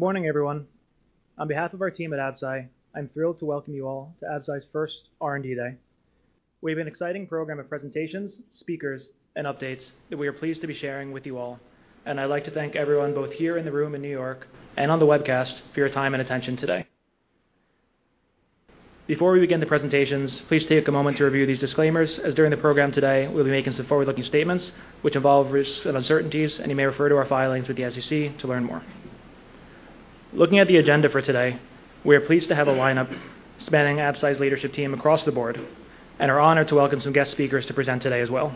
Good morning, everyone. On behalf of our team at Absci, I'm thrilled to welcome you all to Absci's first R&D Day. We have an exciting program of presentations, speakers, and updates that we are pleased to be sharing with you all, and I'd like to thank everyone, both here in the room in New York and on the webcast, for your time and attention today. Before we begin the presentations, please take a moment to review these disclaimers, as during the program today, we'll be making some forward-looking statements which involve risks and uncertainties, and you may refer to our filings with the SEC to learn more. Looking at the agenda for today, we are pleased to have a lineup spanning Absci's leadership team across the board and are honored to welcome some guest speakers to present today as well.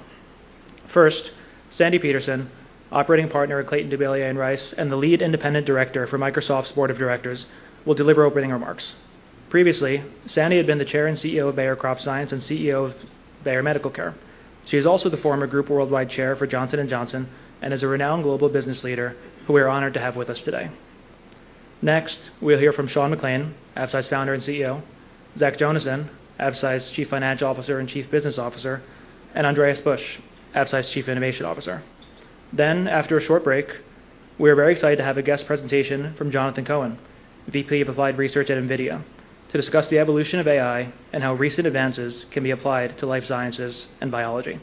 First, Sandi Peterson, Operating Partner at Clayton, Dubilier & Rice, and the Lead Independent Director for Microsoft's board of directors, will deliver opening remarks. Previously, Sandi had been the Chair and CEO of Bayer CropScience and CEO of Bayer Medical Care. She is also the former group worldwide chair for Johnson & Johnson and is a renowned global business leader who we are honored to have with us today. Next, we'll hear from Sean McClain, Absci's founder and CEO, Zach Jonasson, Absci's Chief Financial Officer and Chief Business Officer, and Andreas Busch, Absci's Chief Innovation Officer. Then, after a short break, we are very excited to have a guest presentation from Jonathan Cohen, VP of Applied Research at NVIDIA, to discuss the evolution of AI and how recent advances can be applied to life sciences and biology.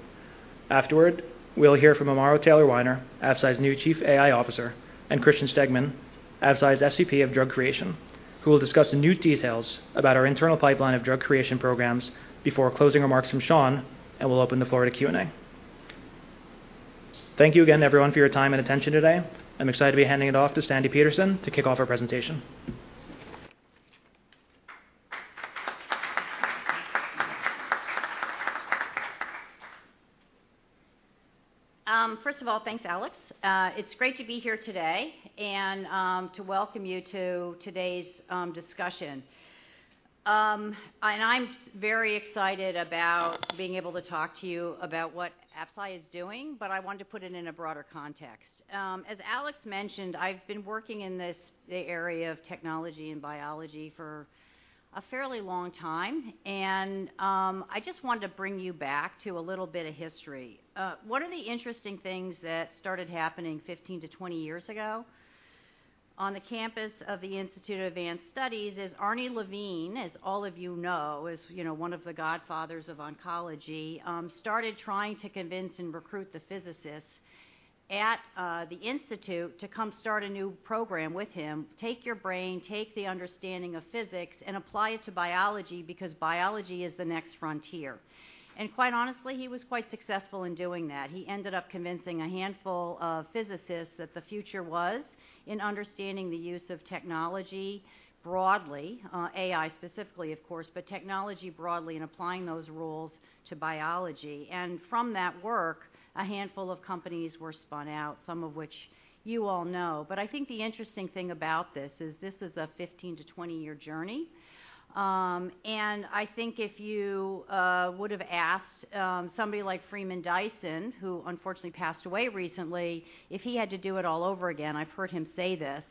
Afterward, we'll hear from Amaro Taylor-Weiner, Absci's new Chief AI Officer, and Christian Stegmann, Absci's SVP of Drug Creation, who will discuss new details about our internal pipeline of drug creation programs before closing remarks from Sean, and we'll open the floor to Q&A. Thank you again, everyone, for your time and attention today. I'm excited to be handing it off to Sandi Peterson to kick off our presentation. First of all, thanks, Alex. It's great to be here today and to welcome you to today's discussion. And I'm very excited about being able to talk to you about what Absci is doing, but I want to put it in a broader context. As Alex mentioned, I've been working in this, the area of technology and biology for a fairly long time, and I just wanted to bring you back to a little bit of history. One of the interesting things that started happening 15-20 years ago on the campus of the Institute for Advanced Study is Arnie Levine, as all of you know, as, you know, one of the godfathers of oncology, started trying to convince and recruit the physicists at the institute to come start a new program with him. Take your brain, take the understanding of physics, and apply it to biology, because biology is the next frontier." And quite honestly, he was quite successful in doing that. He ended up convincing a handful of physicists that the future was in understanding the use of technology broadly, AI specifically, of course, but technology broadly, and applying those rules to biology. And from that work, a handful of companies were spun out, some of which you all know. But I think the interesting thing about this is this is a 15-20-year journey. And I think if you would have asked somebody like Freeman Dyson, who unfortunately passed away recently, if he had to do it all over again, I've heard him say this,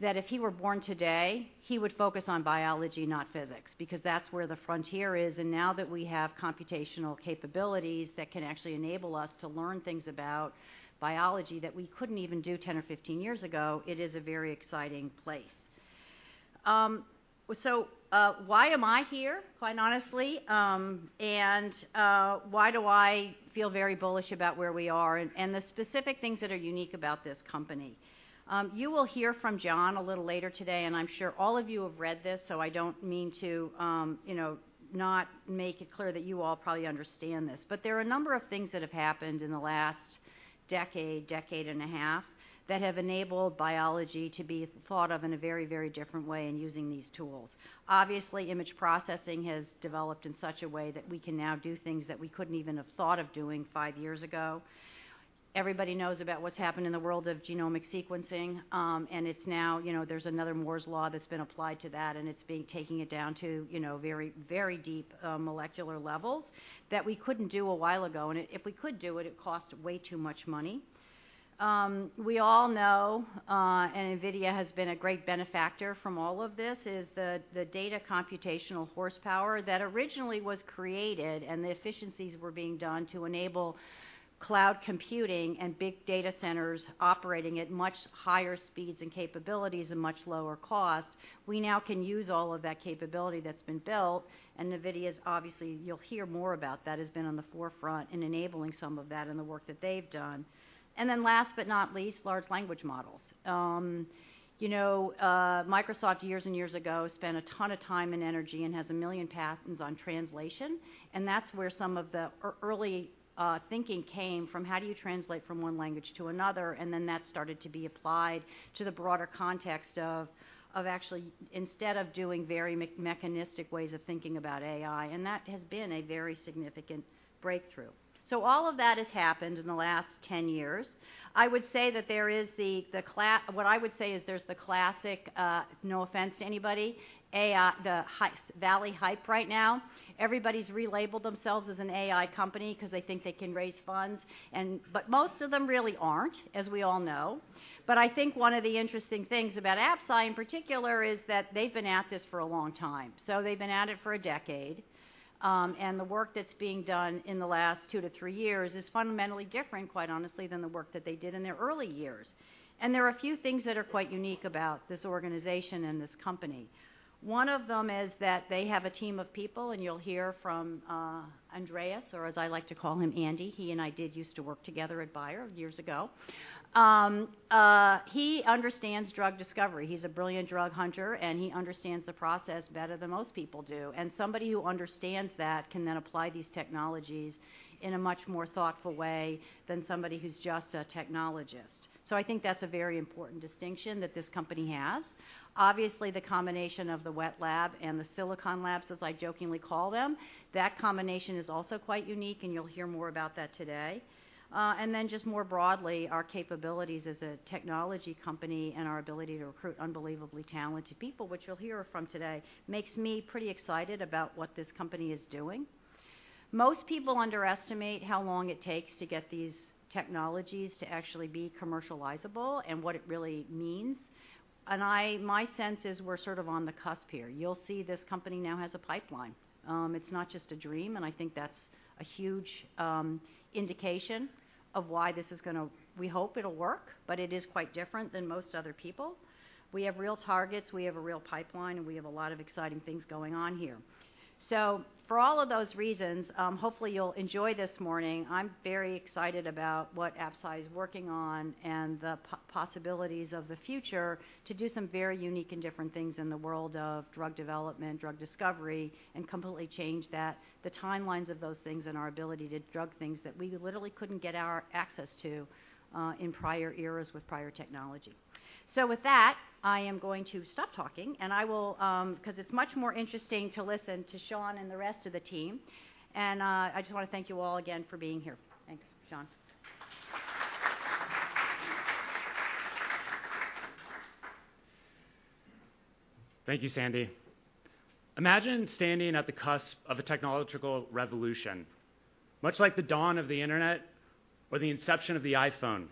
that if he were born today, he would focus on biology, not physics, because that's where the frontier is. Now that we have computational capabilities that can actually enable us to learn things about biology that we couldn't even do 10 or 15 years ago, it is a very exciting place. Why am I here, quite honestly, and why do I feel very bullish about where we are and the specific things that are unique about this company? You will hear from John a little later today, and I'm sure all of you have read this, so I don't mean to, you know, not make it clear that you all probably understand this, but there are a number of things that have happened in the last decade, decade and a half, that have enabled biology to be thought of in a very, very different way, in using these tools. Obviously, image processing has developed in such a way that we can now do things that we couldn't even have thought of doing five years ago. Everybody knows about what's happened in the world of genomic sequencing, and it's now, you know, there's another Moore's Law that's been applied to that, and it's being taken down to, you know, very, very deep molecular levels that we couldn't do a while ago, and if we could do it, it cost way too much money. We all know, and NVIDIA has been a great benefactor from all of this, is the data computational horsepower that originally was created and the efficiencies were being done to enable cloud computing and big data centers operating at much higher speeds and capabilities at much lower cost. We now can use all of that capability that's been built, and NVIDIA's, obviously, you'll hear more about that, has been on the forefront in enabling some of that and the work that they've done. And then last but not least, large language models. You know, Microsoft, years and years ago, spent a ton of time and energy and has one million patents on translation, and that's where some of the early thinking came from how do you translate from one language to another? And then that started to be applied to the broader context of actually instead of doing very mechanistic ways of thinking about AI, and that has been a very significant breakthrough. So all of that has happened in the last 10 years. I would say that there is the – what I would say is there's the classic, no offense to anybody, AI, the Silicon Valley hype right now. Everybody's relabeled themselves as an AI company because they think they can raise funds and... but most of them really aren't, as we all know. But I think one of the interesting things about Absci, in particular, is that they've been at this for a long time. So they've been at it for a decade, and the work that's being done in the last 2-3 years is fundamentally different, quite honestly, than the work that they did in their early years. And there are a few things that are quite unique about this organization and this company. One of them is that they have a team of people, and you'll hear from Andreas, or as I like to call him, Andy. He and I did use to work together at Bayer years ago. He understands drug discovery. He's a brilliant drug hunter, and he understands the process better than most people do. And somebody who understands that can then apply these technologies in a much more thoughtful way than somebody who's just a technologist. So I think that's a very important distinction that this company has. Obviously, the combination of the wet lab and the silicon labs, as I jokingly call them. That combination is also quite unique, and you'll hear more about that today. And then just more broadly, our capabilities as a technology company and our ability to recruit unbelievably talented people, which you'll hear from today, makes me pretty excited about what this company is doing. Most people underestimate how long it takes to get these technologies to actually be commercializable and what it really means, and my sense is we're sort of on the cusp here. You'll see this company now has a pipeline. It's not just a dream, and I think that's a huge indication of why this is gonna, we hope it'll work, but it is quite different than most other people. We have real targets, we have a real pipeline, and we have a lot of exciting things going on here. So for all of those reasons, hopefully, you'll enjoy this morning. I'm very excited about what Absci is working on and the possibilities of the future to do some very unique and different things in the world of drug development, drug discovery, and completely change that, the timelines of those things and our ability to drug things that we literally couldn't get our access to in prior eras with prior technology. So with that, I am going to stop talking, and I will 'cause it's much more interesting to listen to Sean and the rest of the team. And I just wanna thank you all again for being here. Thanks, Sean. Thank you, Sandi. Imagine standing at the cusp of a technological revolution, much like the dawn of the internet or the inception of the iPhone.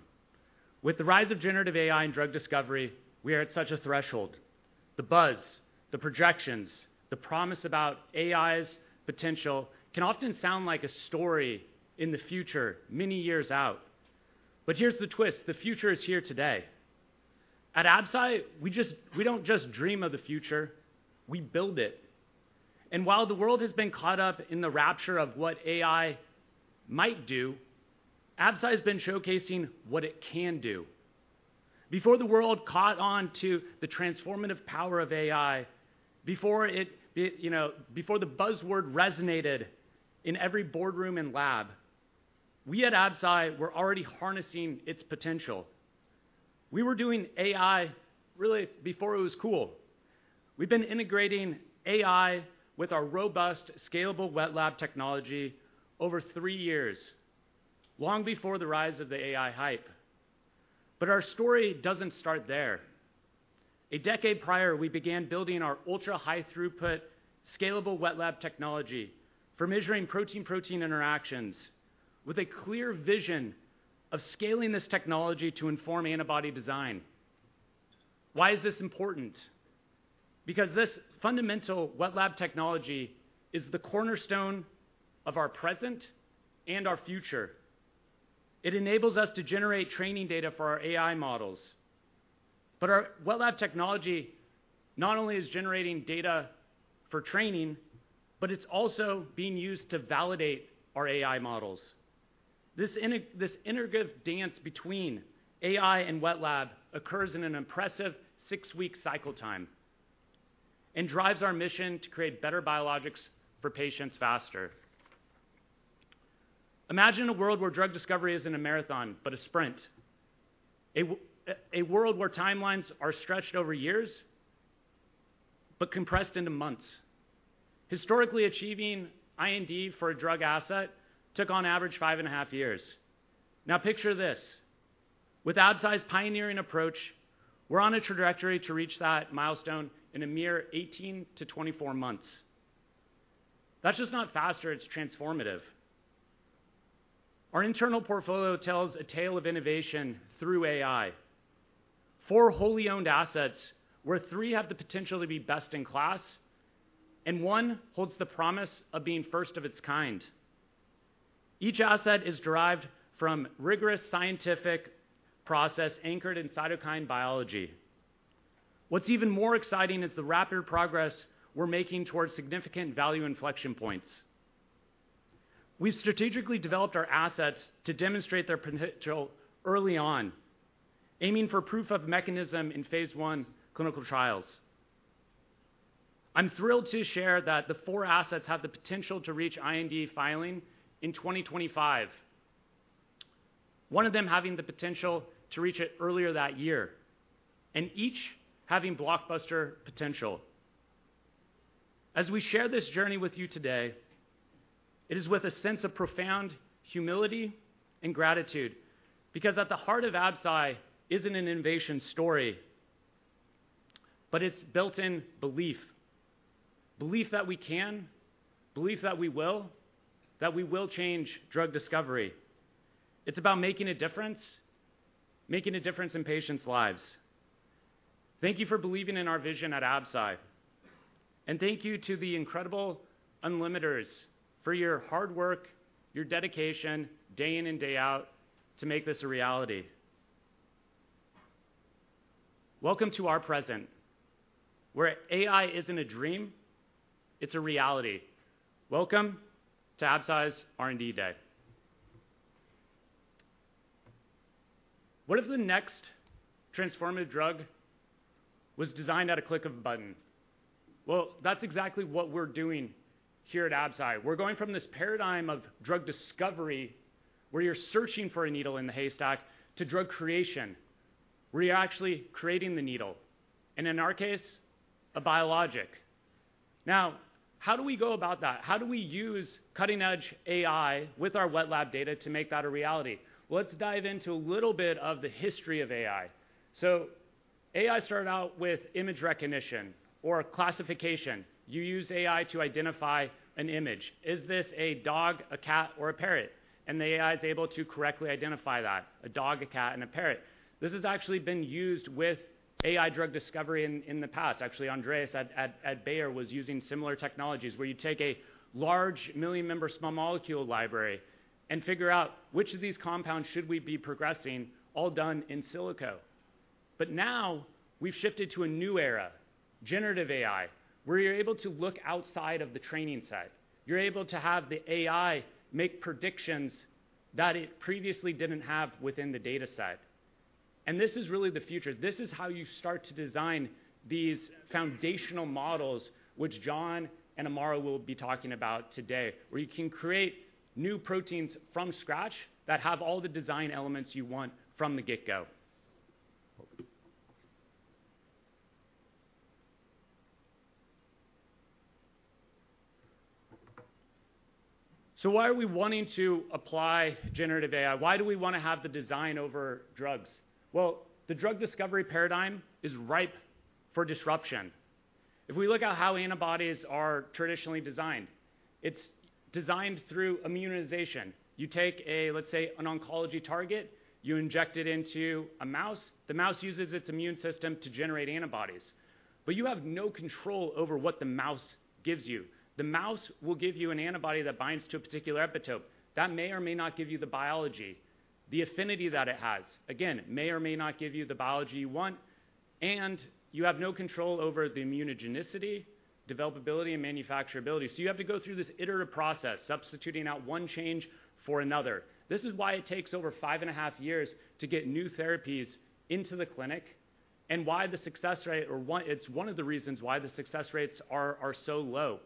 With the rise of generative AI in drug discovery, we are at such a threshold. The buzz, the projections, the promise about AI's potential can often sound like a story in the future, many years out. But here's the twist: the future is here today. At Absci, we just, we don't just dream of the future, we build it. And while the world has been caught up in the rapture of what AI might do, Absci's been showcasing what it can do. Before the world caught on to the transformative power of AI, before it, you know, before the buzzword resonated in every boardroom and lab, we at Absci were already harnessing its potential. We were doing AI really before it was cool. We've been integrating AI with our robust, scalable wet lab technology over three years, long before the rise of the AI hype. But our story doesn't start there. A decade prior, we began building our ultra-high-throughput, scalable wet lab technology for measuring protein-protein interactions with a clear vision of scaling this technology to inform antibody design. Why is this important? Because this fundamental wet lab technology is the cornerstone of our present and our future. It enables us to generate training data for our AI models. But our wet lab technology not only is generating data for training, but it's also being used to validate our AI models. This integrative dance between AI and wet lab occurs in an impressive six-week cycle time and drives our mission to create better biologics for patients faster. Imagine a world where drug discovery isn't a marathon, but a sprint, a world where timelines are stretched over years, but compressed into months. Historically, achieving IND for a drug asset took, on average, five and a half years. Now, picture this: with Absci's pioneering approach, we're on a trajectory to reach that milestone in a mere 18-24 months. That's just not faster, it's transformative. Our internal portfolio tells a tale of innovation through AI. Four wholly owned assets, where three have the potential to be best-in-class, and one holds the promise of being first of its kind. Each asset is derived from rigorous scientific process anchored in cytokine biology. What's even more exciting is the rapid progress we're making towards significant value inflection points. We've strategically developed our assets to demonstrate their potential early on, aiming for proof of mechanism in phase I clinical trials. I'm thrilled to share that the four assets have the potential to reach IND filing in 2025, one of them having the potential to reach it earlier that year, and each having blockbuster potential. As we share this journey with you today, it is with a sense of profound humility and gratitude, because at the heart of Absci isn't an innovation story, but it's built in belief: belief that we can, belief that we will, that we will change drug discovery. It's about making a difference, making a difference in patients' lives. Thank you for believing in our vision at Absci, and thank you to the incredible Unlimiters for your hard work, your dedication, day in and day out, to make this a reality. Welcome to our present, where AI isn't a dream, it's a reality. Welcome to Absci's R&D Day. What if the next transformative drug was designed at a click of a button? Well, that's exactly what we're doing here at Absci. We're going from this paradigm of drug discovery, where you're searching for a needle in the haystack, to drug creation... where you're actually creating the needle, and in our case, a biologic. Now, how do we go about that? How do we use cutting-edge AI with our wet lab data to make that a reality? Let's dive into a little bit of the history of AI. So AI started out with image recognition or classification. You use AI to identify an image. Is this a dog, a cat, or a parrot? And the AI is able to correctly identify that, a dog, a cat, and a parrot. This has actually been used with AI drug discovery in the past. Actually, Andreas at Bayer was using similar technologies, where you take a large 1-million-member small molecule library and figure out which of these compounds should we be progressing, all done in silico. But now, we've shifted to a new era, generative AI, where you're able to look outside of the training set. You're able to have the AI make predictions that it previously didn't have within the data set, and this is really the future. This is how you start to design these foundational models, which John and Amaro will be talking about today, where you can create new proteins from scratch that have all the design elements you want from the get-go. So why are we wanting to apply generative AI? Why do we want to have the design over drugs? Well, the drug discovery paradigm is ripe for disruption. If we look at how antibodies are traditionally designed, it's designed through immunization. You take a, let's say, an oncology target, you inject it into a mouse. The mouse uses its immune system to generate antibodies, but you have no control over what the mouse gives you. The mouse will give you an antibody that binds to a particular epitope. That may or may not give you the biology, the affinity that it has. Again, may or may not give you the biology you want, and you have no control over the immunogenicity, developability, and manufacturability. So you have to go through this iterative process, substituting out one change for another. This is why it takes over five and a half years to get new therapies into the clinic, and why the success rate—or one, it's one of the reasons why the success rates are so low.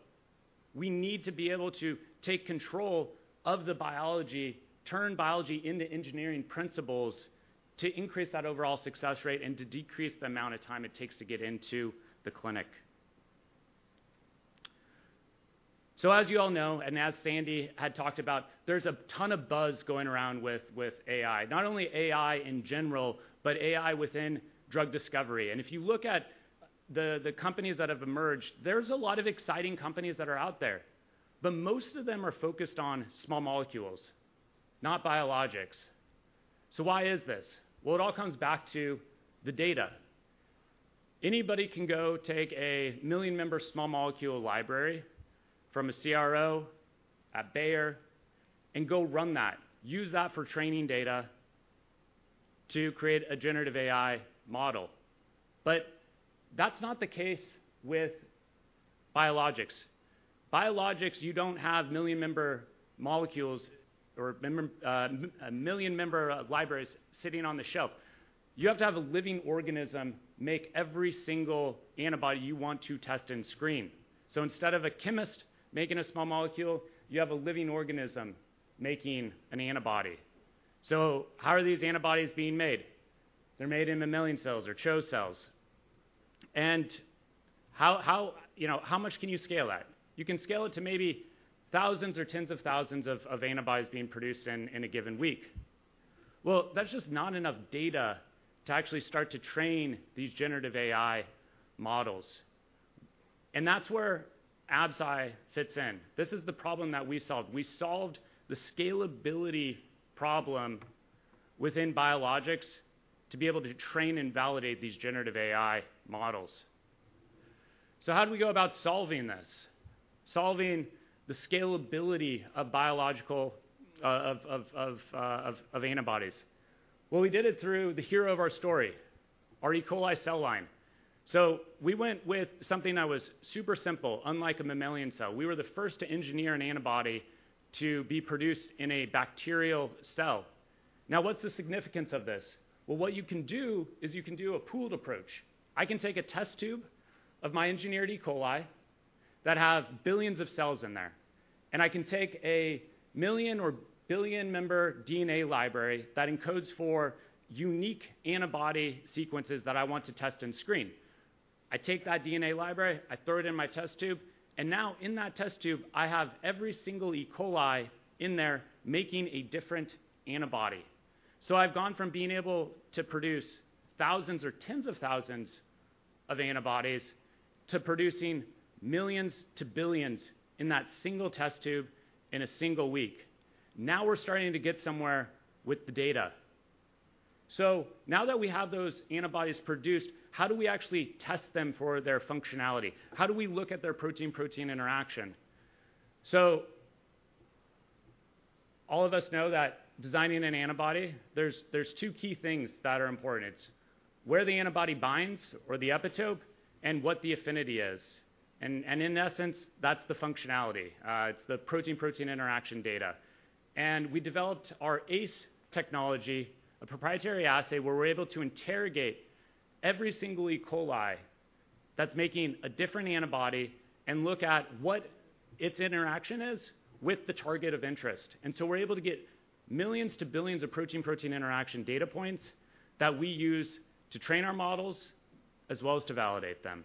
We need to be able to take control of the biology, turn biology into engineering principles, to increase that overall success rate and to decrease the amount of time it takes to get into the clinic. So as you all know, and as Sandi had talked about, there's a ton of buzz going around with AI. Not only AI in general, but AI within drug discovery. And if you look at the companies that have emerged, there's a lot of exciting companies that are out there, but most of them are focused on small molecules, not biologics. So why is this? Well, it all comes back to the data. Anybody can go take a million-member small molecule library from a CRO at Bayer and go run that, use that for training data to create a generative AI model. But that's not the case with biologics. Biologics, you don't have million-member molecules or member, a million-member libraries sitting on the shelf. You have to have a living organism make every single antibody you want to test and screen. So instead of a chemist making a small molecule, you have a living organism making an antibody. So how are these antibodies being made? They're made in mammalian cells or CHO cells. And how, you know, how much can you scale that? You can scale it to maybe thousands or tens of thousands of antibodies being produced in a given week. Well, that's just not enough data to actually start to train these generative AI models, and that's where Absci fits in. This is the problem that we solved. We solved the scalability problem within biologics to be able to train and validate these generative AI models. So how do we go about solving this, solving the scalability of biological antibodies? Well, we did it through the hero of our story, our E. coli cell line. So we went with something that was super simple, unlike a mammalian cell. We were the first to engineer an antibody to be produced in a bacterial cell. Now, what's the significance of this? Well, what you can do is you can do a pooled approach. I can take a test tube of my engineered E. coli that have billions of cells in there, and I can take a million or billion member DNA library that encodes for unique antibody sequences that I want to test and screen. I take that DNA library, I throw it in my test tube, and now in that test tube, I have every single E. coli in there making a different antibody. So I've gone from being able to produce thousands or tens of thousands of antibodies, to producing millions to billions in that single test tube in a single week. Now, we're starting to get somewhere with the data. So now that we have those antibodies produced, how do we actually test them for their functionality? How do we look at their protein-protein interaction? So all of us know that designing an antibody, there's two key things that are important. It's where the antibody binds or the epitope, and what the affinity is, and in essence, that's the functionality. It's the protein-protein interaction data. And we developed our ACE technology, a proprietary assay, where we're able to interrogate every single E. coli that's making a different antibody and look at what its interaction is with the target of interest. And so we're able to get millions to billions of protein-protein interaction data points that we use to train our models, as well as to validate them.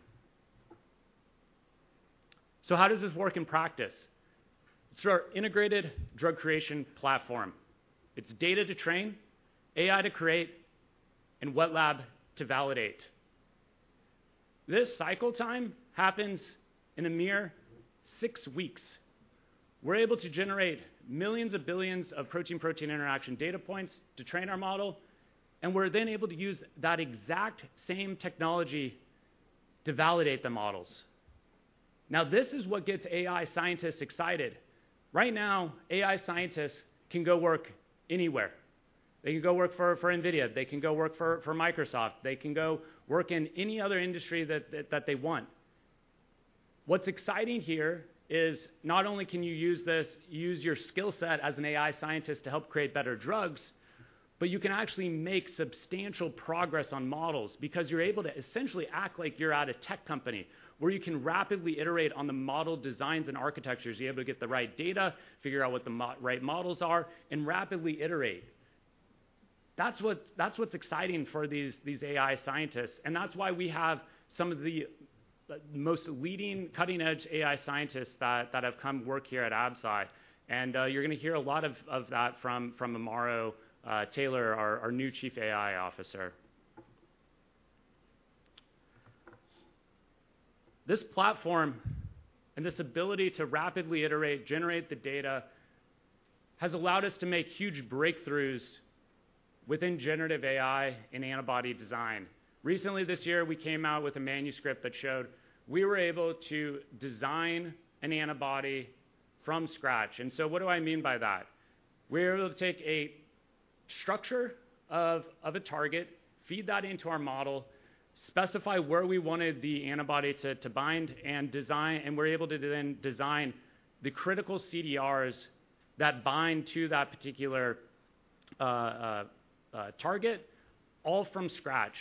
So how does this work in practice? It's through our Integrated Drug Creation platform. It's data to train, AI to create, and wet lab to validate. This cycle time happens in a mere six weeks. We're able to generate millions of billions of protein-protein interaction data points to train our model, and we're then able to use that exact same technology to validate the models. Now, this is what gets AI scientists excited. Right now, AI scientists can go work anywhere. They can go work for NVIDIA, they can go work for Microsoft, they can go work in any other industry that they want. What's exciting here is not only can you use this, use your skill set as an AI scientist to help create better drugs, but you can actually make substantial progress on models because you're able to essentially act like you're at a tech company, where you can rapidly iterate on the model designs and architectures. You're able to get the right data, figure out what the right models are, and rapidly iterate. That's what, that's what's exciting for these, these AI scientists, and that's why we have some of the, the most leading, cutting-edge AI scientists that, that have come work here at Absci. And you're gonna hear a lot of, of that from, from Amaro Taylor, our new Chief AI Officer. This platform and this ability to rapidly iterate, generate the data, has allowed us to make huge breakthroughs within generative AI in antibody design. Recently this year, we came out with a manuscript that showed we were able to design an antibody from scratch. And so what do I mean by that? We were able to take a structure of a target, feed that into our model, specify where we wanted the antibody to bind and design, and we're able to then design the critical CDRs that bind to that particular target, all from scratch.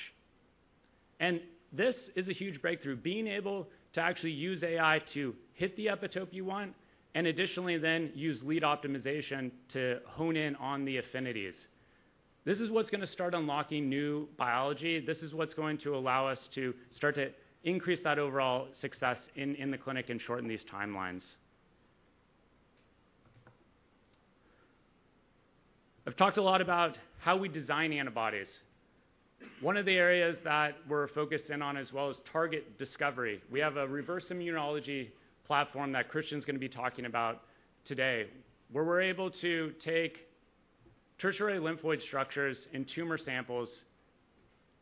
This is a huge breakthrough, being able to actually use AI to hit the epitope you want, and additionally then use lead optimization to hone in on the affinities. This is what's gonna start unlocking new biology. This is what's going to allow us to start to increase that overall success in the clinic and shorten these timelines. I've talked a lot about how we design antibodies. One of the areas that we're focused in on, as well, is target discovery. We have a reverse immunology platform that Christian's gonna be talking about today, where we're able to take tertiary lymphoid structures in tumor samples,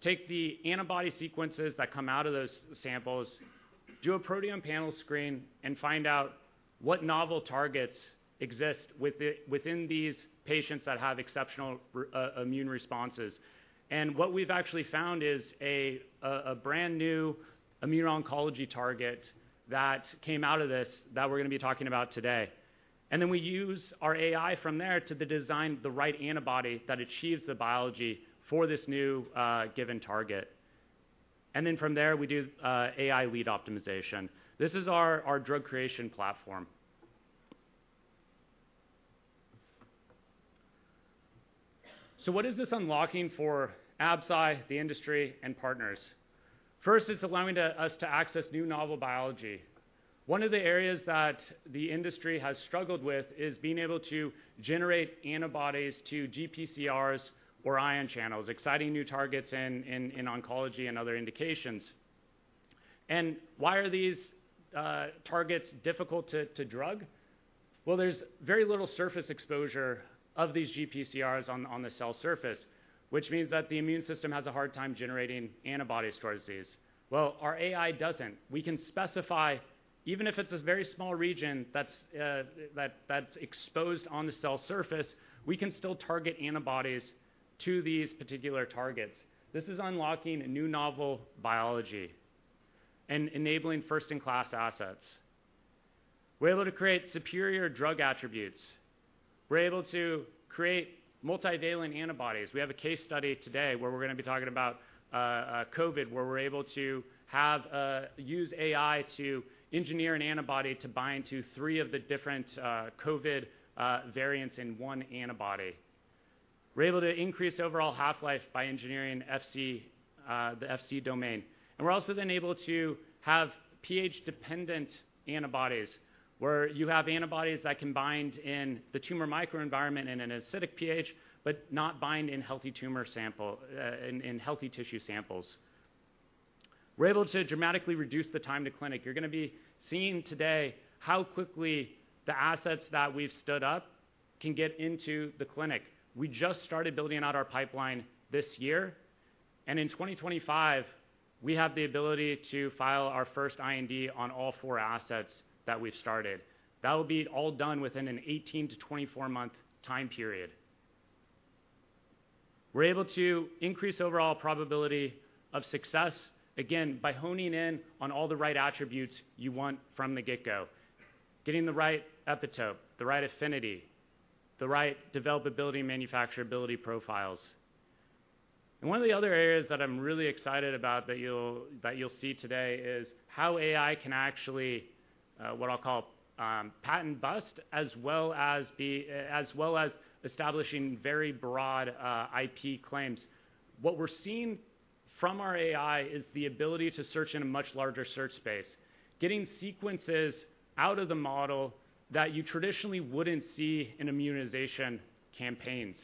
take the antibody sequences that come out of those samples, do a proteome panel screen, and find out what novel targets exist within these patients that have exceptional immune responses. And what we've actually found is a brand-new immuno-oncology target that came out of this that we're gonna be talking about today. And then we use our AI from there to the design the right antibody that achieves the biology for this new, given target. And then from there, we do AI lead optimization. This is our drug creation platform. So what is this unlocking for Absci, the industry, and partners? First, it's allowing us to access new novel biology. One of the areas that the industry has struggled with is being able to generate antibodies to GPCRs or ion channels, exciting new targets in oncology and other indications. And why are these targets difficult to drug? Well, there's very little surface exposure of these GPCRs on the cell surface, which means that the immune system has a hard time generating antibodies towards these. Well, our AI doesn't. We can specify, even if it's a very small region, that's exposed on the cell surface, we can still target antibodies to these particular targets. This is unlocking a new novel biology and enabling first-in-class assets. We're able to create superior drug attributes. We're able to create multivalent antibodies. We have a case study today where we're gonna be talking about COVID, where we're able to have... use AI to engineer an antibody to bind to three of the different COVID variants in one antibody. We're able to increase overall half-life by engineering Fc the Fc domain. And we're also then able to have pH-dependent antibodies, where you have antibodies that can bind in the tumor microenvironment in an acidic pH, but not bind in healthy tissue samples. We're able to dramatically reduce the time to clinic. You're gonna be seeing today how quickly the assets that we've stood up can get into the clinic. We just started building out our pipeline this year, and in 2025, we have the ability to file our first IND on all four assets that we've started. That will be all done within an 18-24-month time period. We're able to increase overall probability of success, again, by honing in on all the right attributes you want from the get-go, getting the right epitope, the right affinity... the right developability and manufacturability profiles. And one of the other areas that I'm really excited about that you'll, that you'll see today is how AI can actually, what I'll call, patent bust, as well as being, as well as establishing very broad, IP claims. What we're seeing from our AI is the ability to search in a much larger search space, getting sequences out of the model that you traditionally wouldn't see in immunization campaigns.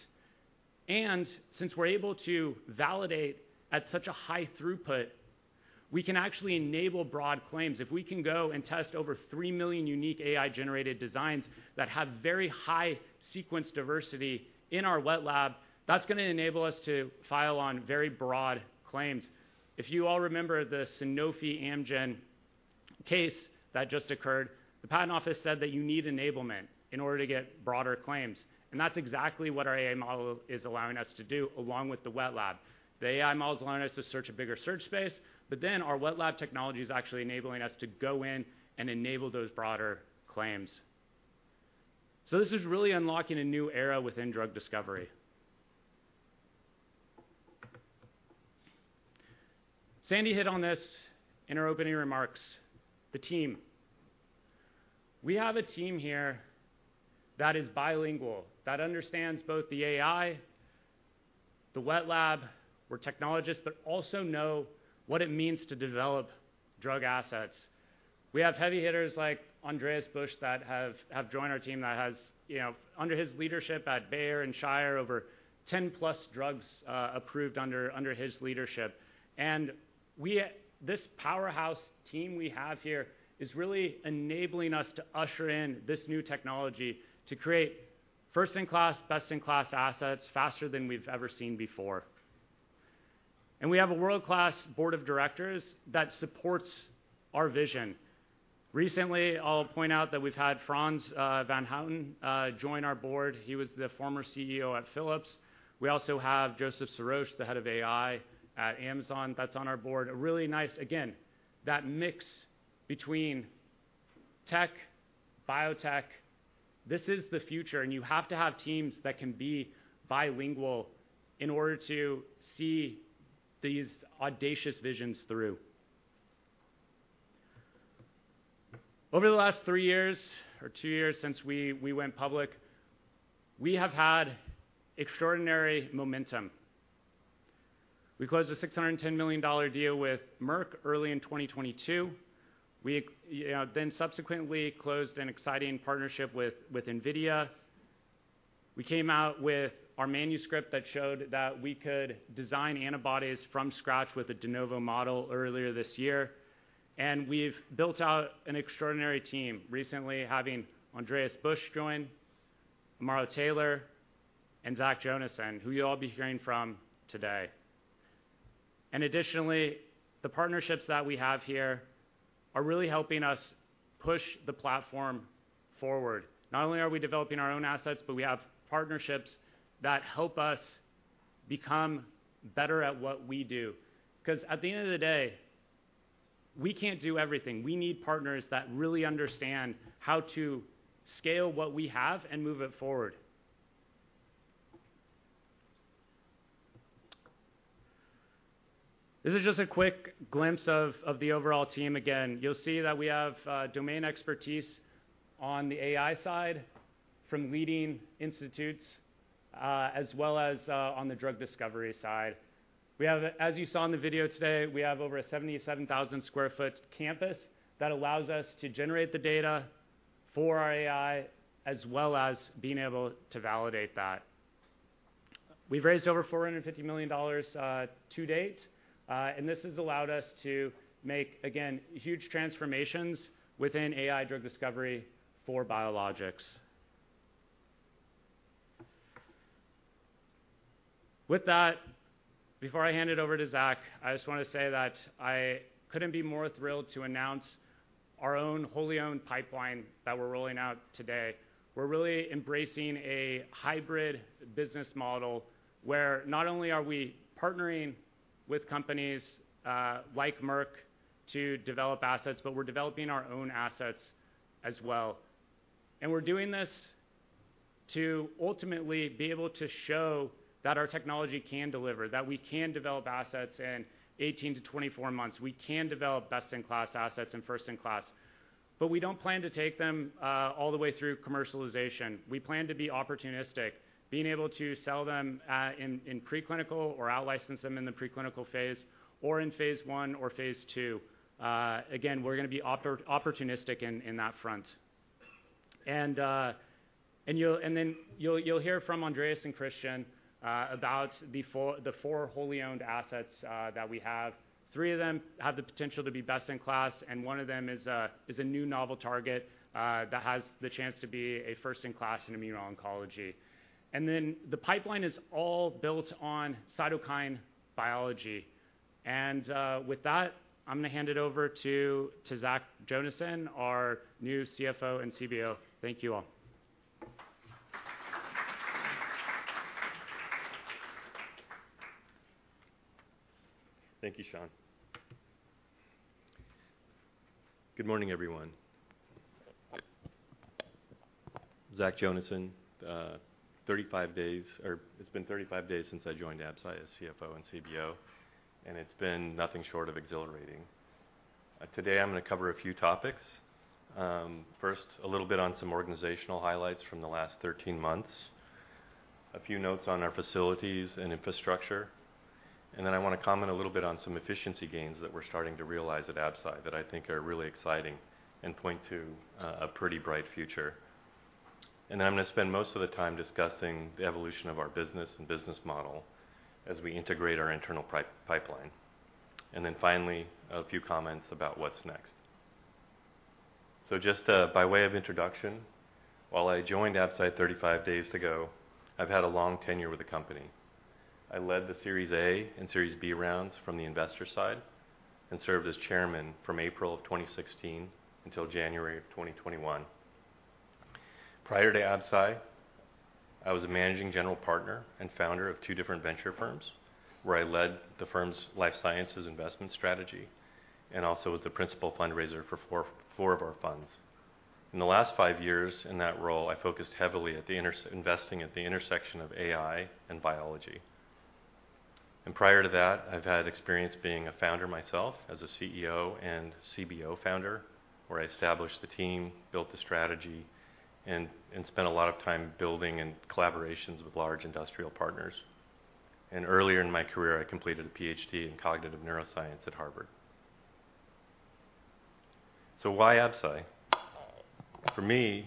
And since we're able to validate at such a high throughput, we can actually enable broad claims. If we can go and test over three million unique AI-generated designs that have very high sequence diversity in our wet lab, that's gonna enable us to file on very broad claims. If you all remember the Sanofi Amgen case that just occurred, the patent office said that you need enablement in order to get broader claims, and that's exactly what our AI model is allowing us to do, along with the wet lab. The AI model is allowing us to search a bigger search space, but then our wet lab technology is actually enabling us to go in and enable those broader claims. So this is really unlocking a new era within drug discovery. Sandi hit on this in her opening remarks: the team. We have a team here that is bilingual, that understands both the AI, the wet lab. We're technologists, but also know what it means to develop drug assets. We have heavy hitters like Andreas Busch that have joined our team, that has, you know, under his leadership at Bayer and Shire, over 10+ drugs approved under his leadership. And we this powerhouse team we have here is really enabling us to usher in this new technology to create first-in-class, best-in-class assets faster than we've ever seen before. And we have a world-class board of directors that supports our vision. Recently, I'll point out that we've had Frans van Houten join our board. He was the former CEO at Philips. We also have Joseph Sirosh, the head of AI at Amazon, that's on our board. A really nice... Again, that mix between tech, biotech, this is the future, and you have to have teams that can be bilingual in order to see these audacious visions through. Over the last three years or two years since we went public, we have had extraordinary momentum. We closed a $610 million deal with Merck early in 2022. We, you know, then subsequently closed an exciting partnership with NVIDIA. We came out with our manuscript that showed that we could design antibodies from scratch with a de novo model earlier this year, and we've built out an extraordinary team, recently having Andreas Busch join, Amaro Taylor, and Zach Jonasson, who you'll all be hearing from today. Additionally, the partnerships that we have here are really helping us push the platform forward. Not only are we developing our own assets, but we have partnerships that help us become better at what we do, 'cause at the end of the day, we can't do everything. We need partners that really understand how to scale what we have and move it forward. This is just a quick glimpse of the overall team. Again, you'll see that we have domain expertise on the AI side from leading institutes, as well as on the drug discovery side. We have, as you saw in the video today, we have over a 77,000 sq ft campus that allows us to generate the data for our AI, as well as being able to validate that. We've raised over $450 million to date, and this has allowed us to make, again, huge transformations within AI drug discovery for biologics. With that, before I hand it over to Zach, I just wanna say that I couldn't be more thrilled to announce our own wholly owned pipeline that we're rolling out today. We're really embracing a hybrid business model, where not only are we partnering with companies, like Merck to develop assets, but we're developing our own assets as well. And we're doing this to ultimately be able to show that our technology can deliver, that we can develop assets in 18-24 months. We can develop best-in-class assets and first-in-class. But we don't plan to take them, all the way through commercialization. We plan to be opportunistic, being able to sell them in preclinical or out-license them in the preclinical phase or in phase I or phase II. Again, we're gonna be opportunistic in that front. Then you'll hear from Andreas and Christian about the four wholly owned assets that we have. Three of them have the potential to be best-in-class, and one of them is a new novel target that has the chance to be a first-in-class in immuno-oncology. And then the pipeline is all built on cytokine biology. With that, I'm gonna hand it over to Zach Jonasson, our new CFO and CBO. Thank you all. Thank you, Sean. Good morning, everyone. Zach Jonasson, 35 days, or it's been 35 days since I joined Absci as CFO and CBO, and it's been nothing short of exhilarating. Today I'm going to cover a few topics. First, a little bit on some organizational highlights from the last 13 months, a few notes on our facilities and infrastructure, and then I want to comment a little bit on some efficiency gains that we're starting to realize at Absci that I think are really exciting and point to a pretty bright future. And then I'm going to spend most of the time discussing the evolution of our business and business model as we integrate our internal pipeline. And then finally, a few comments about what's next. So just by way of introduction, while I joined Absci 35 days ago, I've had a long tenure with the company. I led the Series A and Series B rounds from the investor side and served as chairman from April of 2016 until January of 2021. Prior to Absci, I was a managing general partner and founder of two different venture firms, where I led the firm's life sciences investment strategy and also was the principal fundraiser for four of our funds. In the last five years in that role, I focused heavily on investing at the intersection of AI and biology. Prior to that, I've had experience being a founder myself as a CEO and CBO founder, where I established the team, built the strategy, and spent a lot of time building collaborations with large industrial partners. Earlier in my career, I completed a PhD in cognitive neuroscience at Harvard. So why Absci? For me,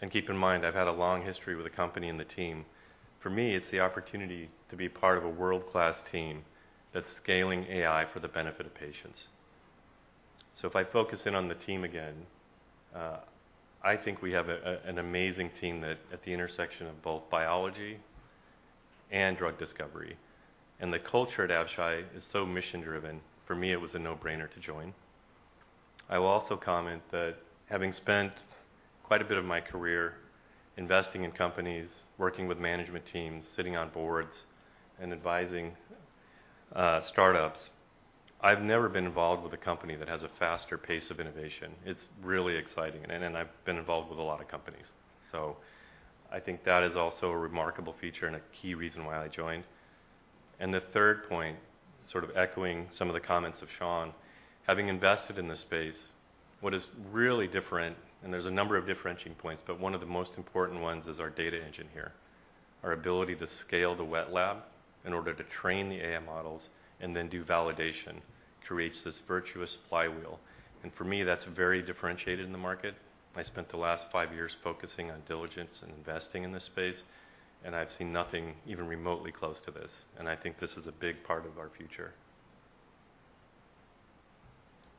and keep in mind, I've had a long history with the company and the team, for me, it's the opportunity to be part of a world-class team that's scaling AI for the benefit of patients. So if I focus in on the team again, I think we have an amazing team that... at the intersection of both biology and drug discovery. And the culture at Absci is so mission-driven, for me, it was a no-brainer to join. I will also comment that having spent quite a bit of my career investing in companies, working with management teams, sitting on boards, and advising startups, I've never been involved with a company that has a faster pace of innovation. It's really exciting, and, and I've been involved with a lot of companies. So I think that is also a remarkable feature and a key reason why I joined. And the third point, sort of echoing some of the comments of Sean, having invested in this space, what is really different, and there's a number of differentiating points, but one of the most important ones is our data engine here. Our ability to scale the wet lab in order to train the AI models and then do validation, creates this virtuous flywheel, and for me, that's very differentiated in the market. I spent the last five years focusing on diligence and investing in this space, and I've seen nothing even remotely close to this, and I think this is a big part of our future.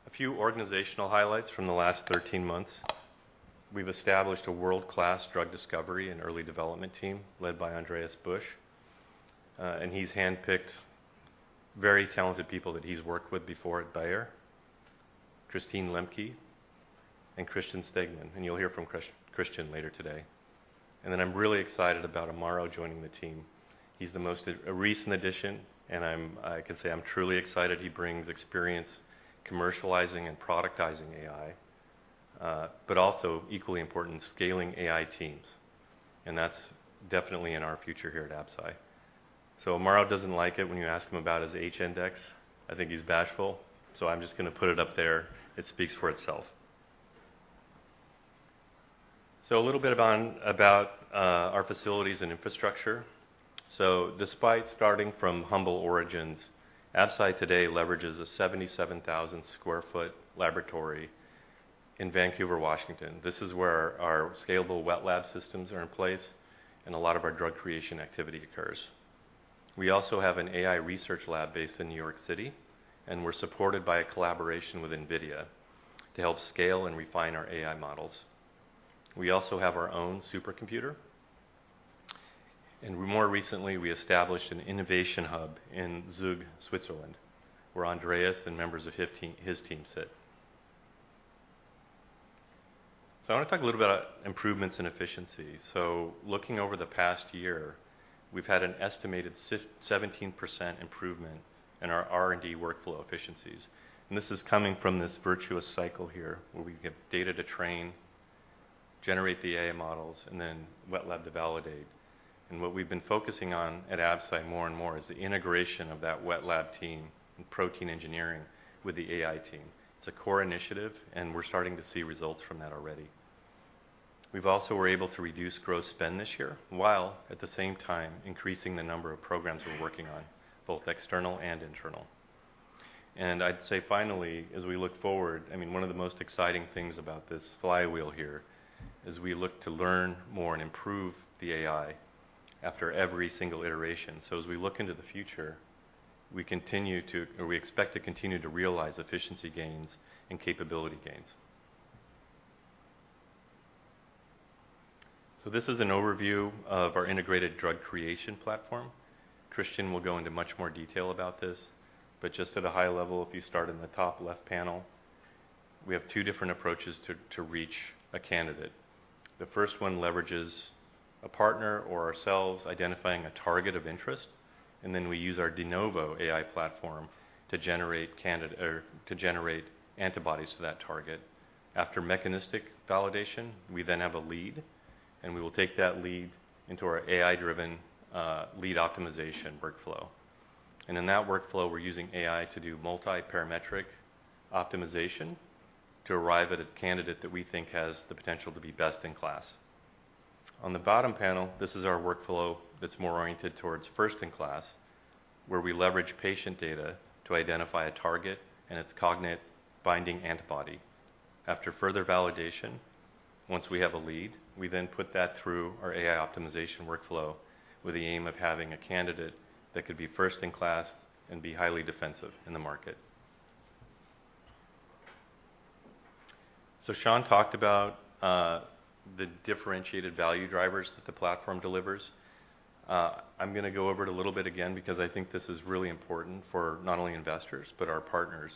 A few organizational highlights from the last 13 months. We've established a world-class drug discovery and early development team led by Andreas Busch, and he's handpicked very talented people that he's worked with before at Bayer, Christine Lemke and Christian Stegmann, and you'll hear from Christian later today. And then I'm really excited about Amaro joining the team. He's the most recent addition, and I can say I'm truly excited. He brings experience commercializing and productizing AI, but also equally important, scaling AI teams, and that's definitely in our future here at Absci. So Amaro doesn't like it when you ask him about his H-index. I think he's bashful, so I'm just going to put it up there. It speaks for itself. So a little bit about our facilities and infrastructure. So despite starting from humble origins, Absci today leverages a 77,000 sq ft laboratory in Vancouver, Washington. This is where our scalable wet lab systems are in place and a lot of our drug creation activity occurs. We also have an AI research lab based in New York City, and we're supported by a collaboration with NVIDIA to help scale and refine our AI models. We also have our own supercomputer, and more recently, we established an innovation hub in Zug, Switzerland, where Andreas and members of his team, his team sit. So I want to talk a little about improvements in efficiency. So looking over the past year, we've had an estimated 17% improvement in our R&D workflow efficiencies, and this is coming from this virtuous cycle here, where we get data to train, generate the AI models, and then wet lab to validate. And what we've been focusing on at Absci more and more is the integration of that wet lab team and protein engineering with the AI team. It's a core initiative, and we're starting to see results from that already. We've also been able to reduce gross spend this year, while at the same time increasing the number of programs we're working on, both external and internal. And I'd say finally, as we look forward, I mean, one of the most exciting things about this flywheel here is we look to learn more and improve the AI after every single iteration. So as we look into the future, we continue to... or we expect to continue to realize efficiency gains and capability gains. So this is an overview of our Integrated Drug Creation platform. Christian will go into much more detail about this, but just at a high level, if you start in the top left panel. We have two different approaches to reach a candidate. The first one leverages a partner or ourselves identifying a target of interest, and then we use our de novo AI platform to generate candidate or to generate antibodies to that target. After mechanistic validation, we then have a lead, and we will take that lead into our AI-driven lead optimization workflow. In that workflow, we're using AI to do multiparametric optimization to arrive at a candidate that we think has the potential to be best-in-class. On the bottom panel, this is our workflow that's more oriented towards first-in-class, where we leverage patient data to identify a target and its cognate binding antibody. After further validation, once we have a lead, we then put that through our AI optimization workflow with the aim of having a candidate that could be first-in-class and be highly defensive in the market. So Sean talked about the differentiated value drivers that the platform delivers. I'm going to go over it a little bit again, because I think this is really important for not only investors, but our partners.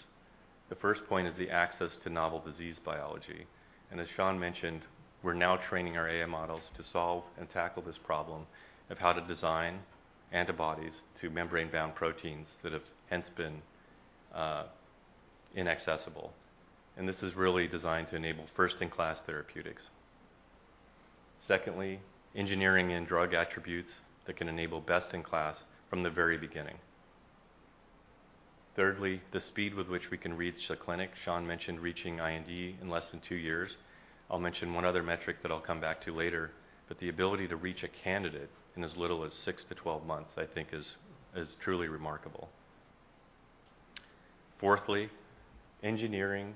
The first point is the access to novel disease biology, and as Sean mentioned, we're now training our AI models to solve and tackle this problem of how to design antibodies to membrane-bound proteins that have hence been inaccessible. And this is really designed to enable first-in-class therapeutics. Secondly, engineering and drug attributes that can enable best-in-class from the very beginning. Thirdly, the speed with which we can reach the clinic. Sean mentioned reaching IND in less than two years. I'll mention one other metric that I'll come back to later, but the ability to reach a candidate in as little as 6-12 months, I think is truly remarkable. Fourthly, engineering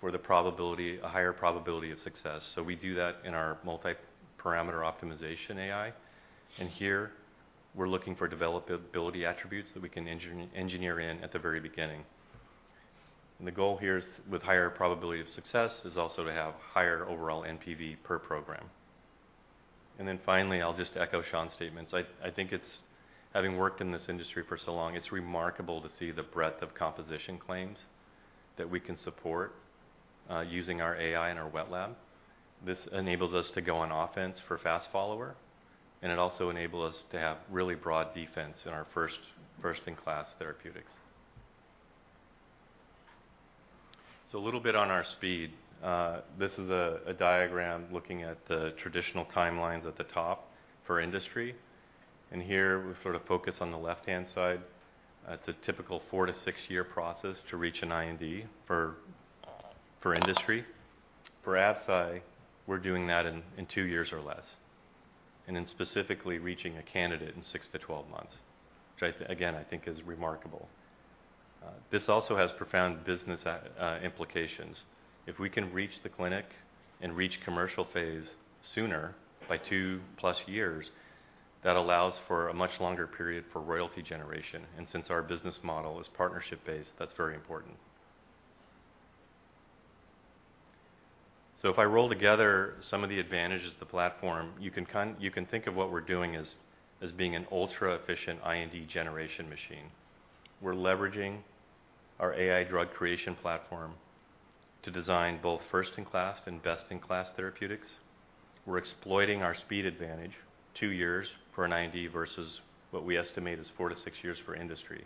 for a higher probability of success. So we do that in our multiparameter optimization AI, and here we're looking for developability attributes that we can engineer in at the very beginning. And the goal here is with higher probability of success, is also to have higher overall NPV per program. And then finally, I'll just echo Sean's statements. I think it's having worked in this industry for so long, it's remarkable to see the breadth of composition claims that we can support using our AI and our wet lab. This enables us to go on offense for fast follower, and it also enable us to have really broad defense in our first-in-class therapeutics. So a little bit on our speed. This is a diagram looking at the traditional timelines at the top for industry, and here we sort of focus on the left-hand side. It's a typical 4-6-year process to reach an IND for industry. For Absci, we're doing that in two years or less, and specifically reaching a candidate in 6-12 months, which I again think is remarkable. This also has profound business implications. If we can reach the clinic and reach commercial phase sooner by 2+ years, that allows for a much longer period for royalty generation, and since our business model is partnership-based, that's very important. So if I roll together some of the advantages of the platform, you can think of what we're doing as being an ultra-efficient IND generation machine. We're leveraging our AI drug creation platform to design both first-in-class and best-in-class therapeutics. We're exploiting our speed advantage, two years for an IND versus what we estimate is 4-6 years for industry,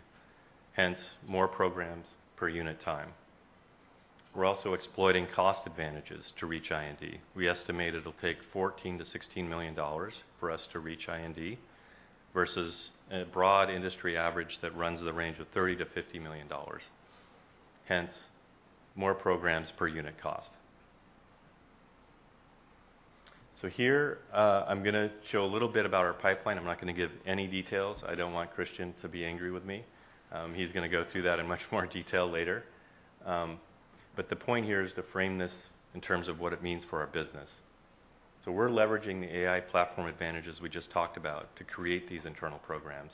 hence, more programs per unit time. We're also exploiting cost advantages to reach IND. We estimate it'll take $14 million-$16 million for us to reach IND, versus a broad industry average that runs in the range of $30 million-$50 million, hence, more programs per unit cost. So here, I'm going to show a little bit about our pipeline. I'm not going to give any details. I don't want Christian to be angry with me. He's going to go through that in much more detail later. But the point here is to frame this in terms of what it means for our business. So we're leveraging the AI platform advantages we just talked about to create these internal programs.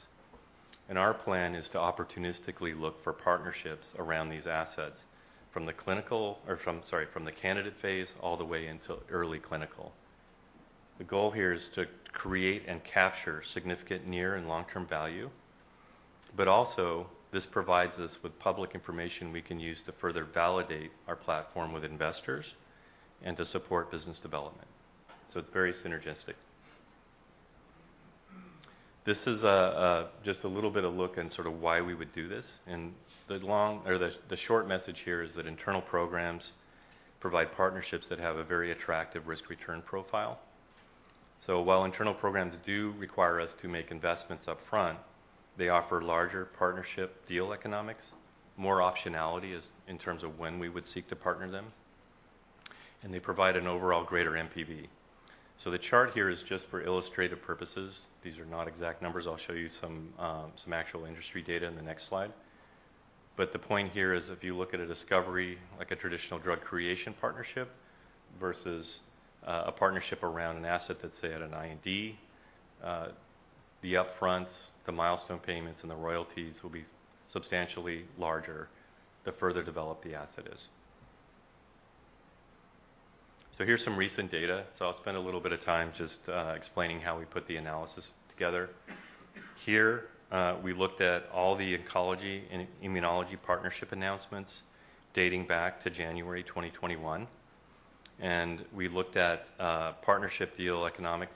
And our plan is to opportunistically look for partnerships around these assets, from the candidate phase all the way into early clinical. The goal here is to create and capture significant near and long-term value, but also, this provides us with public information we can use to further validate our platform with investors and to support business development. So it's very synergistic. This is just a little bit of a look into sort of why we would do this, and the short message here is that internal programs provide partnerships that have a very attractive risk-return profile. So while internal programs do require us to make investments upfront, they offer larger partnership deal economics, more optionality as in terms of when we would seek to partner them, and they provide an overall greater NPV. So the chart here is just for illustrative purposes. These are not exact numbers. I'll show you some actual industry data in the next slide. But the point here is, if you look at a discovery, like a traditional drug creation partnership versus a partnership around an asset that's say, at an IND, the upfronts, the milestone payments, and the royalties will be substantially larger the further developed the asset is. So here's some recent data. So I'll spend a little bit of time just explaining how we put the analysis together. Here, we looked at all the oncology and immunology partnership announcements dating back to January 2021, and we looked at partnership deal economics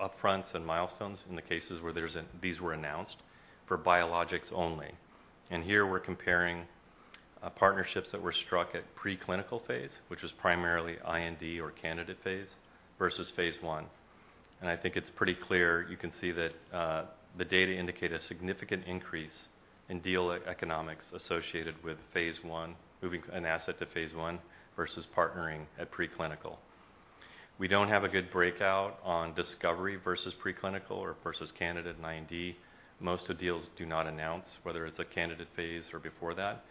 as upfronts and milestones in the cases where there's an—these were announced for biologics only. And here we're comparing partnerships that were struck at preclinical phase, which was primarily IND or candidate phase, versus phase I. I think it's pretty clear, you can see that, the data indicate a significant increase in deal economics associated with phase I, moving an asset to phase I versus partnering at preclinical. We don't have a good breakout on discovery versus preclinical or versus candidate and IND. Most of the deals do not announce whether it's a candidate phase or before that,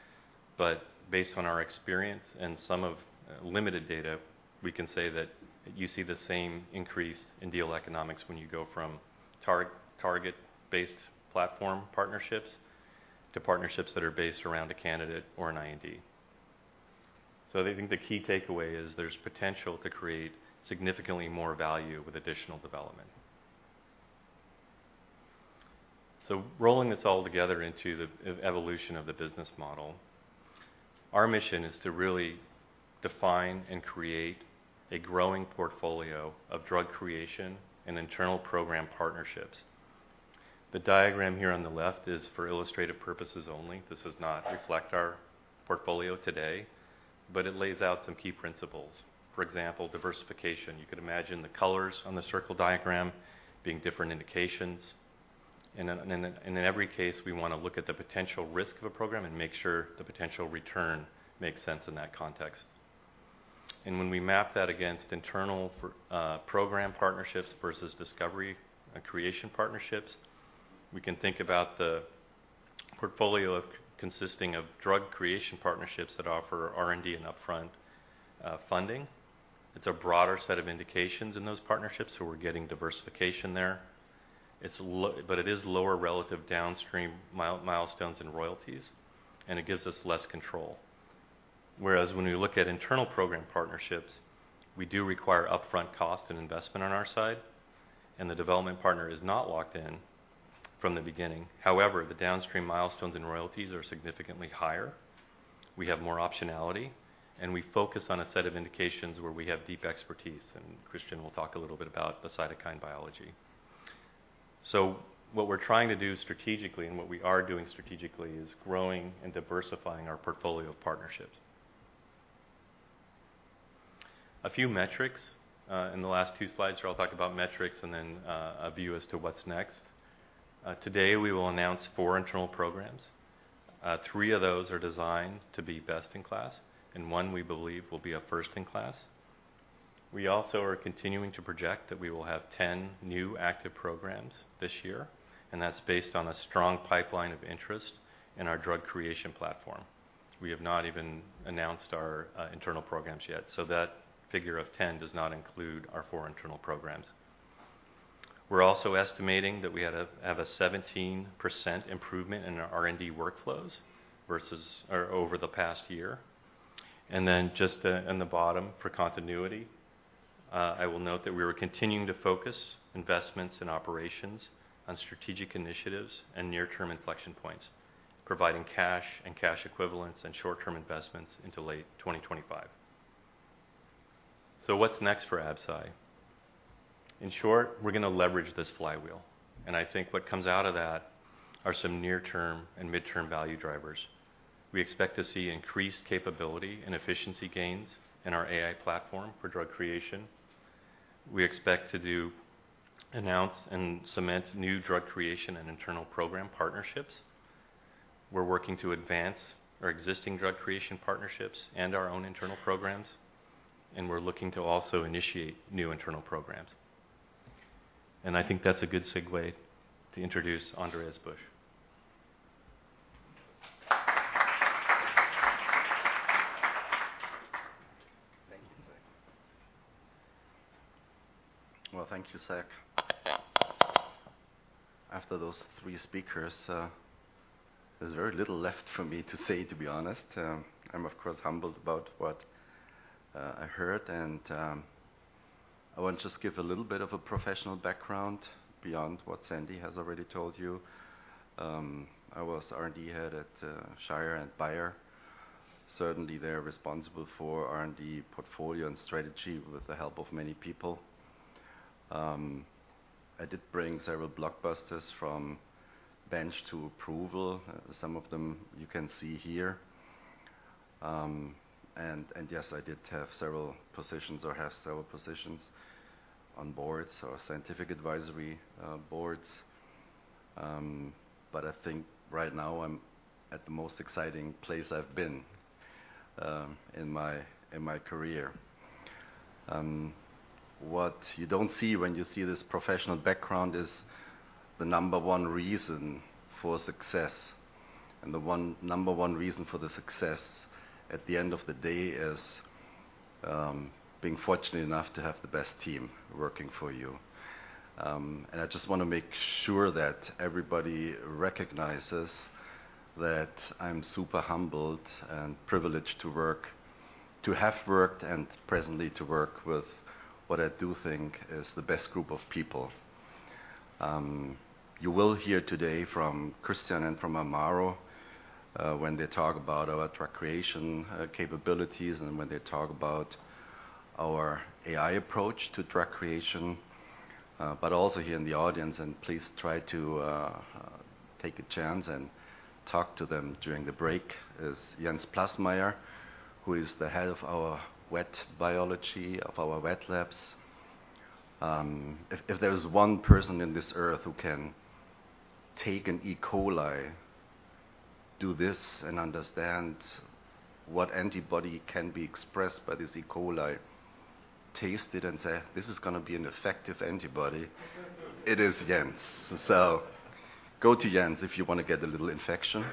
but based on our experience and some of limited data, we can say that you see the same increase in deal economics when you go from target-based platform partnerships to partnerships that are based around a candidate or an IND. So I think the key takeaway is there's potential to create significantly more value with additional development. So rolling this all together into the evolution of the business model, our mission is to really define and create a growing portfolio of drug creation and internal program partnerships. The diagram here on the left is for illustrative purposes only. This does not reflect our portfolio today, but it lays out some key principles. For example, diversification. You could imagine the colors on the circle diagram being different indications, and then, and in every case, we want to look at the potential risk of a program and make sure the potential return makes sense in that context. And when we map that against internal for program partnerships versus discovery and creation partnerships, we can think about the portfolio consisting of drug creation partnerships that offer R&D and upfront funding. It's a broader set of indications in those partnerships, so we're getting diversification there. But it is lower relative downstream milestones and royalties, and it gives us less control. Whereas when we look at internal program partnerships, we do require upfront costs and investment on our side, and the development partner is not locked in from the beginning. However, the downstream milestones and royalties are significantly higher, we have more optionality, and we focus on a set of indications where we have deep expertise, and Christian will talk a little bit about the cytokine biology. So what we're trying to do strategically, and what we are doing strategically, is growing and diversifying our portfolio of partnerships. A few metrics. In the last two slides here, I'll talk about metrics and then a view as to what's next. Today, we will announce four internal programs. Three of those are designed to be best-in-class, and one we believe will be a first-in-class. We also are continuing to project that we will have 10 new active programs this year, and that's based on a strong pipeline of interest in our drug creation platform. We have not even announced our internal programs yet, so that figure of 10 does not include our four internal programs. We're also estimating that we have a 17% improvement in our R&D workflows versus over the past year. And then just, in the bottom, for continuity, I will note that we are continuing to focus investments and operations on strategic initiatives and near-term inflection points, providing cash and cash equivalents and short-term investments into late 2025. So what's next for Absci? In short, we're gonna leverage this flywheel, and I think what comes out of that are some near-term and midterm value drivers. We expect to see increased capability and efficiency gains in our AI platform for drug creation. We expect to announce and cement new drug creation and internal program partnerships. We're working to advance our existing drug creation partnerships and our own internal programs, and we're looking to also initiate new internal programs. And I think that's a good segue to introduce Andreas Busch. Thank you. Well, thank you, Zach. After those three speakers, there's very little left for me to say, to be honest. I'm, of course, humbled about what I heard, and I want to just give a little bit of a professional background beyond what Sandi has already told you. I was R&D head at Shire and Bayer. Certainly, they're responsible for R&D portfolio and strategy with the help of many people. I did bring several blockbusters from bench to approval. Some of them you can see here. And yes, I did have several positions, or have several positions on boards or scientific advisory boards. But I think right now I'm at the most exciting place I've been in my career. What you don't see when you see this professional background is the number one reason for success, and the number one reason for the success at the end of the day is being fortunate enough to have the best team working for you. I just want to make sure that everybody recognizes that I'm super humbled and privileged to work, to have worked, and presently to work with what I do think is the best group of people. You will hear today from Christian and from Amaro when they talk about our Drug Creation capabilities and when they talk about our AI approach to drug creation. But also here in the audience, and please try to take a chance and talk to them during the break, is Jens Plassmeier, who is the head of our wet biology, of our wet labs. If there is one person in this earth who can take an E. coli, do this, and understand what antibody can be expressed by this E. coli, taste it, and say, "This is gonna be an effective antibody," it is Jens. So go to Jens if you want to get a little infection.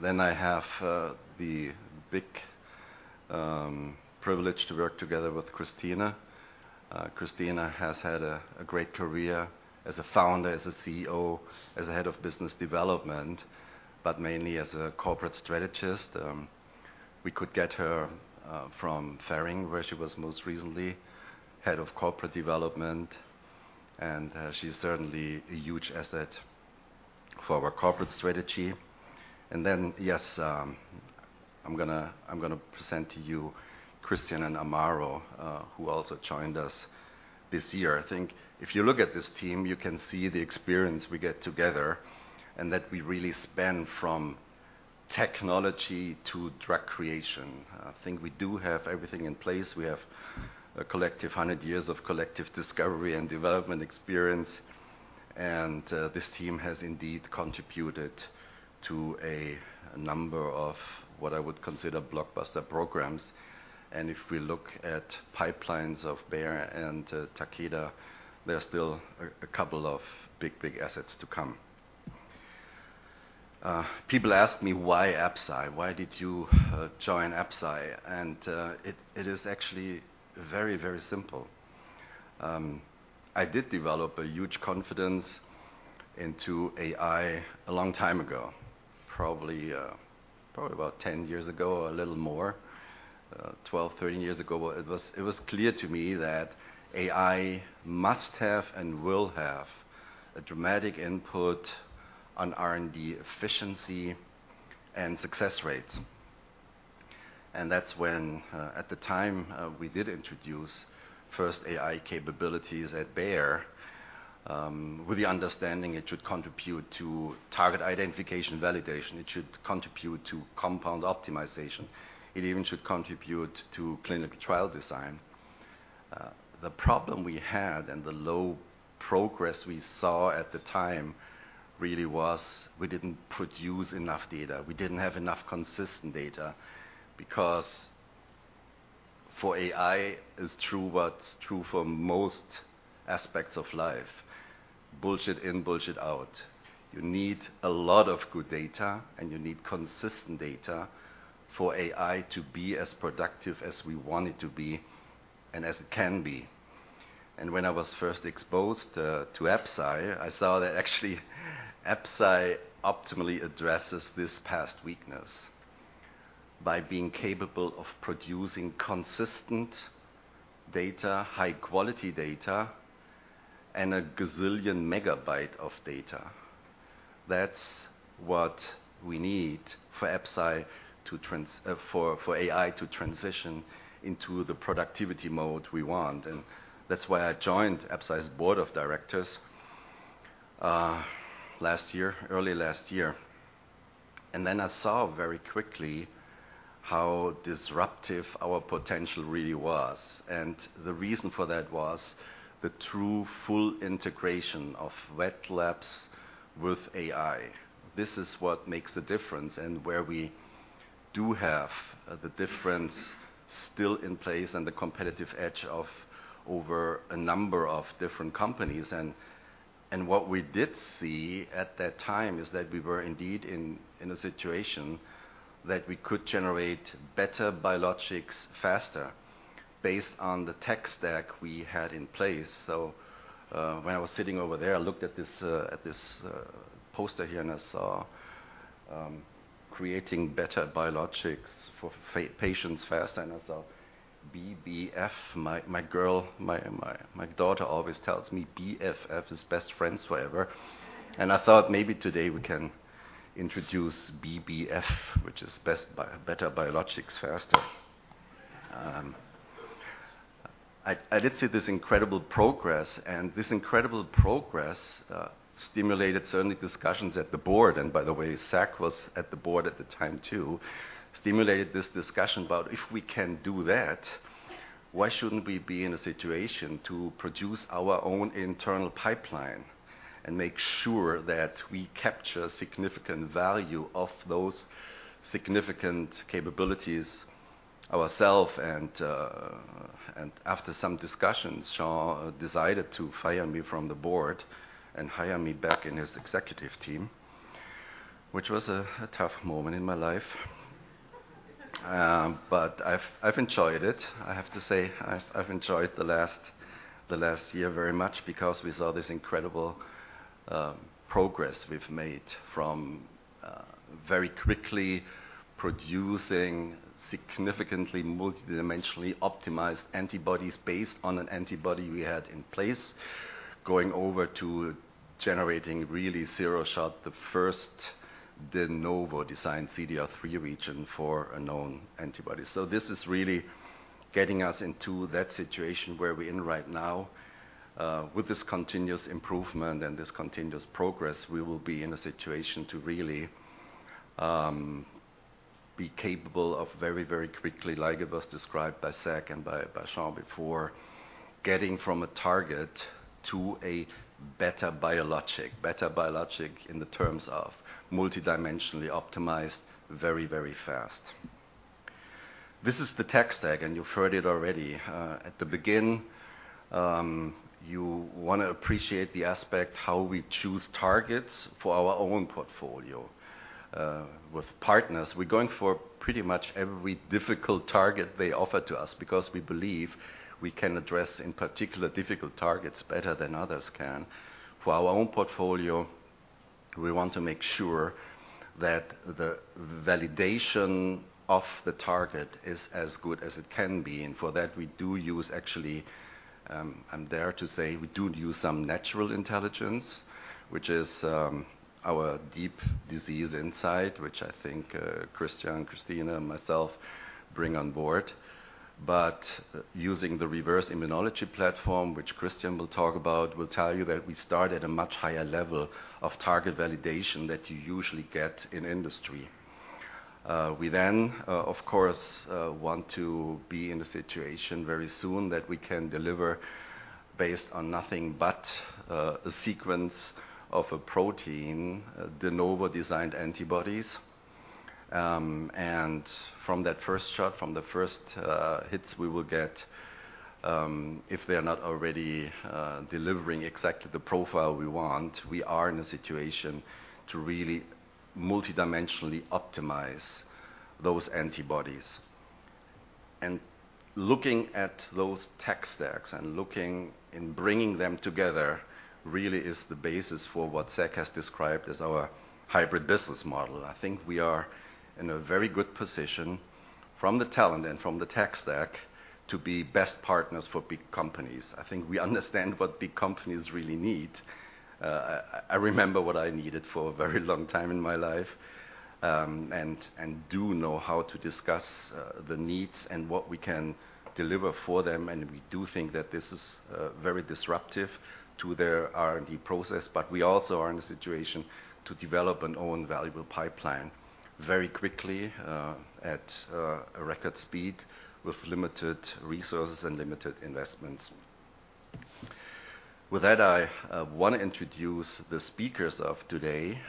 Then I have the big privilege to work together with Christina. Christina has had a great career as a Founder, as a CEO, as a Head of Business Development, but mainly as a Corporate Strategist. We could get her from Ferring, where she was most recently Head of Corporate Development, and she's certainly a huge asset for our corporate strategy. And then, yes, I'm gonna present to you Christian and Amaro, who also joined us this year. I think if you look at this team, you can see the experience we get together and that we really span from technology to drug creation. I think we do have everything in place. We have a collective 100 years of collective discovery and development experience, and this team has indeed contributed to a number of what I would consider blockbuster programs. And if we look at pipelines of Bayer and Takeda, there are still a couple of big, big assets to come. People ask me, "Why Absci? Why did you join Absci?" It is actually very, very simple. I did develop a huge confidence into AI a long time ago, probably about 10 years ago, or a little more, 12, 13 years ago. But it was clear to me that AI must have and will have a dramatic input on R&D efficiency and success rates. And that's when, at the time, we did introduce first AI capabilities at Bayer, with the understanding it should contribute to target identification, validation. It should contribute to compound optimization. It even should contribute to clinical trial design. The problem we had and the low progress we saw at the time really was we didn't produce enough data. We didn't have enough consistent data, because for AI, it's true what's true for most aspects of life: bullshit in, bullshit out. You need a lot of good data, and you need consistent data for AI to be as productive as we want it to be and as it can be. When I was first exposed to Absci, I saw that actually Absci optimally addresses this past weakness by being capable of producing consistent data, high-quality data, and a gazillion megabyte of data. That's what we need for Absci to trans—for AI to transition into the productivity mode we want, and that's why I joined Absci's board of directors last year, early last year. Then I saw very quickly how disruptive our potential really was, and the reason for that was the true full integration of wet labs with AI. This is what makes a difference and where we do have the difference still in place and the competitive edge over a number of different companies. And what we did see at that time is that we were indeed in a situation that we could generate better biologics faster based on the tech stack we had in place. So when I was sitting over there, I looked at this at this poster here, and I saw, "Creating better biologics for patients faster." And I thought, BBF, my daughter always tells me BFF is best friends forever. And I thought maybe today we can introduce BBF, which is best bi- Better Biologics Faster. I did see this incredible progress, and this incredible progress stimulated certainly discussions at the board, and by the way, Zach was at the board at the time, too. Stimulated this discussion about if we can do that, why shouldn't we be in a situation to produce our own internal pipeline and make sure that we capture significant value of those significant capabilities ourselves? And after some discussions, Sean decided to fire me from the board and hire me back in his executive team, which was a tough moment in my life. But I've enjoyed it. I have to say, I've enjoyed the last year very much because we saw this incredible progress we've made from very quickly producing significantly multi-dimensionally optimized antibodies based on an antibody we had in place, going over to generating really zero shot, the first de novo design CDR3 region for a known antibody. So this is really getting us into that situation where we're in right now. With this continuous improvement and this continuous progress, we will be in a situation to really be capable of very, very quickly, like it was described by Zach and by Sean before, getting from a target to a better biologic. Better biologic in the terms of multi-dimensionally optimized very, very fast. This is the tech stack, and you've heard it already. At the beginning, you wanna appreciate the aspect, how we choose targets for our own portfolio. With partners, we're going for pretty much every difficult target they offer to us because we believe we can address, in particular, difficult targets better than others can. For our own portfolio, we want to make sure that the validation of the target is as good as it can be, and for that, we do use actually, I dare to say, we do use some natural intelligence, which is, our deep disease insight, which I think, Christian, Christina and myself bring on board. But using the reverse immunology platform, which Christian will talk about, will tell you that we start at a much higher level of target validation that you usually get in industry. We then, of course, want to be in a situation very soon that we can deliver based on nothing but a sequence of a protein, de novo designed antibodies. And from that first shot, from the first hits we will get, if they are not already delivering exactly the profile we want, we are in a situation to really multi-dimensionally optimize those antibodies. And looking at those tech stacks and looking and bringing them together really is the basis for what Zach has described as our hybrid business model. I think we are in a very good position from the talent and from the tech stack to be best partners for big companies. I think we understand what big companies really need. I remember what I needed for a very long time in my life, and do know how to discuss the needs and what we can deliver for them, and we do think that this is very disruptive to their R&D process. But we also are in a situation to develop an own valuable pipeline very quickly, at a record speed with limited resources and limited investments. With that, I wanna introduce the speakers of today,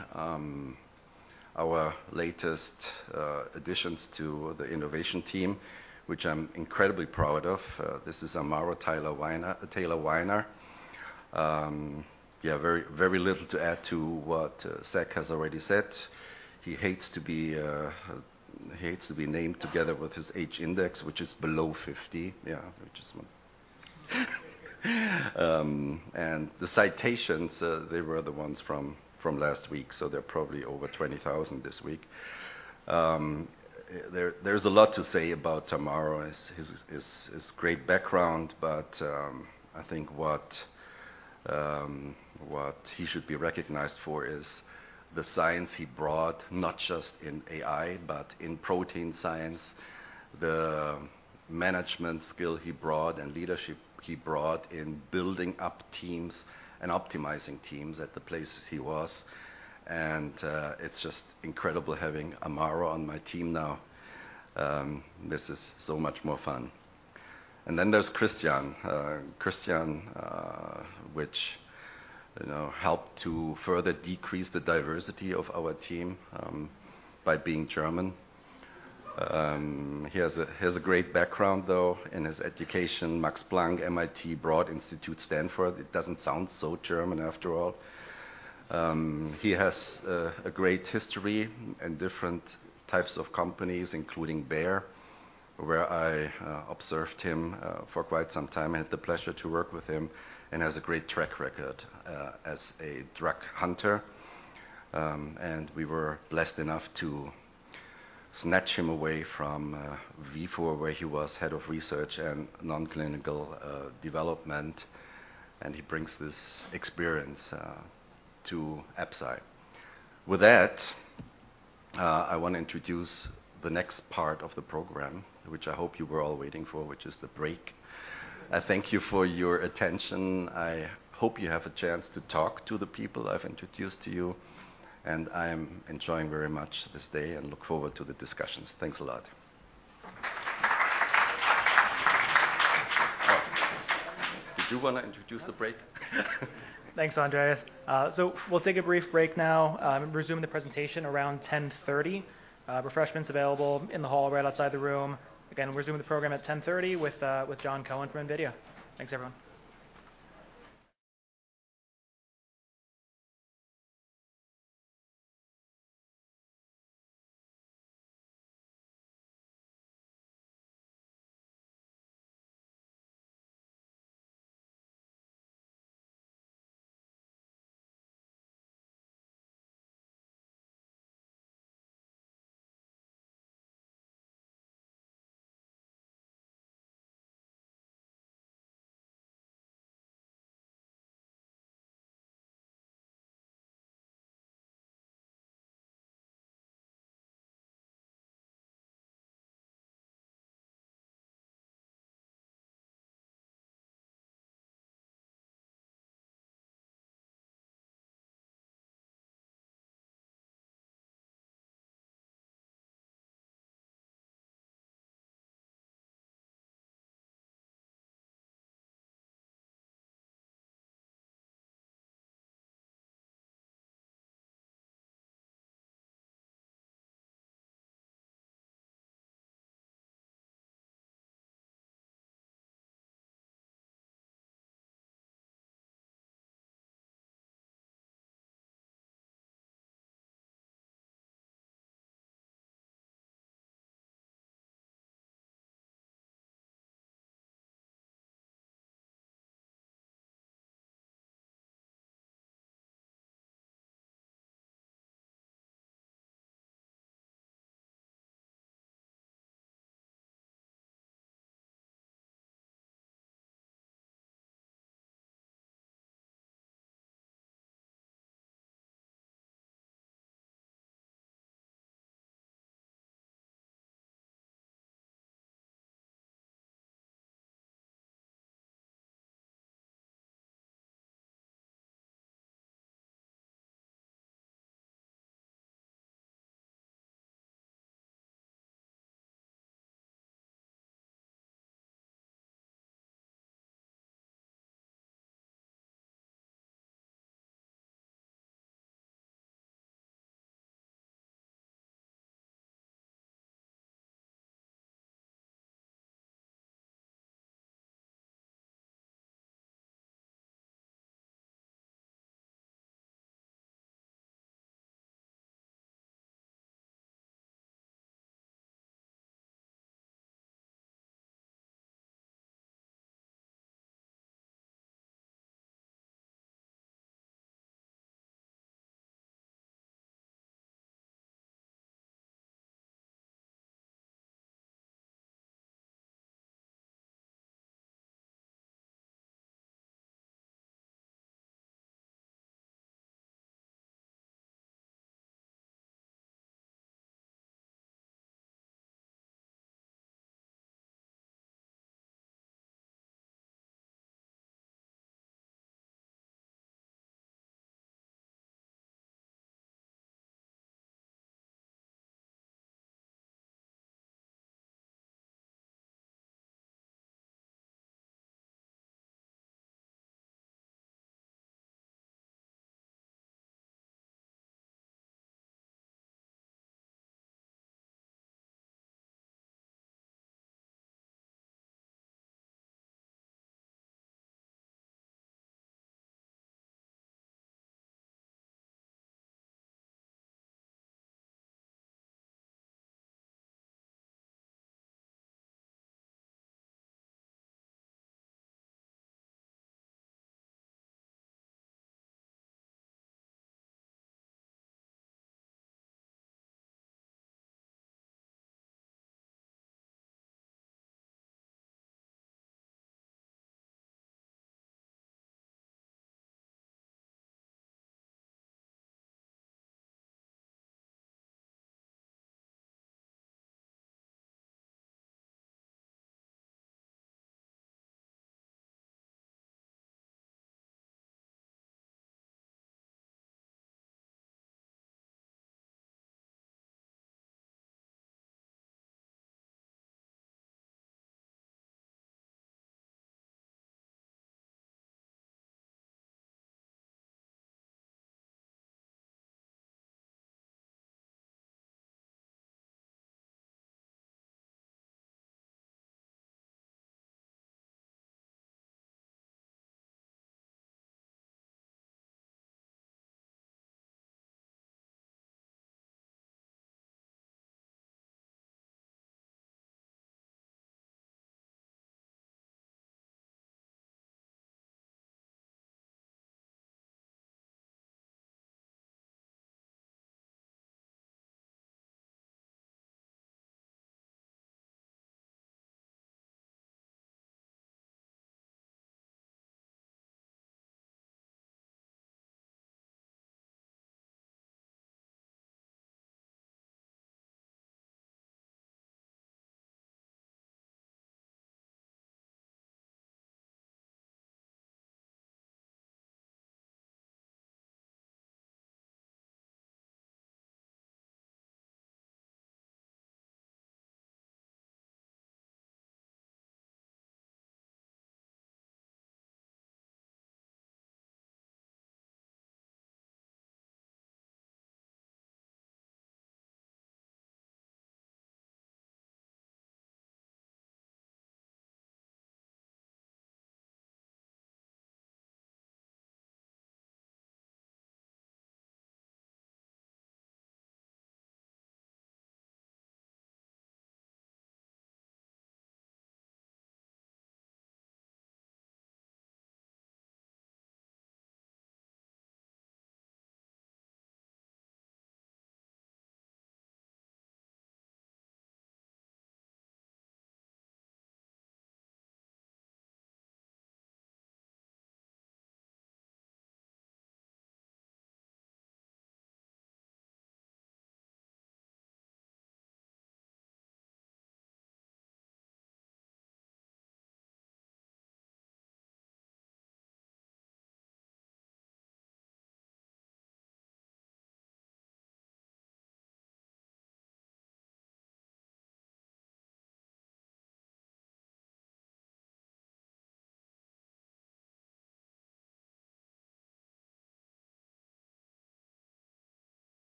our latest additions to the innovation team, which I'm incredibly proud of. This is Amaro Taylor-Weiner, Taylor-Weiner. Yeah, very, very little to add to what Zach has already said. He hates to be named together with his h-index, which is below 50. Yeah, which is... The citations, they were the ones from last week, so they're probably over 20,000 this week. There's a lot to say about Amaro, his great background, but I think what he should be recognized for is the science he brought, not just in AI, but in protein science, the management skill he brought and leadership he brought in building up teams and optimizing teams at the places he was, and it's just incredible having Amaro on my team now. This is so much more fun. Then there's Christian. Christian, which, you know, helped to further decrease the diversity of our team by being German. He has a great background, though, in his education. Max Planck, MIT, Broad Institute, Stanford. It doesn't sound so German after all. He has a great history in different types of companies, including Bayer, where I observed him for quite some time. I had the pleasure to work with him, and has a great track record as a drug hunter. We were blessed enough to snatch him away from Vifor, where he was head of research and non-clinical development, and he brings this experience to Absci. With that, I wanna introduce the next part of the program, which I hope you were all waiting for, which is the break. I thank you for your attention. I hope you have a chance to talk to the people I've introduced to you, and I'm enjoying very much this day and look forward to the discussions. Thanks a lot. Oh, did you wanna introduce the break? Thanks, Andreas. So we'll take a brief break now, and resume the presentation around 10:30. Refreshments available in the hall right outside the room. Again, we'll resume the program at 10:30 with, with John Cohen from NVIDIA. Thanks,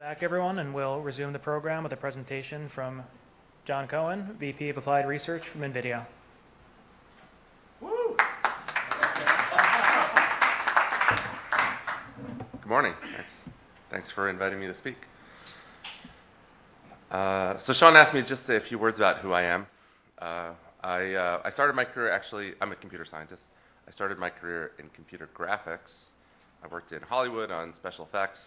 everyone....back everyone, and we'll resume the program with a presentation from John Cohen, VP of Applied Research from NVIDIA. Good morning. Thanks. Thanks for inviting me to speak. So Sean asked me to just say a few words about who I am. I started my career. Actually, I'm a computer scientist. I started my career in computer graphics. I've worked in Hollywood on special effects.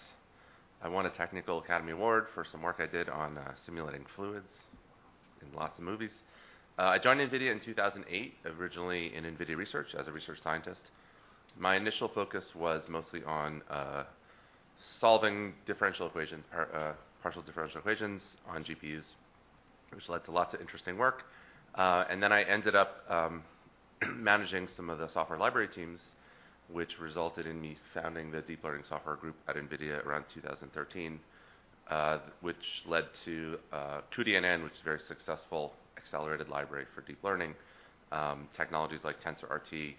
I won a Technical Academy Award for some work I did on simulating fluids in lots of movies. I joined NVIDIA in 2008, originally in NVIDIA Research as a research scientist. My initial focus was mostly on solving differential equations, partial differential equations on GPUs, which led to lots of interesting work. And then I ended up managing some of the software library teams, which resulted in me founding the Deep Learning Software Group at NVIDIA around 2013, which led to cuDNN, which is a very successful accelerated library for deep learning technologies like TensorRT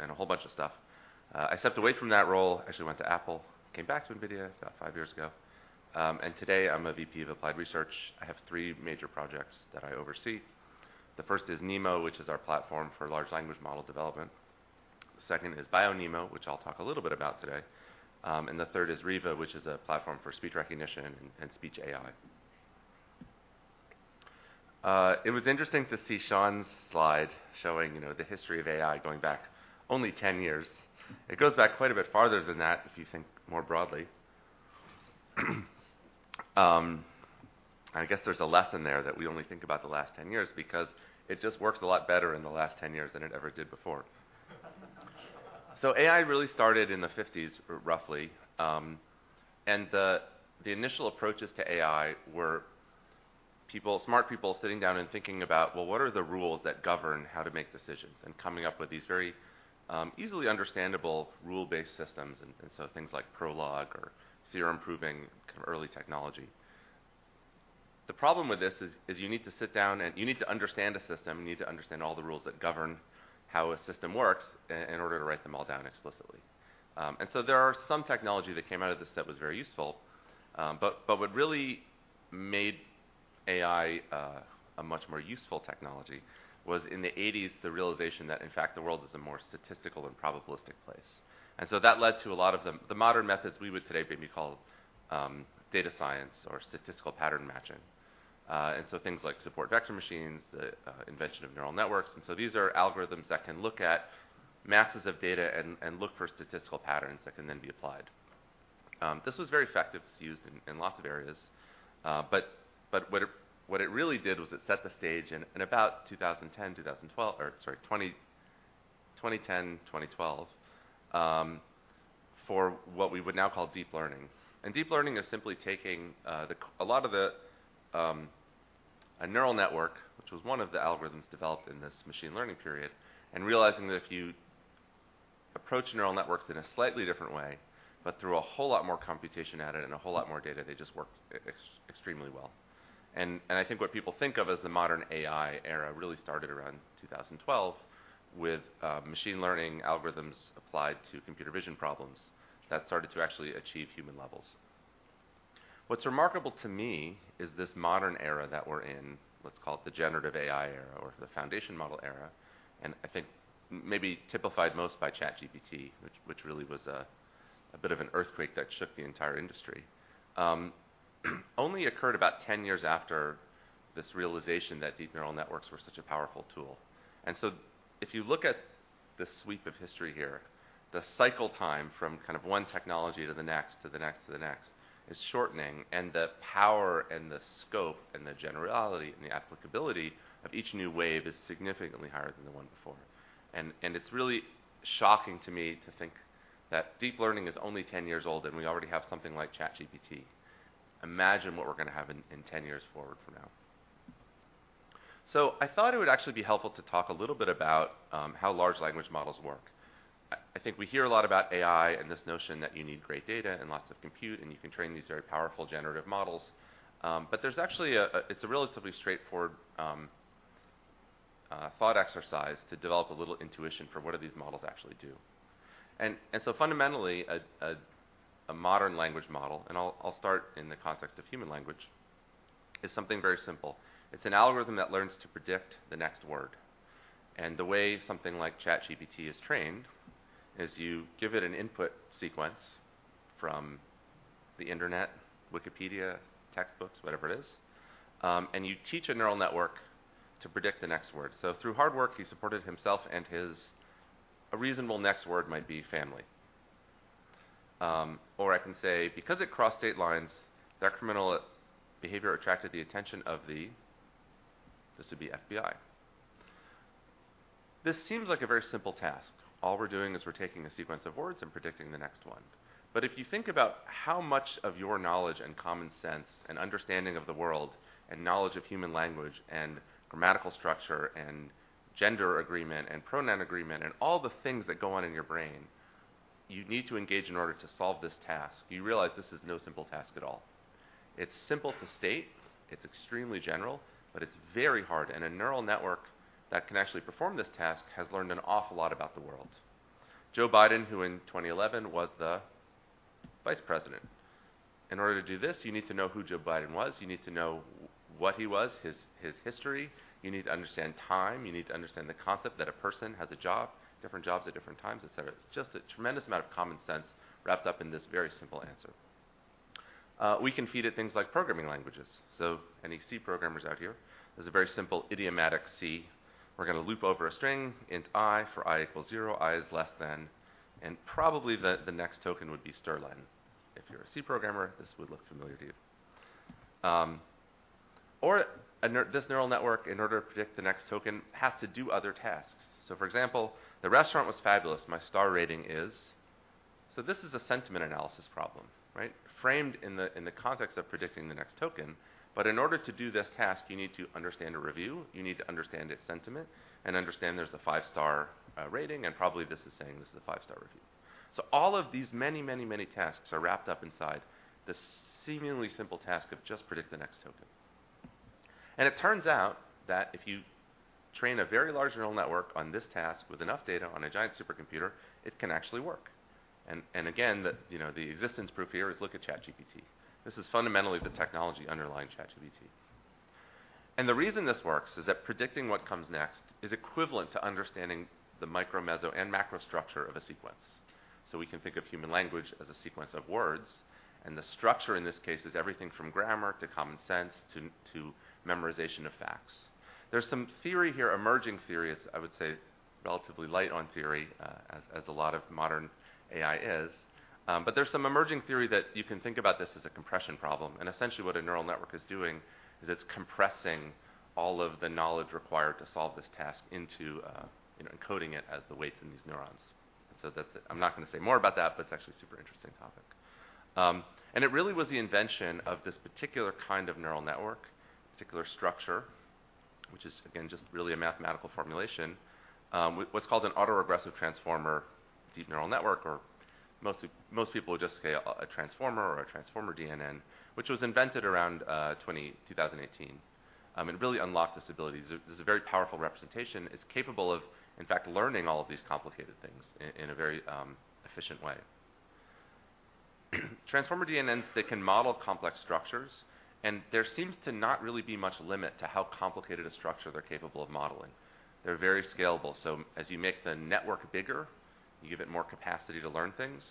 and a whole bunch of stuff. I stepped away from that role, actually went to Apple, came back to NVIDIA about five years ago, and today I'm a VP of Applied Research. I have three major projects that I oversee. The first is NeMo, which is our platform for large language model development. The second is BioNeMo, which I'll talk a little bit about today. And the third is Riva, which is a platform for speech recognition and speech AI. It was interesting to see Sean's slide showing, you know, the history of AI going back only 10 years. It goes back quite a bit farther than that, if you think more broadly. I guess there's a lesson there, that we only think about the last 10 years, because it just works a lot better in the last 10 years than it ever did before. So AI really started in the 1950s, roughly, and the initial approaches to AI were people, smart people sitting down and thinking about, Well, what are the rules that govern how to make decisions? And coming up with these very easily understandable rule-based systems, and so things like Prolog or theorem proving, kind of early technology. The problem with this is you need to sit down and you need to understand a system, you need to understand all the rules that govern how a system works in order to write them all down explicitly. And so there are some technology that came out of this that was very useful, but what really made AI a much more useful technology was in the 1980s, the realization that, in fact, the world is a more statistical and probabilistic place. And so that led to a lot of the... the modern methods we would today maybe call data science or statistical pattern matching. And so things like support vector machines, the invention of neural networks. And so these are algorithms that can look at masses of data and look for statistical patterns that can then be applied. This was very effective. It's used in lots of areas, but what it really did was it set the stage in about 2010, 2012, or sorry, 2010, 2012, for what we would now call deep learning. And deep learning is simply taking a lot of the neural network, which was one of the algorithms developed in this machine learning period, and realizing that if you approach neural networks in a slightly different way, but threw a whole lot more computation at it and a whole lot more data, they just worked extremely well. I think what people think of as the modern AI era really started around 2012 with machine learning algorithms applied to computer vision problems that started to actually achieve human levels. What's remarkable to me is this modern era that we're in. Let's call it the generative AI era or the foundation model era, and I think maybe typified most by ChatGPT, which really was a bit of an earthquake that shook the entire industry, only occurred about 10 years after this realization that deep neural networks were such a powerful tool. And so if you look at-... The sweep of history here, the cycle time from kind of one technology to the next, to the next, to the next, is shortening, and the power and the scope and the generality and the applicability of each new wave is significantly higher than the one before. And it's really shocking to me to think that deep learning is only 10 years old, and we already have something like ChatGPT. Imagine what we're gonna have in 10 years forward from now. So I thought it would actually be helpful to talk a little bit about how large language models work. I think we hear a lot about AI and this notion that you need great data and lots of compute, and you can train these very powerful generative models. But there's actually—it's a relatively straightforward, thought exercise to develop a little intuition for what do these models actually do. And so fundamentally, a modern language model, and I'll start in the context of human language, is something very simple. It's an algorithm that learns to predict the next word. And the way something like ChatGPT is trained is you give it an input sequence from the internet, Wikipedia, textbooks, whatever it is, and you teach a neural network to predict the next word. "So through hard work, he supported himself and his..." A reasonable next word might be family. Or I can say, "Because it crossed state lines, their criminal behavior attracted the attention of the?" This would be FBI. This seems like a very simple task. All we're doing is we're taking a sequence of words and predicting the next one. But if you think about how much of your knowledge and common sense and understanding of the world, and knowledge of human language, and grammatical structure, and gender agreement, and pronoun agreement, and all the things that go on in your brain, you need to engage in order to solve this task, you realize this is no simple task at all. It's simple to state, it's extremely general, but it's very hard, and a neural network that can actually perform this task has learned an awful lot about the world. Joe Biden, who in 2011, was the vice president." In order to do this, you need to know who Joe Biden was, you need to know what he was, his history, you need to understand time, you need to understand the concept that a person has a job, different jobs at different times, et cetera. It's just a tremendous amount of common sense wrapped up in this very simple answer. We can feed it things like programming languages. So any C programmers out here, this is a very simple idiomatic C. We're gonna loop over a string int i, for i equals zero, i is less than—and probably the next token would be strlen. If you're a C programmer, this would look familiar to you. This neural network, in order to predict the next token, has to do other tasks. So, for example, "The restaurant was fabulous. My star rating is?" So this is a sentiment analysis problem, right? Framed in the context of predicting the next token, but in order to do this task, you need to understand a review, you need to understand its sentiment, and understand there's a five-star rating, and probably this is saying this is a five-star review. So all of these many, many, many tasks are wrapped up inside this seemingly simple task of just predict the next token. And it turns out that if you train a very large neural network on this task with enough data on a giant supercomputer, it can actually work. And again, you know, the existence proof here is look at ChatGPT. This is fundamentally the technology underlying ChatGPT. The reason this works is that predicting what comes next is equivalent to understanding the micro, meso, and macro structure of a sequence. So we can think of human language as a sequence of words, and the structure in this case is everything from grammar to common sense, to memorization of facts. There's some theory here, emerging theory, it's I would say, relatively light on theory, as a lot of modern AI is. But there's some emerging theory that you can think about this as a compression problem, and essentially what a neural network is doing is it's compressing all of the knowledge required to solve this task into, you know, encoding it as the weights in these neurons. And so that's it. I'm not gonna say more about that, but it's actually a super interesting topic. It really was the invention of this particular kind of neural network, particular structure, which is, again, just really a mathematical formulation, what's called an autoregressive transformer deep neural network, or mostly, most people would just say a transformer or a transformer DNN, which was invented around 2018. It really unlocked this ability. This is a very powerful representation. It's capable of, in fact, learning all of these complicated things in a very efficient way. Transformer DNNs, they can model complex structures, and there seems to not really be much limit to how complicated a structure they're capable of modeling. They're very scalable, so as you make the network bigger, you give it more capacity to learn things,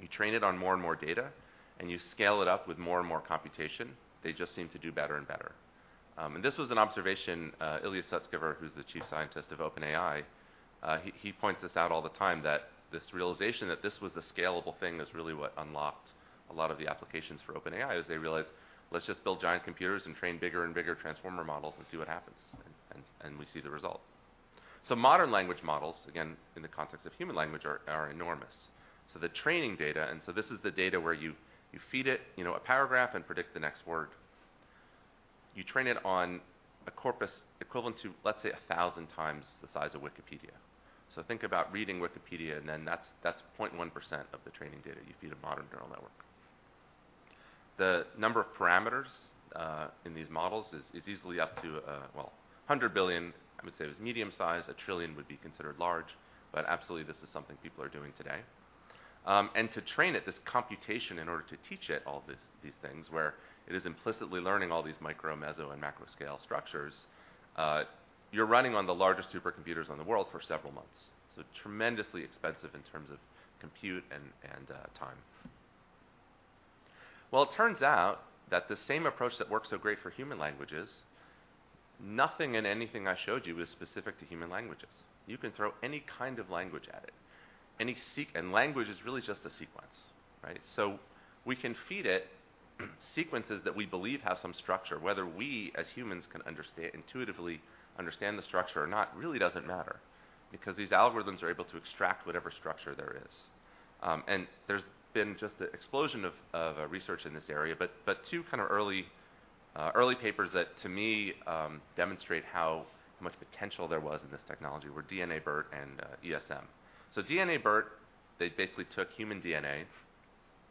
you train it on more and more data, and you scale it up with more and more computation, they just seem to do better and better. This was an observation, Ilya Sutskever, who's the chief scientist of OpenAI, he, he points this out all the time, that this realization that this was a scalable thing is really what unlocked a lot of the applications for OpenAI, as they realized, "Let's just build giant computers and train bigger and bigger transformer models and see what happens." And we see the result. So modern language models, again, in the context of human language, are enormous. So the training data, and so this is the data where you feed it, you know, a paragraph and predict the next word. You train it on a corpus equivalent to, let's say, 1,000 times the size of Wikipedia. So think about reading Wikipedia, and then that's 0.1% of the training data you feed a modern neural network. The number of parameters in these models is easily up to, well, 100 billion, I would say, is medium size a trillion would be considered large, but absolutely, this is something people are doing today. And to train it, this computation, in order to teach it all these things, where it is implicitly learning all these micro, meso, and macro scale structures, you're running on the largest supercomputers in the world for several months. So tremendously expensive in terms of compute and time. Well, it turns out that the same approach that works so great for human languages, nothing in anything I showed you is specific to human languages. You can throw any kind of language at it, any. And language is really just a sequence, right? So we can feed it sequences that we believe have some structure. Whether we, as humans, can understand intuitively understand the structure or not, really doesn't matter because these algorithms are able to extract whatever structure there is. And there's been just an explosion of research in this area. But two kind of early papers that, to me, demonstrate how much potential there was in this technology were DNABERT and ESM. So DNABERT, they basically took human DNA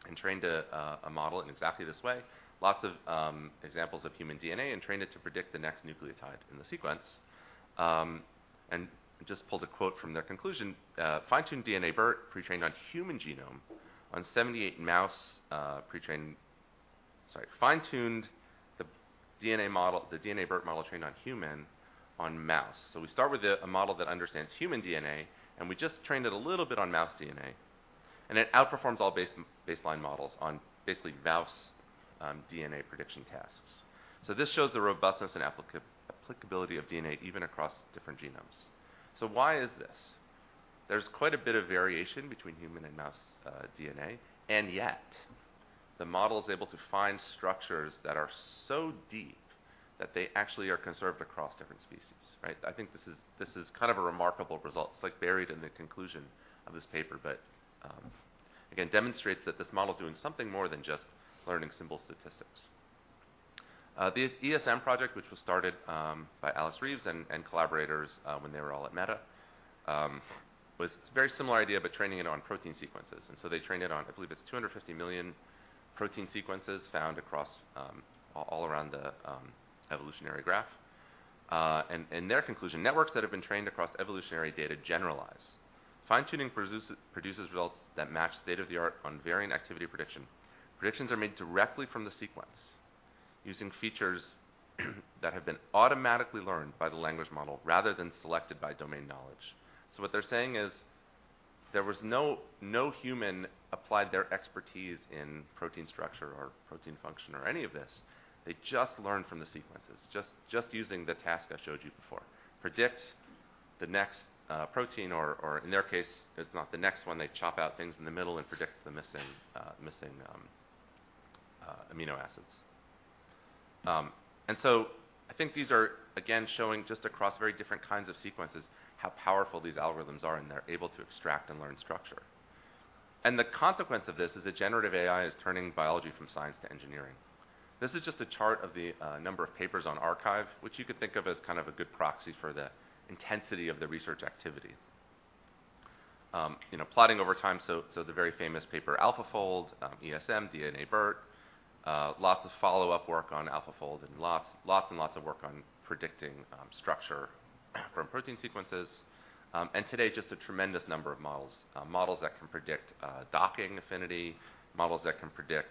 and trained a model in exactly this way. Lots of examples of human DNA, and trained it to predict the next nucleotide in the sequence. And I just pulled a quote from their conclusion. "Fine-tune DNABERT pretrained on human genome on 78 mouse, pretrained..." Sorry. "Fine-tuned the DNA model- the DNABERT model trained on human, on mouse." So we start with a model that understands human DNA, and we just trained it a little bit on mouse DNA, and it outperforms all baseline models on basically mouse DNA prediction tasks. So this shows the robustness and applicability of DNA even across different genomes. So why is this? There's quite a bit of variation between human and mouse DNA, and yet the model is able to find structures that are so deep that they actually are conserved across different species, right? I think this is kind of a remarkable result. It's, like, buried in the conclusion of this paper, but again, demonstrates that this model is doing something more than just learning simple statistics. The ESM project, which was started by Alex Rives and collaborators when they were all at Meta, was a very similar idea, but training it on protein sequences. And so they trained it on, I believe it's 250 million protein sequences found across all around the evolutionary graph. And their conclusion: networks that have been trained across evolutionary data generalize. Fine-tuning produces results that match state-of-the-art on variant activity prediction. Predictions are made directly from the sequence, using features that have been automatically learned by the language model rather than selected by domain knowledge. So what they're saying is, there was no human applied their expertise in protein structure or protein function or any of this. They just learned from the sequences, just using the task I showed you before. Predict the next protein, or in their case, it's not the next one. They chop out things in the middle and predict the missing amino acids. And so I think these are, again, showing just across very different kinds of sequences, how powerful these algorithms are, and they're able to extract and learn structure. And the consequence of this is that Generative AI is turning biology from science to engineering. This is just a chart of the number of papers on arXiv, which you could think of as kind of a good proxy for the intensity of the research activity. You know, plotting over time, so the very famous paper, AlphaFold, ESM, DNA BERT, lots of follow-up work on AlphaFold, and lots, lots and lots of work on predicting structure from protein sequences. And today, just a tremendous number of models. Models that can predict docking affinity, models that can predict,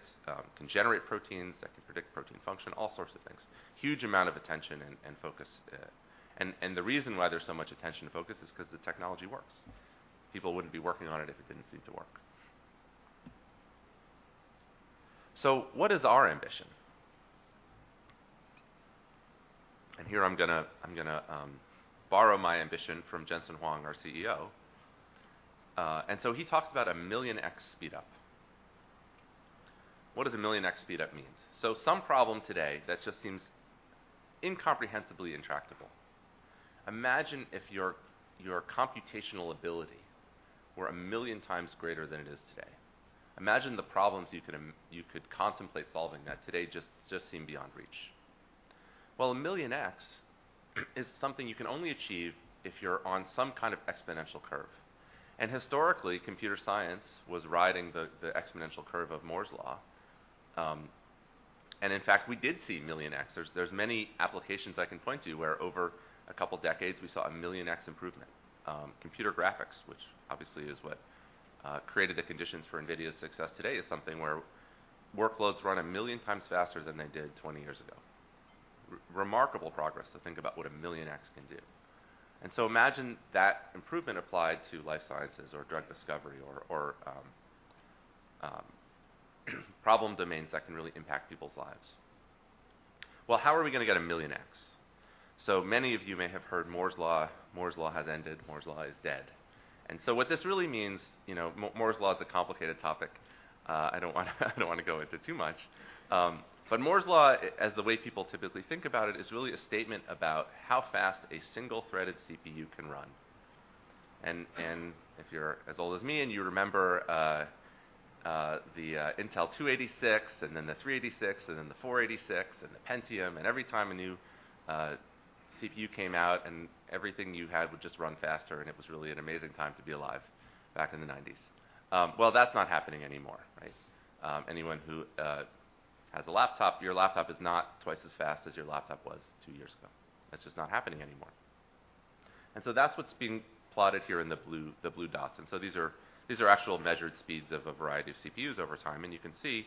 can generate proteins, that can predict protein function, all sorts of things. Huge amount of attention and focus. And the reason why there's so much attention and focus is 'cause the technology works. People wouldn't be working on it if it didn't seem to work. So what is our ambition? And here, I'm gonna borrow my ambition from Jensen Huang, our CEO. And so he talks about a 1,000,000x speedup. What does a 1,000,000x speedup mean? So some problem today that just seems incomprehensibly intractable, imagine if your computational ability were 1,000,000 times greater than it is today. Imagine the problems you could contemplate solving that today just seem beyond reach. Well, a 1,000,000x is something you can only achieve if you're on some kind of exponential curve. And historically, computer science was riding the exponential curve of Moore's Law. And in fact, we did see 1,000,000x. There's many applications I can point to where over a couple decades, we saw a 1,000,000x improvement. Computer graphics, which obviously is what created the conditions for NVIDIA's success today, is something where workloads run a million times faster than they did 20 years ago. Remarkable progress to think about what a million X can do. And so imagine that improvement applied to life sciences or drug discovery or problem domains that can really impact people's lives. Well, how are we gonna get a million X? So many of you may have heard Moore's Law, Moore's Law has ended, Moore's Law is dead. And so what this really means, you know, Moore's Law is a complicated topic. I don't wanna I don't wanna go into it too much. But Moore's Law, as the way people typically think about it, is really a statement about how fast a single-threaded CPU can run. And if you're as old as me, and you remember the Intel 286, and then the 386, and then the 486, and the Pentium, and every time a new CPU came out, and everything you had would just run faster, and it was really an amazing time to be alive back in the 1990s. Well, that's not happening anymore, right? Anyone who has a laptop, your laptop is not twice as fast as your laptop was two years ago. That's just not happening anymore. And so that's what's being plotted here in the blue dots. These are, these are actual measured speeds of a variety of CPUs over time, and you can see,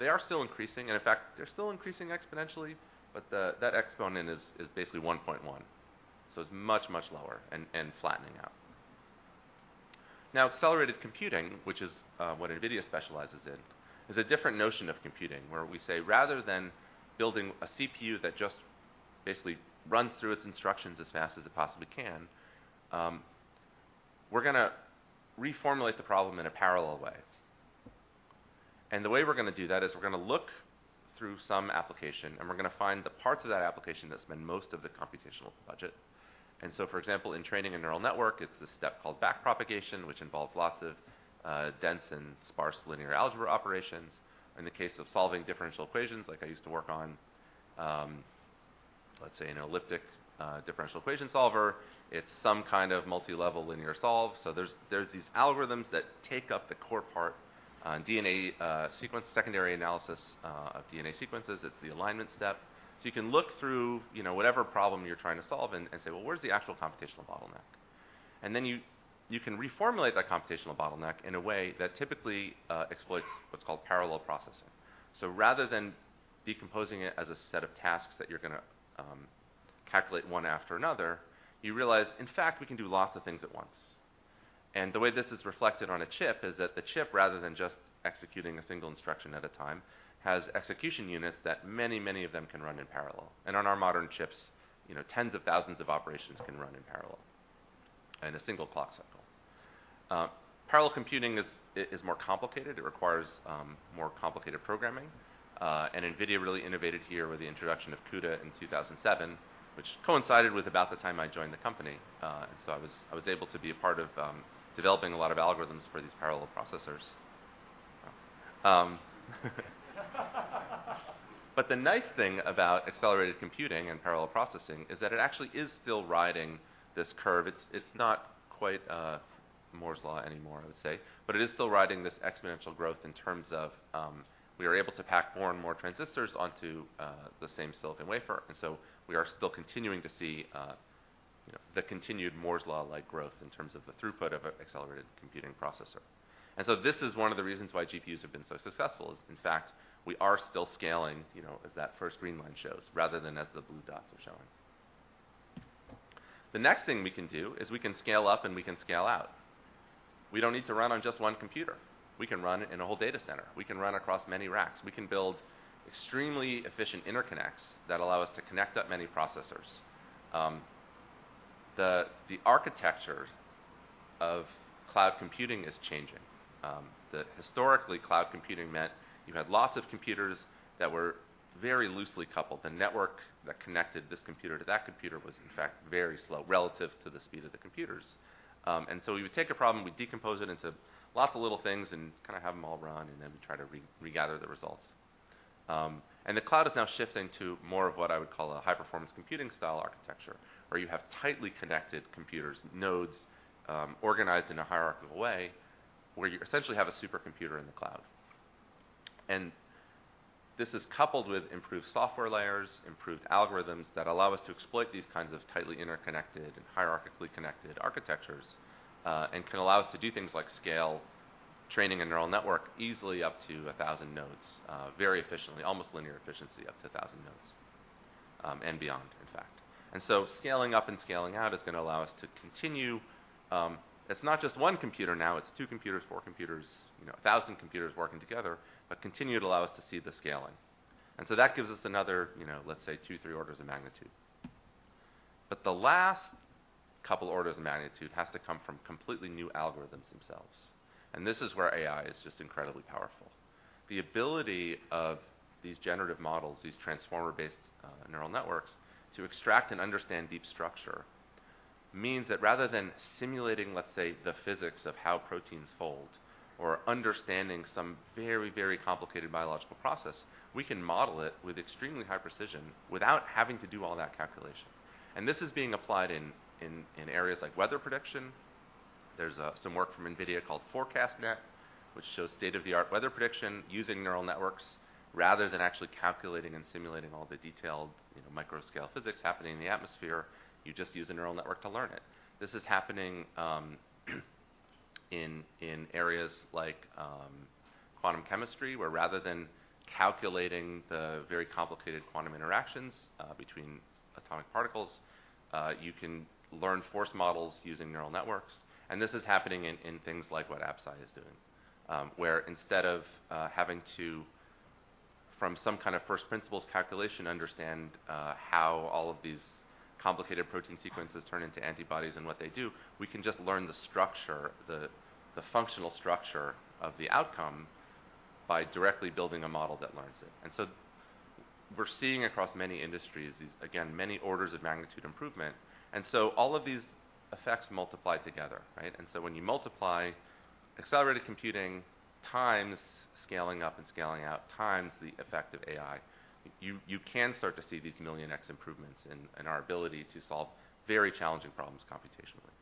they are still increasing, and in fact, they're still increasing exponentially, but the, that exponent is, is basically 1.1, so it's much, much lower and, and flattening out. Now, accelerated computing, which is what NVIDIA specializes in, is a different notion of computing, where we say rather than building a CPU that just basically runs through its instructions as fast as it possibly can, we're gonna reformulate the problem in a parallel way. And the way we're gonna do that is we're gonna look through some application, and we're gonna find the parts of that application that spend most of the computational budget. And so, for example, in training a neural network, it's this step called back propagation, which involves lots of, dense and sparse linear algebra operations. In the case of solving differential equations, like I used to work on, let's say an elliptic, differential equation solver, it's some kind of multi-level linear solve. So there's these algorithms that take up the core part. On DNA, sequence secondary analysis, of DNA sequences, it's the alignment step. So you can look through, you know, whatever problem you're trying to solve and say, "Well, where's the actual computational bottleneck?" And then you can reformulate that computational bottleneck in a way that typically, exploits what's called parallel processing. So rather than decomposing it as a set of tasks that you're gonna calculate one after another, you realize, in fact, we can do lots of things at once. And the way this is reflected on a chip is that the chip, rather than just executing a single instruction at a time, has execution units that many, many of them can run in parallel. And on our modern chips, you know, tens of thousands of operations can run in parallel in a single clock cycle. Parallel computing is more complicated. It requires more complicated programming. And NVIDIA really innovated here with the introduction of CUDA in 2007, which coincided with about the time I joined the company. And so I was able to be a part of developing a lot of algorithms for these parallel processors. The nice thing about accelerated computing and parallel processing is that it actually is still riding this curve. It's, it's not quite Moore's Law anymore, I would say, but it is still riding this exponential growth in terms of, we are able to pack more and more transistors onto, the same silicon wafer. And so we are still continuing to see, you know, the continued Moore's Law-like growth in terms of the throughput of an accelerated computing processor. And so this is one of the reasons why GPUs have been so successful, is, in fact, we are still scaling, you know, as that first green line shows, rather than as the blue dots are showing. The next thing we can do is we can scale up, and we can scale out. We don't need to run on just one computer. We can run in a whole data center. We can run across many racks. We can build extremely efficient interconnects that allow us to connect up many processors. The architecture of cloud computing is changing. Historically, cloud computing meant you had lots of computers that were very loosely coupled. The network that connected this computer to that computer was, in fact, very slow relative to the speed of the computers. And so we would take a problem, we'd decompose it into lots of little things and kind of have them all run, and then we'd try to regather the results. And the cloud is now shifting to more of what I would call a high-performance computing style architecture, where you have tightly connected computers, nodes, organized in a hierarchical way, where you essentially have a supercomputer in the cloud. And this is coupled with improved software layers, improved algorithms that allow us to exploit these kinds of tightly interconnected and hierarchically connected architectures, and can allow us to do things like scale training a neural network easily up to 1,000 nodes, very efficiently, almost linear efficiency, up to 1,000 nodes, and beyond, in fact. And so scaling up and scaling out is gonna allow us to continue—It's not just one computer now, it's two computers, four computers, you know, 1,000 computers working together, but continue to allow us to see the scaling. And so that gives us another, you know, let's say, two, three orders of magnitude. But the last couple orders of magnitude has to come from completely new algorithms themselves. And this is where AI is just incredibly powerful. The ability of these generative models, these transformer-based neural networks, to extract and understand deep structure, means that rather than simulating, let's say, the physics of how proteins fold or understanding some very, very complicated biological process, we can model it with extremely high precision without having to do all that calculation. This is being applied in areas like weather prediction. There's some work from NVIDIA called FourCastNet, which shows state-of-the-art weather prediction using neural networks. Rather than actually calculating and simulating all the detailed, you know, micro-scale physics happening in the atmosphere, you just use a neural network to learn it. This is happening in areas like quantum chemistry, where rather than calculating the very complicated quantum interactions between atomic particles, you can learn force models using neural networks. And this is happening in things like what Absci is doing, where instead of having to, from some kind of first principles calculation, understand how all of these complicated protein sequences turn into antibodies and what they do, we can just learn the structure, the functional structure of the outcome, by directly building a model that learns it. And so we're seeing across many industries, these, again, many orders of magnitude improvement. And so all of these effects multiply together, right? And so when you multiply accelerated computing times scaling up and scaling out, times the effect of AI, you can start to see these million X improvements in our ability to solve very challenging problems computationally.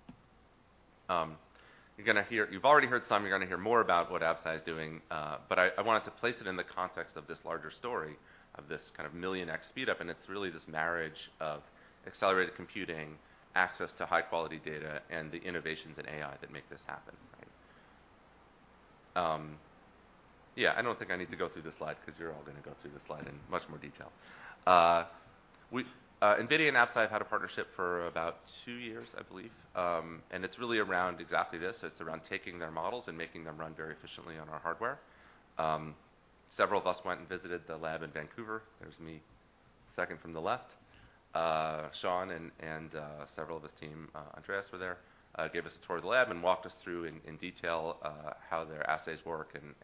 You're gonna hear-- you've already heard some, you're gonna hear more about what Absci is doing, but I wanted to place it in the context of this larger story, of this kind of million X speed-up, and it's really this marriage of accelerated computing, access to high-quality data, and the innovations in AI that make this happen, right? Yeah, I don't think I need to go through this slide because you're all gonna go through this slide in much more detail. We-- NVIDIA and Absci have had a partnership for about two years, I believe, and it's really around exactly this. It's around taking their models and making them run very efficiently on our hardware. Several of us went and visited the lab in Vancouver. There's me, second from the left. Sean and several of his team, Andreas, were there, gave us a tour of the lab and walked us through in detail how their assays work, and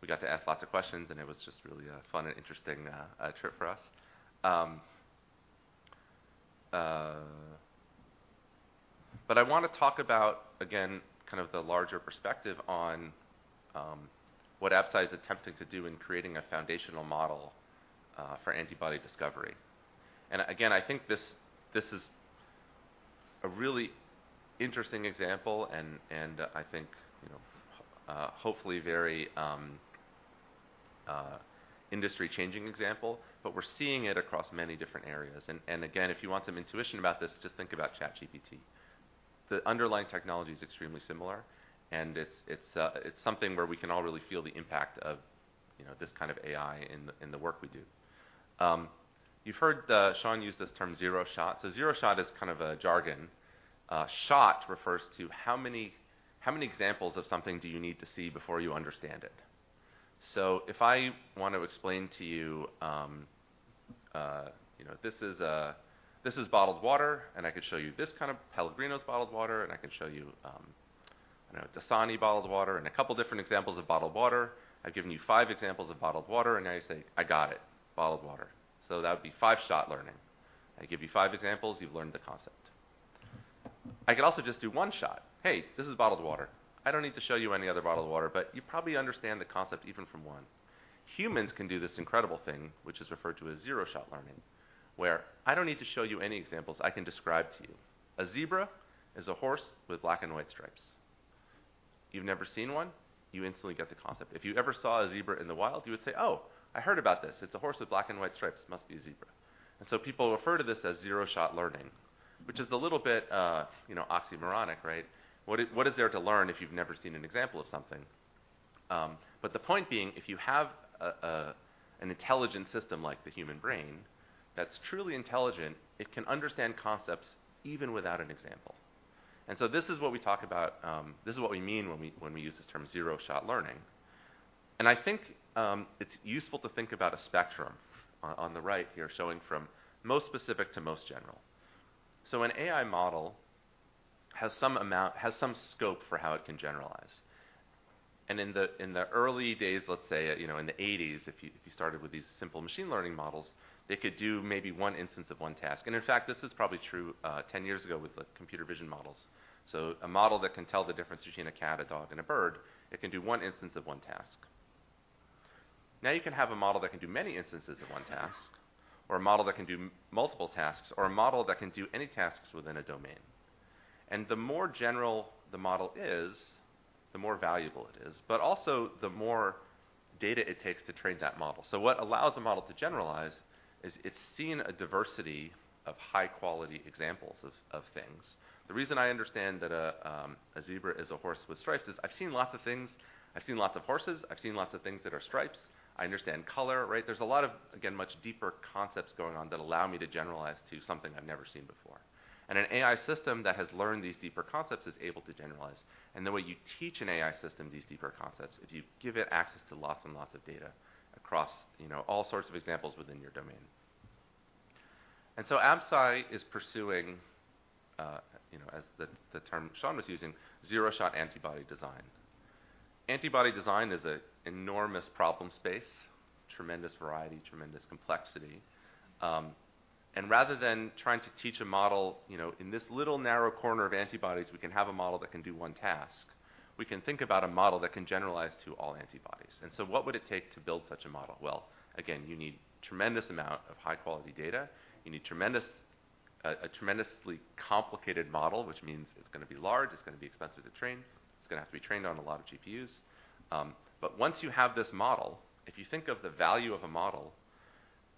we got to ask lots of questions, and it was just really a fun and interesting trip for us. But I want to talk about, again, kind of the larger perspective on what Absci is attempting to do in creating a foundational model for antibody discovery. And again, I think this is a really interesting example and I think, you know, hopefully very industry-changing example, but we're seeing it across many different areas. And again, if you want some intuition about this, just think about ChatGPT. The underlying technology is extremely similar, and it's something where we can all really feel the impact of, you know, this kind of AI in the work we do. You've heard Sean use this term zero-shot. So zero-shot is kind of a jargon. Shot refers to how many examples of something do you need to see before you understand it? So if I want to explain to you, you know, this is bottled water, and I can show you this kind of Pellegrino's bottled water, and I can show you, I don't know, Dasani bottled water, and a couple different examples of bottled water. I've given you five examples of bottled water, and now you say, "I got it, bottled water." So that would be five-shot learning. I give you five examples, you've learned the concept. I could also just do one shot. "Hey, this is bottled water." I don't need to show you any other bottled water, but you probably understand the concept even from one. Humans can do this incredible thing, which is referred to as zero-shot learning, where I don't need to show you any examples, I can describe to you. A zebra is a horse with black and white stripes. You've never seen one, you instantly get the concept. If you ever saw a zebra in the wild, you would say, "Oh, I heard about this. It's a horse with black and white stripes, must be a zebra." And so people refer to this as zero-shot learning, which is a little bit, you know, oxymoronic, right? What is, what is there to learn if you've never seen an example of something? But the point being, if you have an intelligent system like the human brain, that's truly intelligent, it can understand concepts even without an example. And so this is what we talk about, this is what we mean when we use this term zero-shot learning. And I think, it's useful to think about a spectrum on the right here, showing from most specific to most general. So an AI model has some scope for how it can generalize. And in the early days, let's say, you know, in the eighties, if you started with these simple machine learning models, they could do maybe one instance of one task. And in fact, this is probably true, 10 years ago with the computer vision models. So a model that can tell the difference between a cat, a dog, and a bird. It can do one instance of one task. Now, you can have a model that can do many instances of one task, or a model that can do multiple tasks, or a model that can do any tasks within a domain. And the more general the model is, the more valuable it is, but also the more data it takes to train that model. So what allows a model to generalize is it's seen a diversity of high-quality examples of things. The reason I understand that a zebra is a horse with stripes is I've seen lots of things. I've seen lots of horses, I've seen lots of things that are stripes. I understand color, right? There's a lot of, again, much deeper concepts going on that allow me to generalize to something I've never seen before. And an AI system that has learned these deeper concepts is able to generalize. And the way you teach an AI system these deeper concepts, is you give it access to lots and lots of data across, you know, all sorts of examples within your domain. And so Absci is pursuing, you know, as the term Sean was using, zero-shot antibody design. Antibody design is a enormous problem space, tremendous variety, tremendous complexity. And rather than trying to teach a model, you know, in this little narrow corner of antibodies, we can have a model that can do one task. We can think about a model that can generalize to all antibodies. And so what would it take to build such a model? Well, again, you need tremendous amount of high-quality data. You need tremendous-- a tremendously complicated model, which means it's gonna be large, it's gonna be expensive to train, it's gonna have to be trained on a lot of GPUs. But once you have this model, if you think of the value of a model,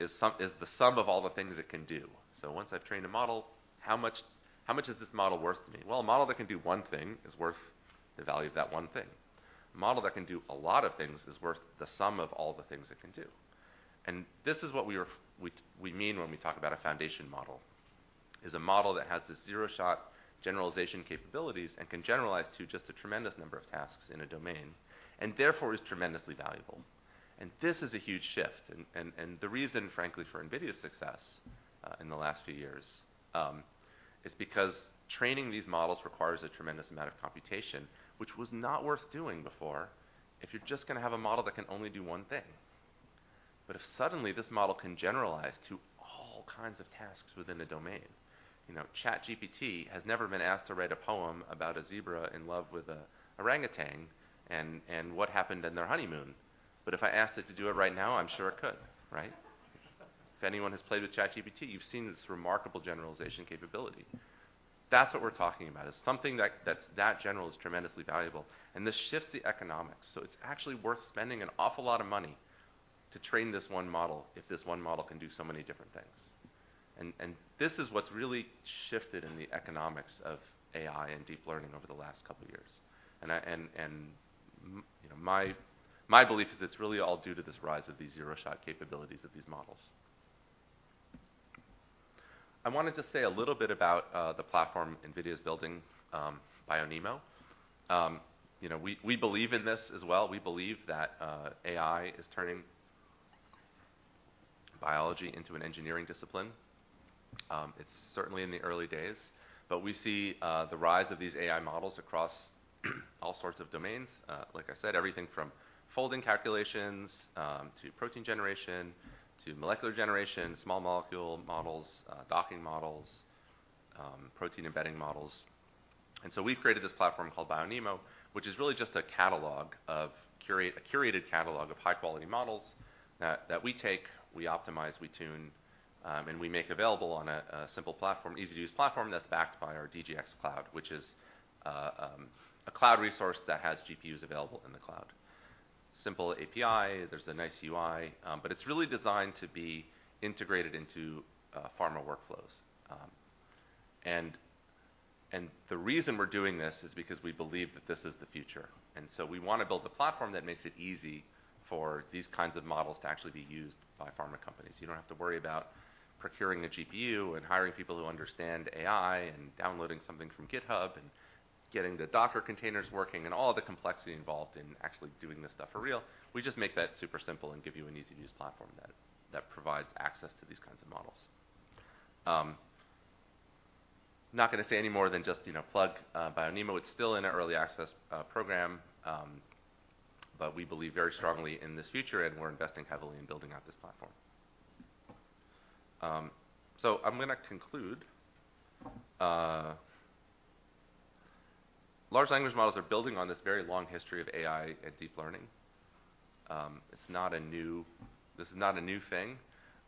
is sum, is the sum of all the things it can do. So once I've trained a model, how much, how much is this model worth to me? Well, a model that can do one thing is worth the value of that one thing. A model that can do a lot of things is worth the sum of all the things it can do. And this is what we mean when we talk about a Foundation model, is a model that has this zero-shot generalization capabilities and can generalize to just a tremendous number of tasks in a domain, and therefore, is tremendously valuable. And this is a huge shift. The reason, frankly, for NVIDIA's success in the last few years is because training these models requires a tremendous amount of computation, which was not worth doing before if you're just gonna have a model that can only do one thing. But if suddenly this model can generalize to all kinds of tasks within a domain... You know, ChatGPT has never been asked to write a poem about a zebra in love with an orangutan and what happened in their honeymoon, but if I asked it to do it right now, I'm sure it could, right? If anyone has played with ChatGPT, you've seen this remarkable generalization capability. That's what we're talking about, something that is that general is tremendously valuable, and this shifts the economics. So it's actually worth spending an awful lot of money to train this one model, if this one model can do so many different things. And this is what's really shifted in the economics of AI and deep learning over the last couple of years. And you know, my belief is it's really all due to this rise of these zero-shot capabilities of these models. I wanted to say a little bit about the platform NVIDIA's building, BioNeMo. You know, we believe in this as well. We believe that AI is turning biology into an engineering discipline. It's certainly in the early days, but we see the rise of these AI models across all sorts of domains. Like I said, everything from folding calculations to protein generation, to molecular generation, small molecule models, docking models, protein embedding models. And so we've created this platform called BioNeMo, which is really just a curated catalog of high-quality models that we take, we optimize, we tune, and we make available on a simple easy-to-use platform that's backed by our DGX Cloud, which is a cloud resource that has GPUs available in the cloud. Simple API, there's a nice UI, but it's really designed to be integrated into pharma workflows. And the reason we're doing this is because we believe that this is the future. So we want to build a platform that makes it easy for these kinds of models to actually be used by pharma companies. You don't have to worry about procuring a GPU and hiring people who understand AI, and downloading something from GitHub, and getting the Docker containers working, and all the complexity involved in actually doing this stuff for real. We just make that super simple and give you an easy-to-use platform that provides access to these kinds of models. Not gonna say any more than just, you know, plug BioNeMo. It's still in an early access program, but we believe very strongly in this future, and we're investing heavily in building out this platform. So I'm gonna conclude. Large language models are building on this very long history of AI and deep learning. It's not a new thing.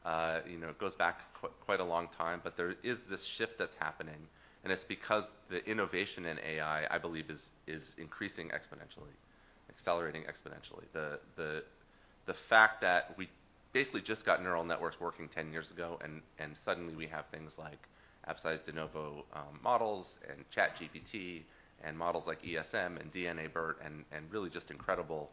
You know, it goes back quite a long time, but there is this shift that's happening, and it's because the innovation in AI, I believe, is increasing exponentially, accelerating exponentially. The fact that we basically just got neural networks working ten years ago, and suddenly we have things like Absci's de novo models and ChatGPT, and models like ESM and DNABERT, and really just incredible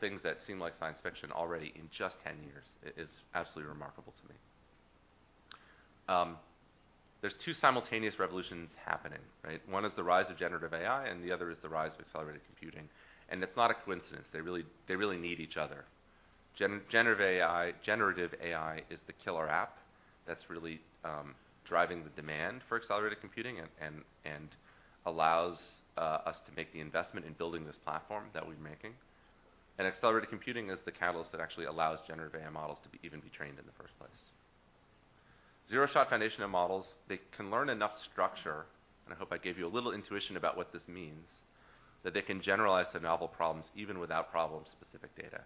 things that seem like science fiction already in just ten years is absolutely remarkable to me. There's two simultaneous revolutions happening, right? One is the rise of generative AI, and the other is the rise of accelerated computing, and it's not a coincidence. They really, they really need each other. Generative AI is the killer app that's really driving the demand for accelerated computing and allows us to make the investment in building this platform that we're making. Accelerated computing is the catalyst that actually allows generative AI models to be even trained in the first place. Zero-shot foundational models, they can learn enough structure, and I hope I gave you a little intuition about what this means, that they can generalize to novel problems even without problem-specific data.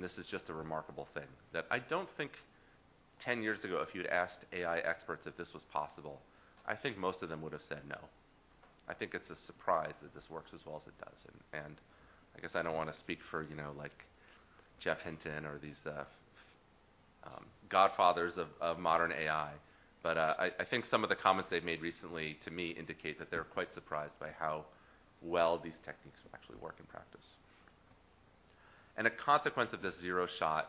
This is just a remarkable thing that I don't think 10 years ago, if you'd asked AI experts if this was possible, I think most of them would have said no. I think it's a surprise that this works as well as it does. I guess I don't want to speak for, you know, like, Geoff Hinton or these godfathers of modern AI, but I think some of the comments they've made recently, to me, indicate that they're quite surprised by how well these techniques will actually work in practice. A consequence of this zero-shot,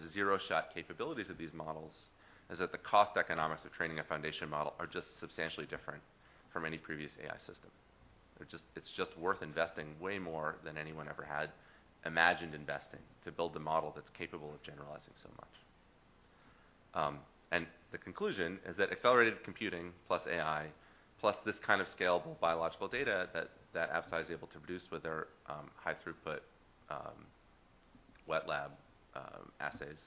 the zero-shot capabilities of these models, is that the cost economics of training a foundation model are just substantially different from any previous AI system. It's just, it's just worth investing way more than anyone ever had imagined investing to build a model that's capable of generalizing so much. And the conclusion is that accelerated computing, plus AI, plus this kind of scalable biological data that Absci is able to produce with their high-throughput wet lab assays,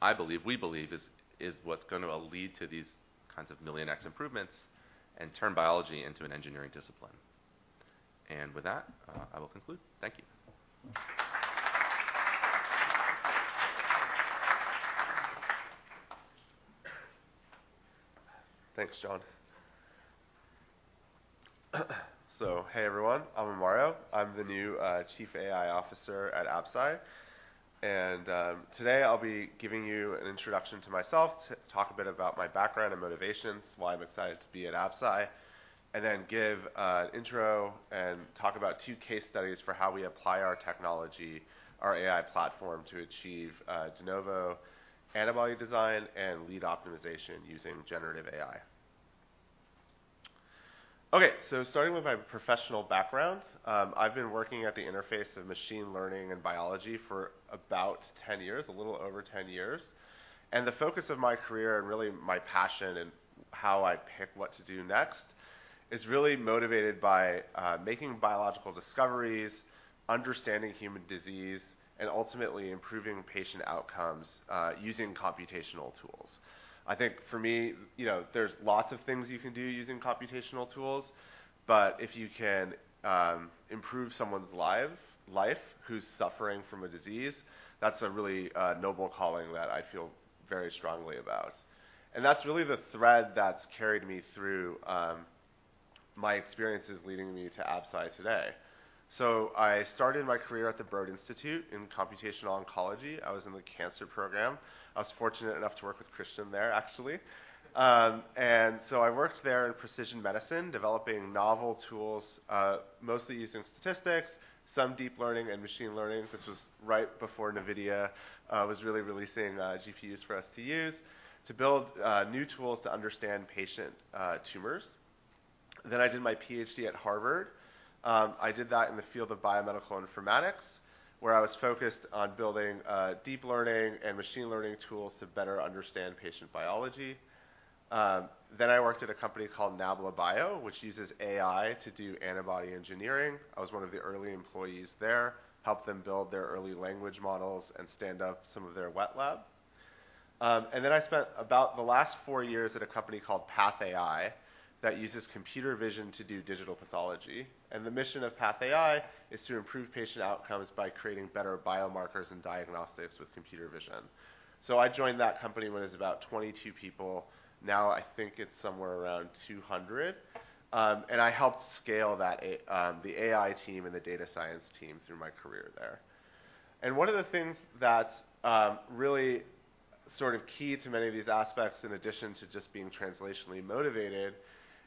I believe, we believe, is what's gonna lead to these kinds of million x improvements and turn biology into an engineering discipline. And with that, I will conclude. Thank you. Thanks, John. So hey, everyone, I'm Amaro. I'm the new Chief AI Officer at Absci. And today I'll be giving you an introduction to myself, talk a bit about my background and motivations, why I'm excited to be at Absci, and then give an intro and talk about two case studies for how we apply our technology, our AI platform, to achieve de novo antibody design and lead optimization using generative AI. Okay, so starting with my professional background, I've been working at the interface of machine learning and biology for about 10 years, a little over 10 years. And the focus of my career and really my passion and how I pick what to do next is really motivated by making biological discoveries, understanding human disease, and ultimately improving patient outcomes using computational tools. I think for me, you know, there's lots of things you can do using computational tools, but if you can improve someone's life who's suffering from a disease, that's a really noble calling that I feel very strongly about. And that's really the thread that's carried me through my experience is leading me to Absci today. So I started my career at the Broad Institute in computational oncology. I was in the cancer program. I was fortunate enough to work with Christian there, actually. And so I worked there in precision medicine, developing novel tools mostly using statistics, some deep learning and machine learning. This was right before NVIDIA was really releasing GPUs for us to use, to build new tools to understand patient tumors. Then I did my PhD at Harvard. I did that in the field of biomedical informatics, where I was focused on building deep learning and machine learning tools to better understand patient biology. Then I worked at a company called Nabla Bio, which uses AI to do antibody engineering. I was one of the early employees there, helped them build their early language models and stand up some of their wet lab. And then I spent about the last four years at a company called PathAI that uses computer vision to do digital pathology. And the mission of PathAI is to improve patient outcomes by creating better biomarkers and diagnostics with computer vision. So I joined that company when it was about 22 people. Now, I think it's somewhere around 200. And I helped scale that AI team and the data science team through my career there. And one of the things that's really sort of key to many of these aspects, in addition to just being translationally motivated,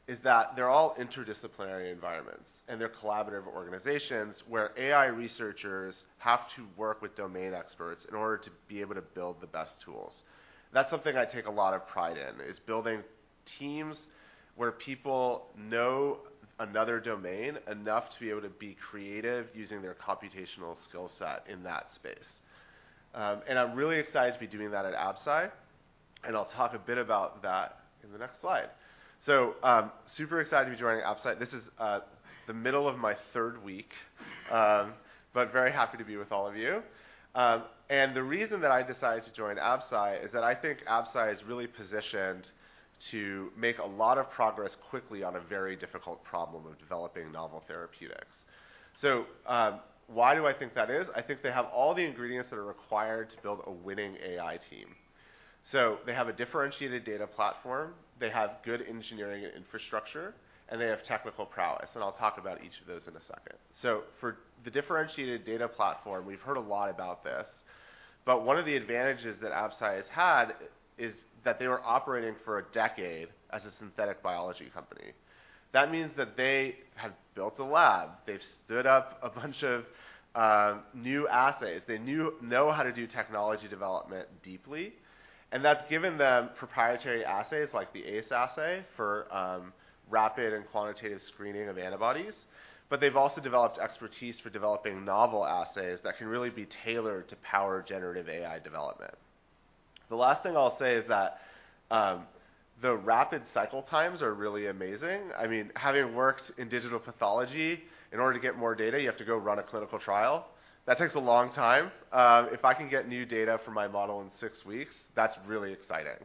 is that they're all interdisciplinary environments, and they're collaborative organizations where AI researchers have to work with domain experts in order to be able to build the best tools. That's something I take a lot of pride in, is building teams where people know another domain enough to be able to be creative using their computational skill set in that space. And I'm really excited to be doing that at Absci, and I'll talk a bit about that in the next slide. So, super excited to be joining Absci. This is the middle of my third week, but very happy to be with all of you. And the reason that I decided to join Absci is that I think Absci is really positioned to make a lot of progress quickly on a very difficult problem of developing novel therapeutics. So, why do I think that is? I think they have all the ingredients that are required to build a winning AI team. So they have a differentiated data platform, they have good engineering and infrastructure, and they have technical prowess, and I'll talk about each of those in a second. So for the differentiated data platform, we've heard a lot about this, but one of the advantages that Absci has had is that they were operating for a decade as a synthetic biology company. That means that they have built a lab, they've stood up a bunch of new assays. They know how to do technology development deeply, and that's given them proprietary assays like the ACE Assay for rapid and quantitative screening of antibodies. But they've also developed expertise for developing novel assays that can really be tailored to power generative AI development. The last thing I'll say is that the rapid cycle times are really amazing. I mean, having worked in digital pathology, in order to get more data, you have to go run a clinical trial. That takes a long time. If I can get new data from my model in six weeks, that's really exciting.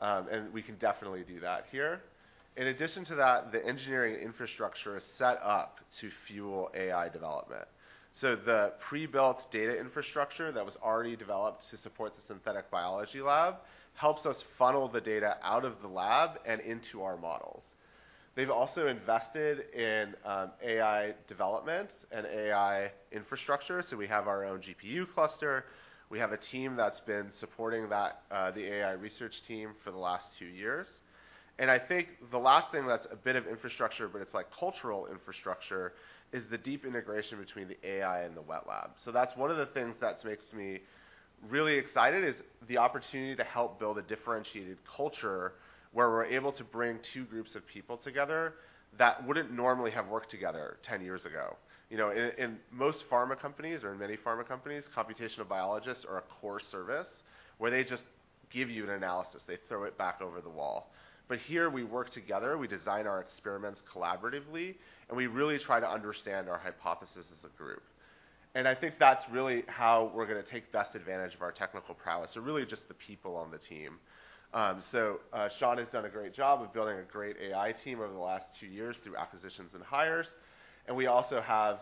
And we can definitely do that here. In addition to that, the engineering infrastructure is set up to fuel AI development. So the pre-built data infrastructure that was already developed to support the synthetic biology lab, helps us funnel the data out of the lab and into our models. They've also invested in, AI development and AI infrastructure, so we have our own GPU cluster. We have a team that's been supporting that, the AI research team for the last two years. And I think the last thing that's a bit of infrastructure, but it's like cultural infrastructure, is the deep integration between the AI and the wet lab. So that's one of the things that makes me really excited, is the opportunity to help build a differentiated culture where we're able to bring two groups of people together that wouldn't normally have worked together 10 years ago. You know, in most pharma companies or in many pharma companies, computational biologists are a core service where they just give you an analysis. They throw it back over the wall. But here we work together, we design our experiments collaboratively, and we really try to understand our hypothesis as a group. And I think that's really how we're gonna take best advantage of our technical prowess, so really just the people on the team. Sean has done a great job of building a great AI team over the last two years through acquisitions and hires, and we also have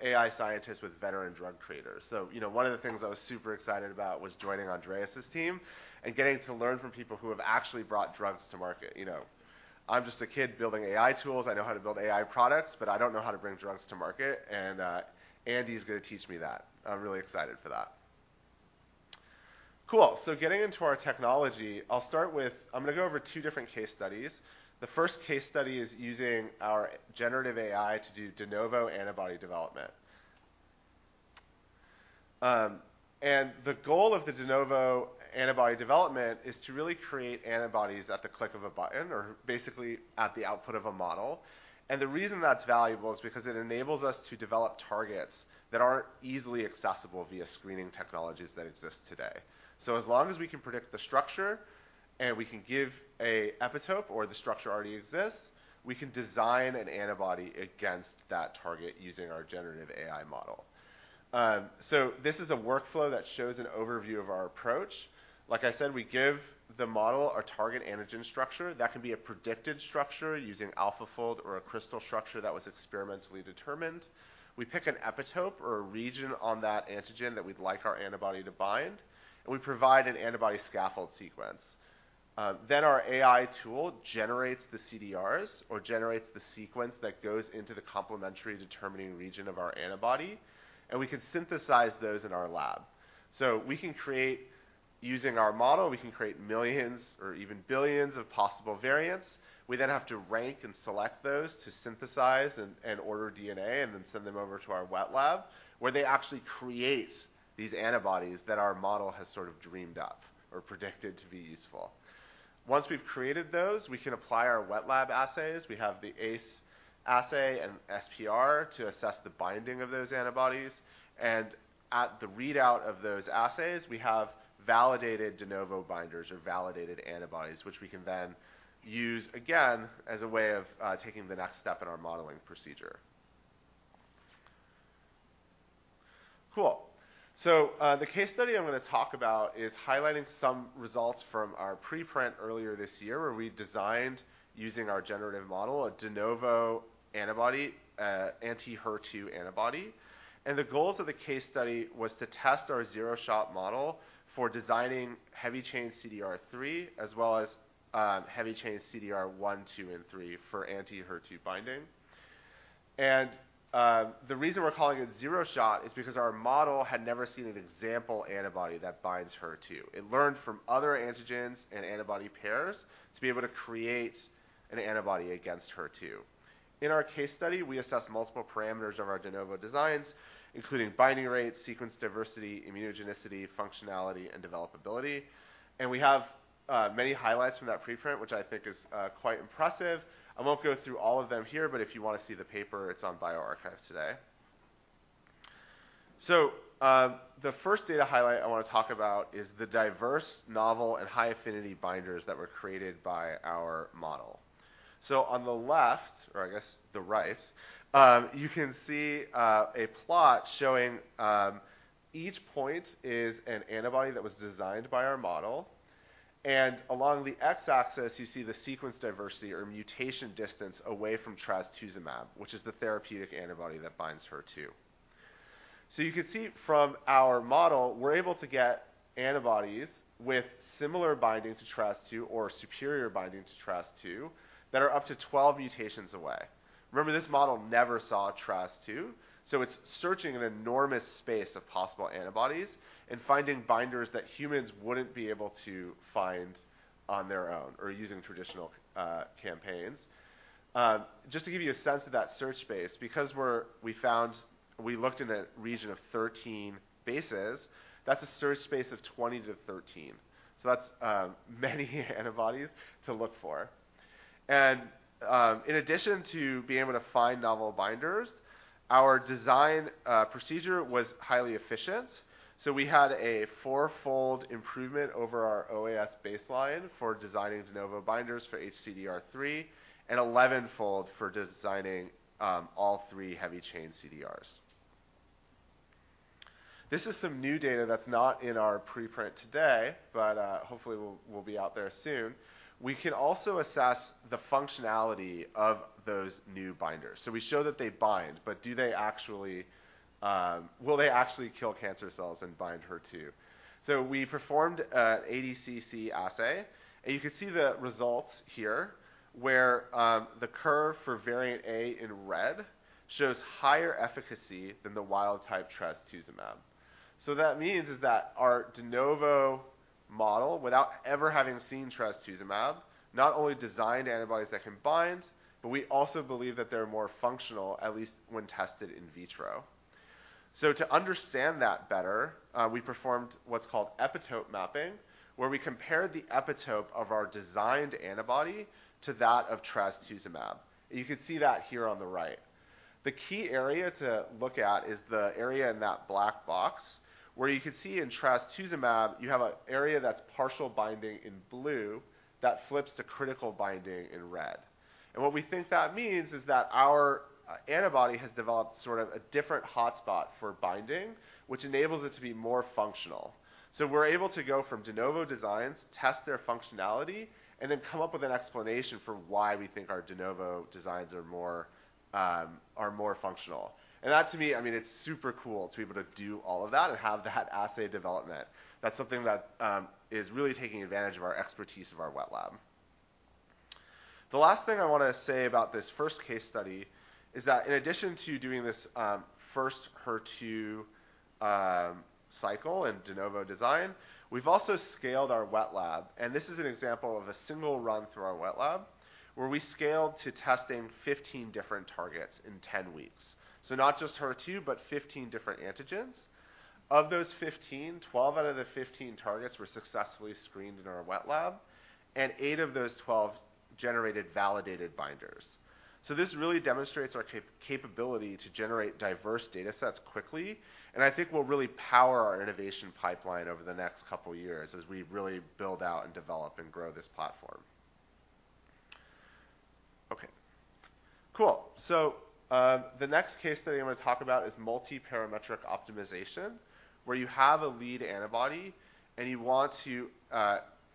AI scientists with veteran drug creators. So, you know, one of the things I was super excited about was joining Andreas' team and getting to learn from people who have actually brought drugs to market. You know, I'm just a kid building AI tools. I know how to build AI products, but I don't know how to bring drugs to market, and Andy's gonna teach me that. I'm really excited for that. Cool. So getting into our technology, I'll start with... I'm gonna go over two different case studies. The first case study is using our generative AI to do de novo antibody development. The goal of the de novo antibody development is to really create antibodies at the click of a button or basically at the output of a model. The reason that's valuable is because it enables us to develop targets that aren't easily accessible via screening technologies that exist today. So as long as we can predict the structure and we can give an epitope or the structure already exists, we can design an antibody against that target using our generative AI model. So this is a workflow that shows an overview of our approach. Like I said, we give the model a target antigen structure. That can be a predicted structure using AlphaFold or a crystal structure that was experimentally determined. We pick an epitope or a region on that antigen that we'd like our antibody to bind, and we provide an antibody scaffold sequence.... Then our AI tool generates the CDRs or generates the sequence that goes into the complementarity-determining region of our antibody, and we can synthesize those in our lab. We can create, using our model, we can create millions or even billions of possible variants. We then have to rank and select those to synthesize and order DNA, and then send them over to our wet lab, where they actually create these antibodies that our model has sort of dreamed up or predicted to be useful. Once we've created those, we can apply our wet lab assays. We have the ACE Assay and SPR to assess the binding of those antibodies, and at the readout of those assays, we have validated de novo binders or validated antibodies, which we can then use again as a way of taking the next step in our modeling procedure. Cool. So, the case study I'm gonna talk about is highlighting some results from our preprint earlier this year, where we designed, using our generative model, a de novo antibody, anti-HER2 antibody. The goals of the case study was to test our zero-shot model for designing heavy chain CDR3, as well as, heavy chain CDR 1, 2, and 3 for anti-HER2 binding. The reason we're calling it zero-shot is because our model had never seen an example antibody that binds HER2. It learned from other antigens and antibody pairs to be able to create an antibody against HER2. In our case study, we assessed multiple parameters of our de novo designs, including binding rates, sequence diversity, immunogenicity, functionality, and developability. We have many highlights from that preprint, which I think is quite impressive. I won't go through all of them here, but if you want to see the paper, it's on bioRxiv today. So, the first data highlight I want to talk about is the diverse, novel, and high-affinity binders that were created by our model. So on the left, or I guess the right, you can see a plot showing each point is an antibody that was designed by our model, and along the X-axis, you see the sequence diversity or mutation distance away from trastuzumab, which is the therapeutic antibody that binds HER2. So you can see from our model, we're able to get antibodies with similar binding to trastuzumab or superior binding to trastuzumab that are up to 12 mutations away. Remember, this model never saw trastuzumab, so it's searching an enormous space of possible antibodies and finding binders that humans wouldn't be able to find on their own or using traditional campaigns. Just to give you a sense of that search space, because we looked in a region of 13 bases, that's a search space of 20 to 13, so that's many antibodies to look for. And in addition to being able to find novel binders, our design procedure was highly efficient. So we had a 4-fold improvement over our OAS baseline for designing de novo binders for HCDR3, and 11-fold for designing all three heavy chain CDRs. This is some new data that's not in our preprint today, but hopefully will be out there soon. We can also assess the functionality of those new binders. So we show that they bind, but do they actually? Will they actually kill cancer cells and bind HER2? So we performed an ADCC assay, and you can see the results here, where the curve for variant A in red shows higher efficacy than the wild-type trastuzumab. So that means is that our de novo model, without ever having seen trastuzumab, not only designed antibodies that can bind, but we also believe that they're more functional, at least when tested in vitro. So to understand that better, we performed what's called epitope mapping, where we compared the epitope of our designed antibody to that of trastuzumab. You can see that here on the right. The key area to look at is the area in that black box, where you can see in trastuzumab, you have an area that's partial binding in blue, that flips to critical binding in red. What we think that means is that our antibody has developed sort of a different hotspot for binding, which enables it to be more functional. We're able to go from de novo designs, test their functionality, and then come up with an explanation for why we think our de novo designs are more, are more functional. That, to me, I mean, it's super cool to be able to do all of that and have that assay development. That's something that is really taking advantage of our expertise of our wet lab. The last thing I want to say about this first case study is that in addition to doing this, first HER2 cycle in de novo design, we've also scaled our wet lab, and this is an example of a single run through our wet lab, where we scaled to testing 15 different targets in 10 weeks. So not just HER2, but 15 different antigens. Of those 15, 12 out of the 15 targets were successfully screened in our wet lab, and eight of those 12 generated validated binders. So this really demonstrates our capability to generate diverse data sets quickly, and I think will really power our innovation pipeline over the next couple of years as we really build out and develop, and grow this platform. Okay, cool. So, the next case study I'm going to talk about is multiparametric optimization, where you have a lead antibody, and you want to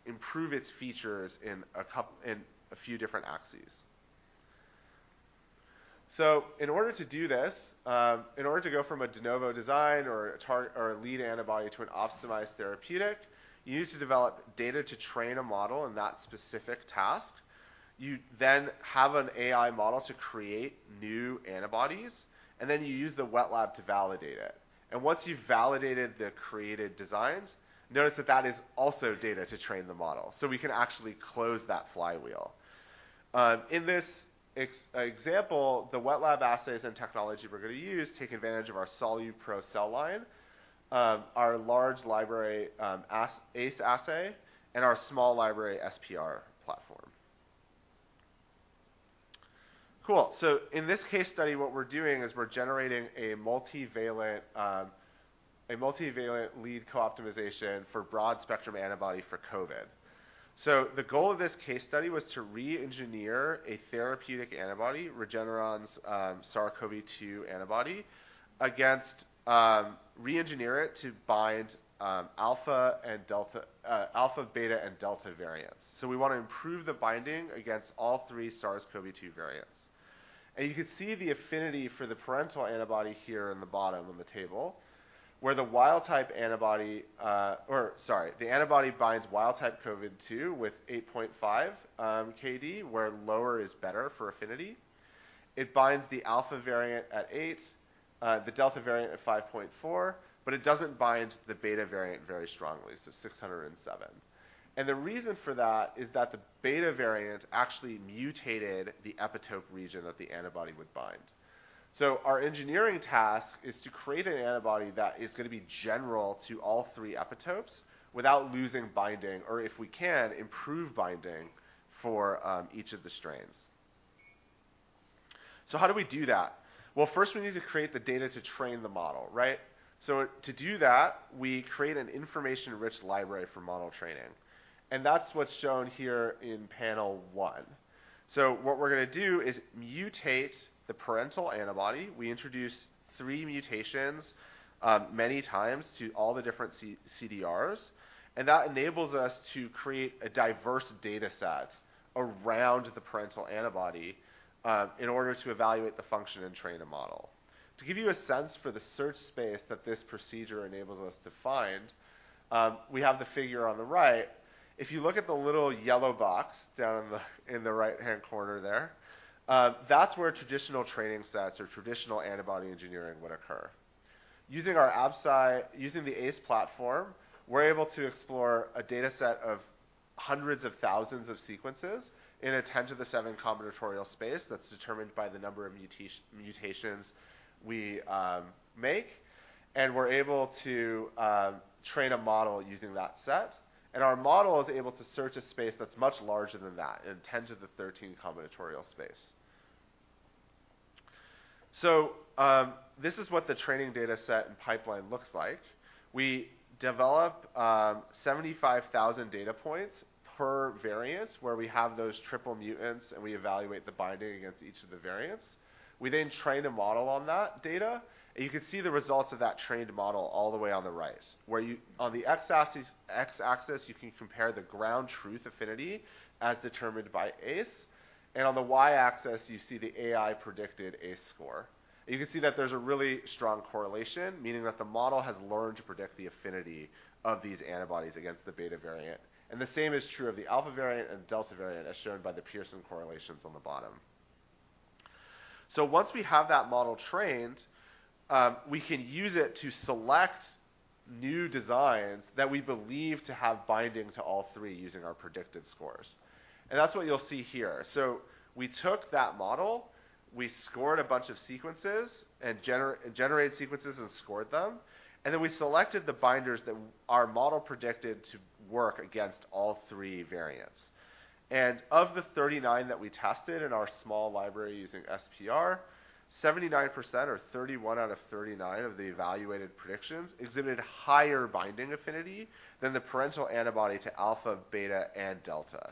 improve its features in a few different axes. So in order to do this, in order to go from a de novo design or a lead antibody to an optimized therapeutic, you need to develop data to train a model in that specific task. You then have an AI model to create new antibodies, and then you use the wet lab to validate it. And once you've validated the created designs, notice that that is also data to train the model. So we can actually close that flywheel. In this example, the wet lab assays and technology we're going to use take advantage of our SoluPro cell line, our large library, ACE assay, and our small library SPR platform. Cool. So in this case study, what we're doing is we're generating a multivalent lead co-optimization for broad-spectrum antibody for COVID. So the goal of this case study was to re-engineer a therapeutic antibody, Regeneron's SARS-CoV-2 antibody against re-engineer it to bind alpha, beta, and delta variants. So we want to improve the binding against all three SARS-CoV-2 variants. And you can see the affinity for the parental antibody here in the bottom of the table, where the antibody binds wild type CoV-2 with 8.5 KD, where lower is better for affinity. It binds the alpha variant at eight, the delta variant at 5.4, but it doesn't bind the beta variant very strongly, so 607. And the reason for that is that the beta variant actually mutated the epitope region that the antibody would bind. So our engineering task is to create an antibody that is going to be general to all three epitopes without losing binding, or if we can, improve binding for each of the strains. So how do we do that? Well, first, we need to create the data to train the model, right? So to do that, we create an information-rich library for model training, and that's what's shown here in panel one. So what we're gonna do is mutate the parental antibody. We introduce three mutations, many times to all the different CDRs, and that enables us to create a diverse data set around the parental antibody, in order to evaluate the function and train a model. To give you a sense for the search space that this procedure enables us to find, we have the figure on the right. If you look at the little yellow box down in the right-hand corner there, that's where traditional training sets or traditional antibody engineering would occur. Using our Absci... Using the ACE platform, we're able to explore a data set of hundreds of thousands of sequences in a 10^7 combinatorial space that's determined by the number of mutations we make, and we're able to train a model using that set, and our model is able to search a space that's much larger than that, in 10^13 combinatorial space. So, this is what the training data set and pipeline looks like. We develop 75,000 data points per variant, where we have those triple mutants and we evaluate the binding against each of the variants. We then train a model on that data, and you can see the results of that trained model all the way on the right, on the x-axis you can compare the ground truth affinity as determined by ACE, and on the y-axis, you see the AI-predicted ACE score. You can see that there's a really strong correlation, meaning that the model has learned to predict the affinity of these antibodies against the beta variant. The same is true of the alpha variant and delta variant, as shown by the Pearson correlations on the bottom. Once we have that model trained, we can use it to select new designs that we believe to have binding to all three using our predictive scores. That's what you'll see here. So we took that model, we scored a bunch of sequences and generated sequences and scored them, and then we selected the binders that our model predicted to work against all three variants. And of the 39 that we tested in our small library using SPR, 79%, or 31 out of 39 of the evaluated predictions, exhibited higher binding affinity than the parental antibody to alpha, beta, and delta.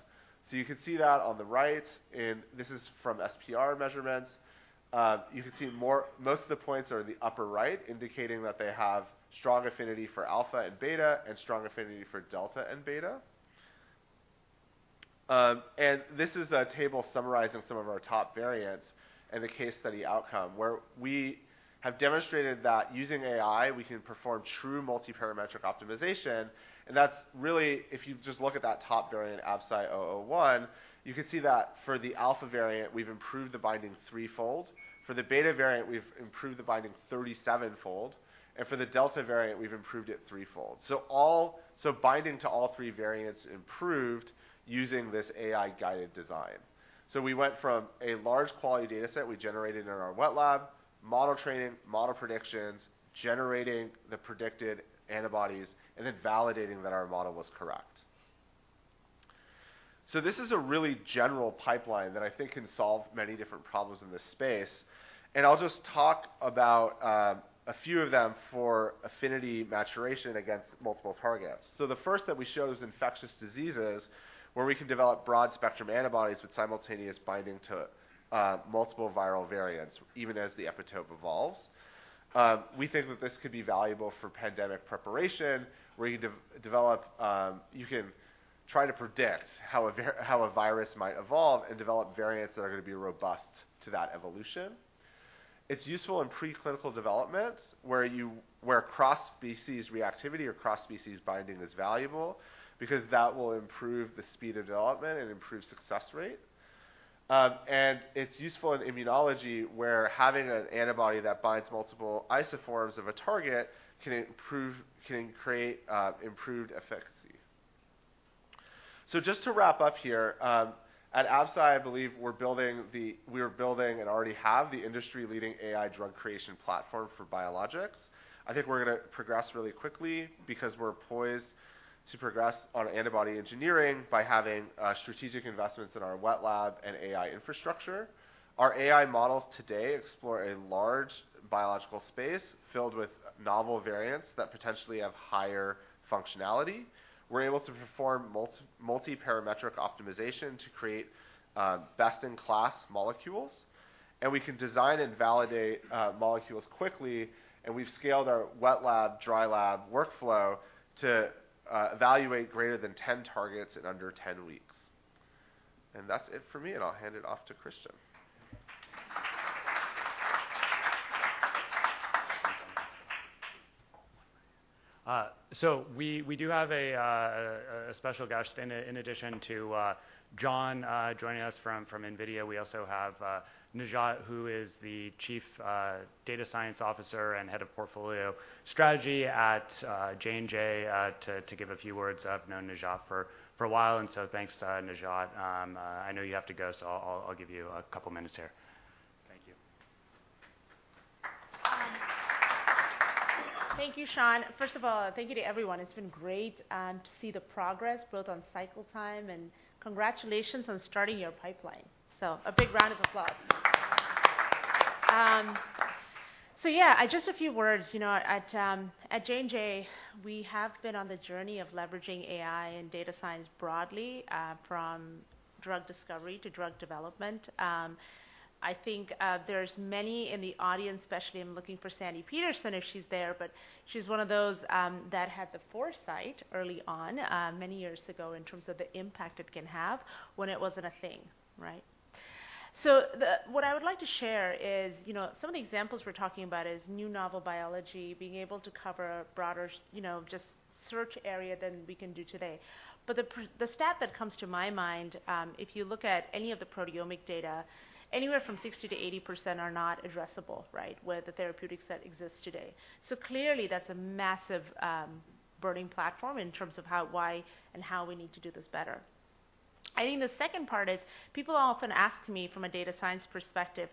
So you can see that on the right, and this is from SPR measurements. You can see most of the points are in the upper right, indicating that they have strong affinity for alpha and beta, and strong affinity for delta and beta. And this is a table summarizing some of our top variants and the case study outcome, where we have demonstrated that using AI, we can perform true multiparametric optimization. And that's really, if you just look at that top variant, ABCY001, you can see that for the alpha variant, we've improved the binding 3-fold. For the beta variant, we've improved the binding 37-fold, and for the delta variant, we've improved it 3-fold. So all binding to all three variants improved using this AI-guided design. So we went from a large quality data set we generated in our wet lab, model training, model predictions, generating the predicted antibodies, and then validating that our model was correct. So this is a really general pipeline that I think can solve many different problems in this space, and I'll just talk about a few of them for affinity maturation against multiple targets. So the first that we show is infectious diseases, where we can develop broad-spectrum antibodies with simultaneous binding to multiple viral variants, even as the epitope evolves.... We think that this could be valuable for pandemic preparation, where you develop, you can try to predict how a virus might evolve and develop variants that are going to be robust to that evolution. It's useful in preclinical development, where cross-species reactivity or cross-species binding is valuable, because that will improve the speed of development and improve success rate. And it's useful in immunology, where having an antibody that binds multiple isoforms of a target can create improved efficacy. So just to wrap up here, at Absci, I believe we are building and already have the industry-leading AI drug creation platform for biologics. I think we're going to progress really quickly because we're poised to progress on antibody engineering by having strategic investments in our wet lab and AI infrastructure. Our AI models today explore a large biological space filled with novel variants that potentially have higher functionality. We're able to perform multiparametric optimization to create best-in-class molecules, and we can design and validate molecules quickly, and we've scaled our wet lab, dry lab workflow to evaluate greater than 10 targets in under 10 weeks. And that's it for me, and I'll hand it off to Christian. So we do have a special guest. In addition to John joining us from NVIDIA, we also have Najat, who is the Chief Data Science Officer and Head of Portfolio Strategy at J&J, to give a few words. I've known Najat for a while, and so thanks to Najat. I know you have to go, so I'll give you a couple minutes here. Thank you. Thank you, Sean. First of all, thank you to everyone. It's been great to see the progress, both on cycle time, and congratulations on starting your pipeline. So a big round of applause. So yeah, just a few words. You know, at, at J&J, we have been on the journey of leveraging AI and data science broadly, from drug discovery to drug development. I think, there's many in the audience, especially I'm looking for Sandi Peterson, if she's there, but she's one of those, that had the foresight early on, many years ago, in terms of the impact it can have when it wasn't a thing, right? So the... What I would like to share is, you know, some of the examples we're talking about is new novel biology, being able to cover a broader, you know, just search area than we can do today. But the stat that comes to my mind, if you look at any of the proteomic data, anywhere from 60%-80% are not addressable, right, with the therapeutics that exist today. So clearly, that's a massive, burning platform in terms of how, why, and how we need to do this better. I think the second part is, people often ask me from a data science perspective,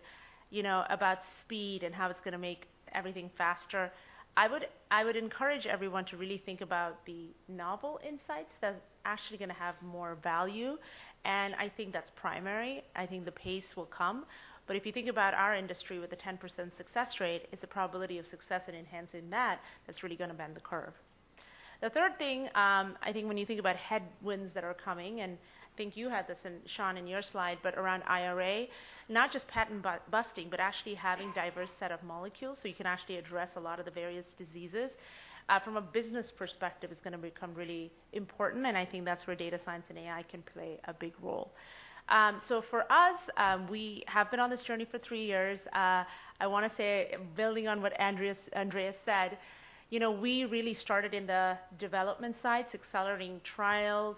you know, about speed and how it's going to make everything faster. I would, I would encourage everyone to really think about the novel insights that's actually going to have more value, and I think that's primary. I think the pace will come, but if you think about our industry with a 10% success rate, it's the probability of success and enhancing that, that's really going to bend the curve. The third thing, I think when you think about headwinds that are coming, and I think you had this in, Sean, in your slide, but around IRA, not just patent busting, but actually having diverse set of molecules, so you can actually address a lot of the various diseases. From a business perspective, it's going to become really important, and I think that's where data science and AI can play a big role. So for us, we have been on this journey for three years. I want to say, building on what Andreas said, you know, we really started in the development side, accelerating trials.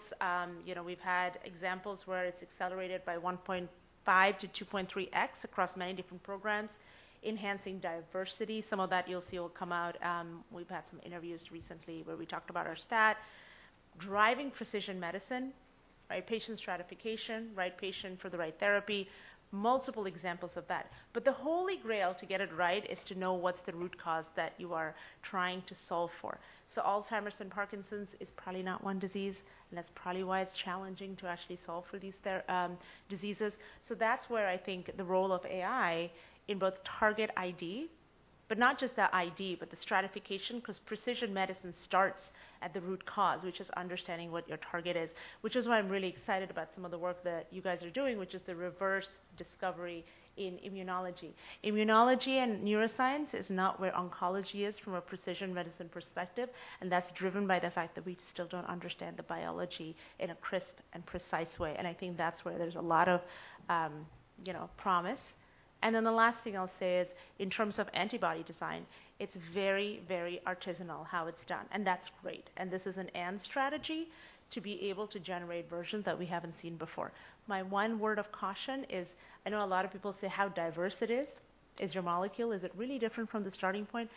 You know, we've had examples where it's accelerated by 1.5-2.3x across many different programs, enhancing diversity. Some of that you'll see will come out... We've had some interviews recently where we talked about our stat. Driving precision medicine, right? Patient stratification, right patient for the right therapy, multiple examples of that. But the holy grail to get it right is to know what's the root cause that you are trying to solve for. So Alzheimer's and Parkinson's is probably not one disease, and that's probably why it's challenging to actually solve for these diseases. So that's where I think the role of AI in both target ID, but not just the ID, but the stratification, because precision medicine starts at the root cause, which is understanding what your target is, which is why I'm really excited about some of the work that you guys are doing, which is the reverse immunology. Immunology and neuroscience is not where oncology is from a precision medicine perspective, and that's driven by the fact that we still don't understand the biology in a crisp and precise way, and I think that's where there's a lot of, you know, promise. And then the last thing I'll say is, in terms of antibody design, it's very, very artisanal how it's done, and that's great. And this is an and strategy to be able to generate versions that we haven't seen before. My one word of caution is, I know a lot of people say how diverse it is, is your molecule, is it really different from the starting point?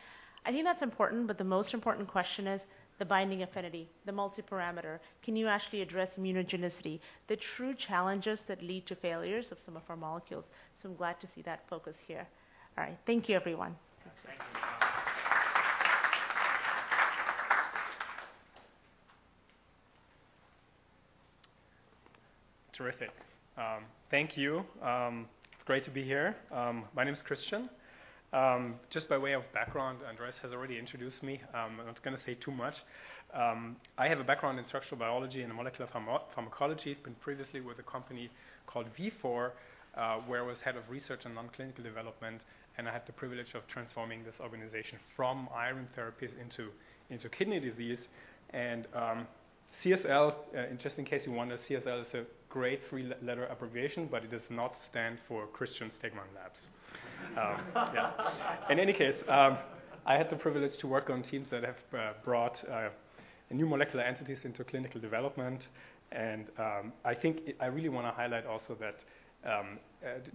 I think that's important, but the most important question is the binding affinity, the multiparameter. Can you actually address immunogenicity, the true challenges that lead to failures of some of our molecules? So I'm glad to see that focus here. All right. Thank you, everyone. Thank you. ... Terrific. Thank you. It's great to be here. My name is Christian. Just by way of background, Andreas has already introduced me. I'm not gonna say too much. I have a background in structural biology and molecular pharmacology, been previously with a company called Vifor, where I was Head of Research and Non-Clinical Development, and I had the privilege of transforming this organization from iron therapies into kidney disease. And CSL, and just in case you wonder, CSL is a great three-letter abbreviation, but it does not stand for Christian Stegmann Labs. Yeah. In any case, I had the privilege to work on teams that have brought new molecular entities into clinical development. I think I really want to highlight also that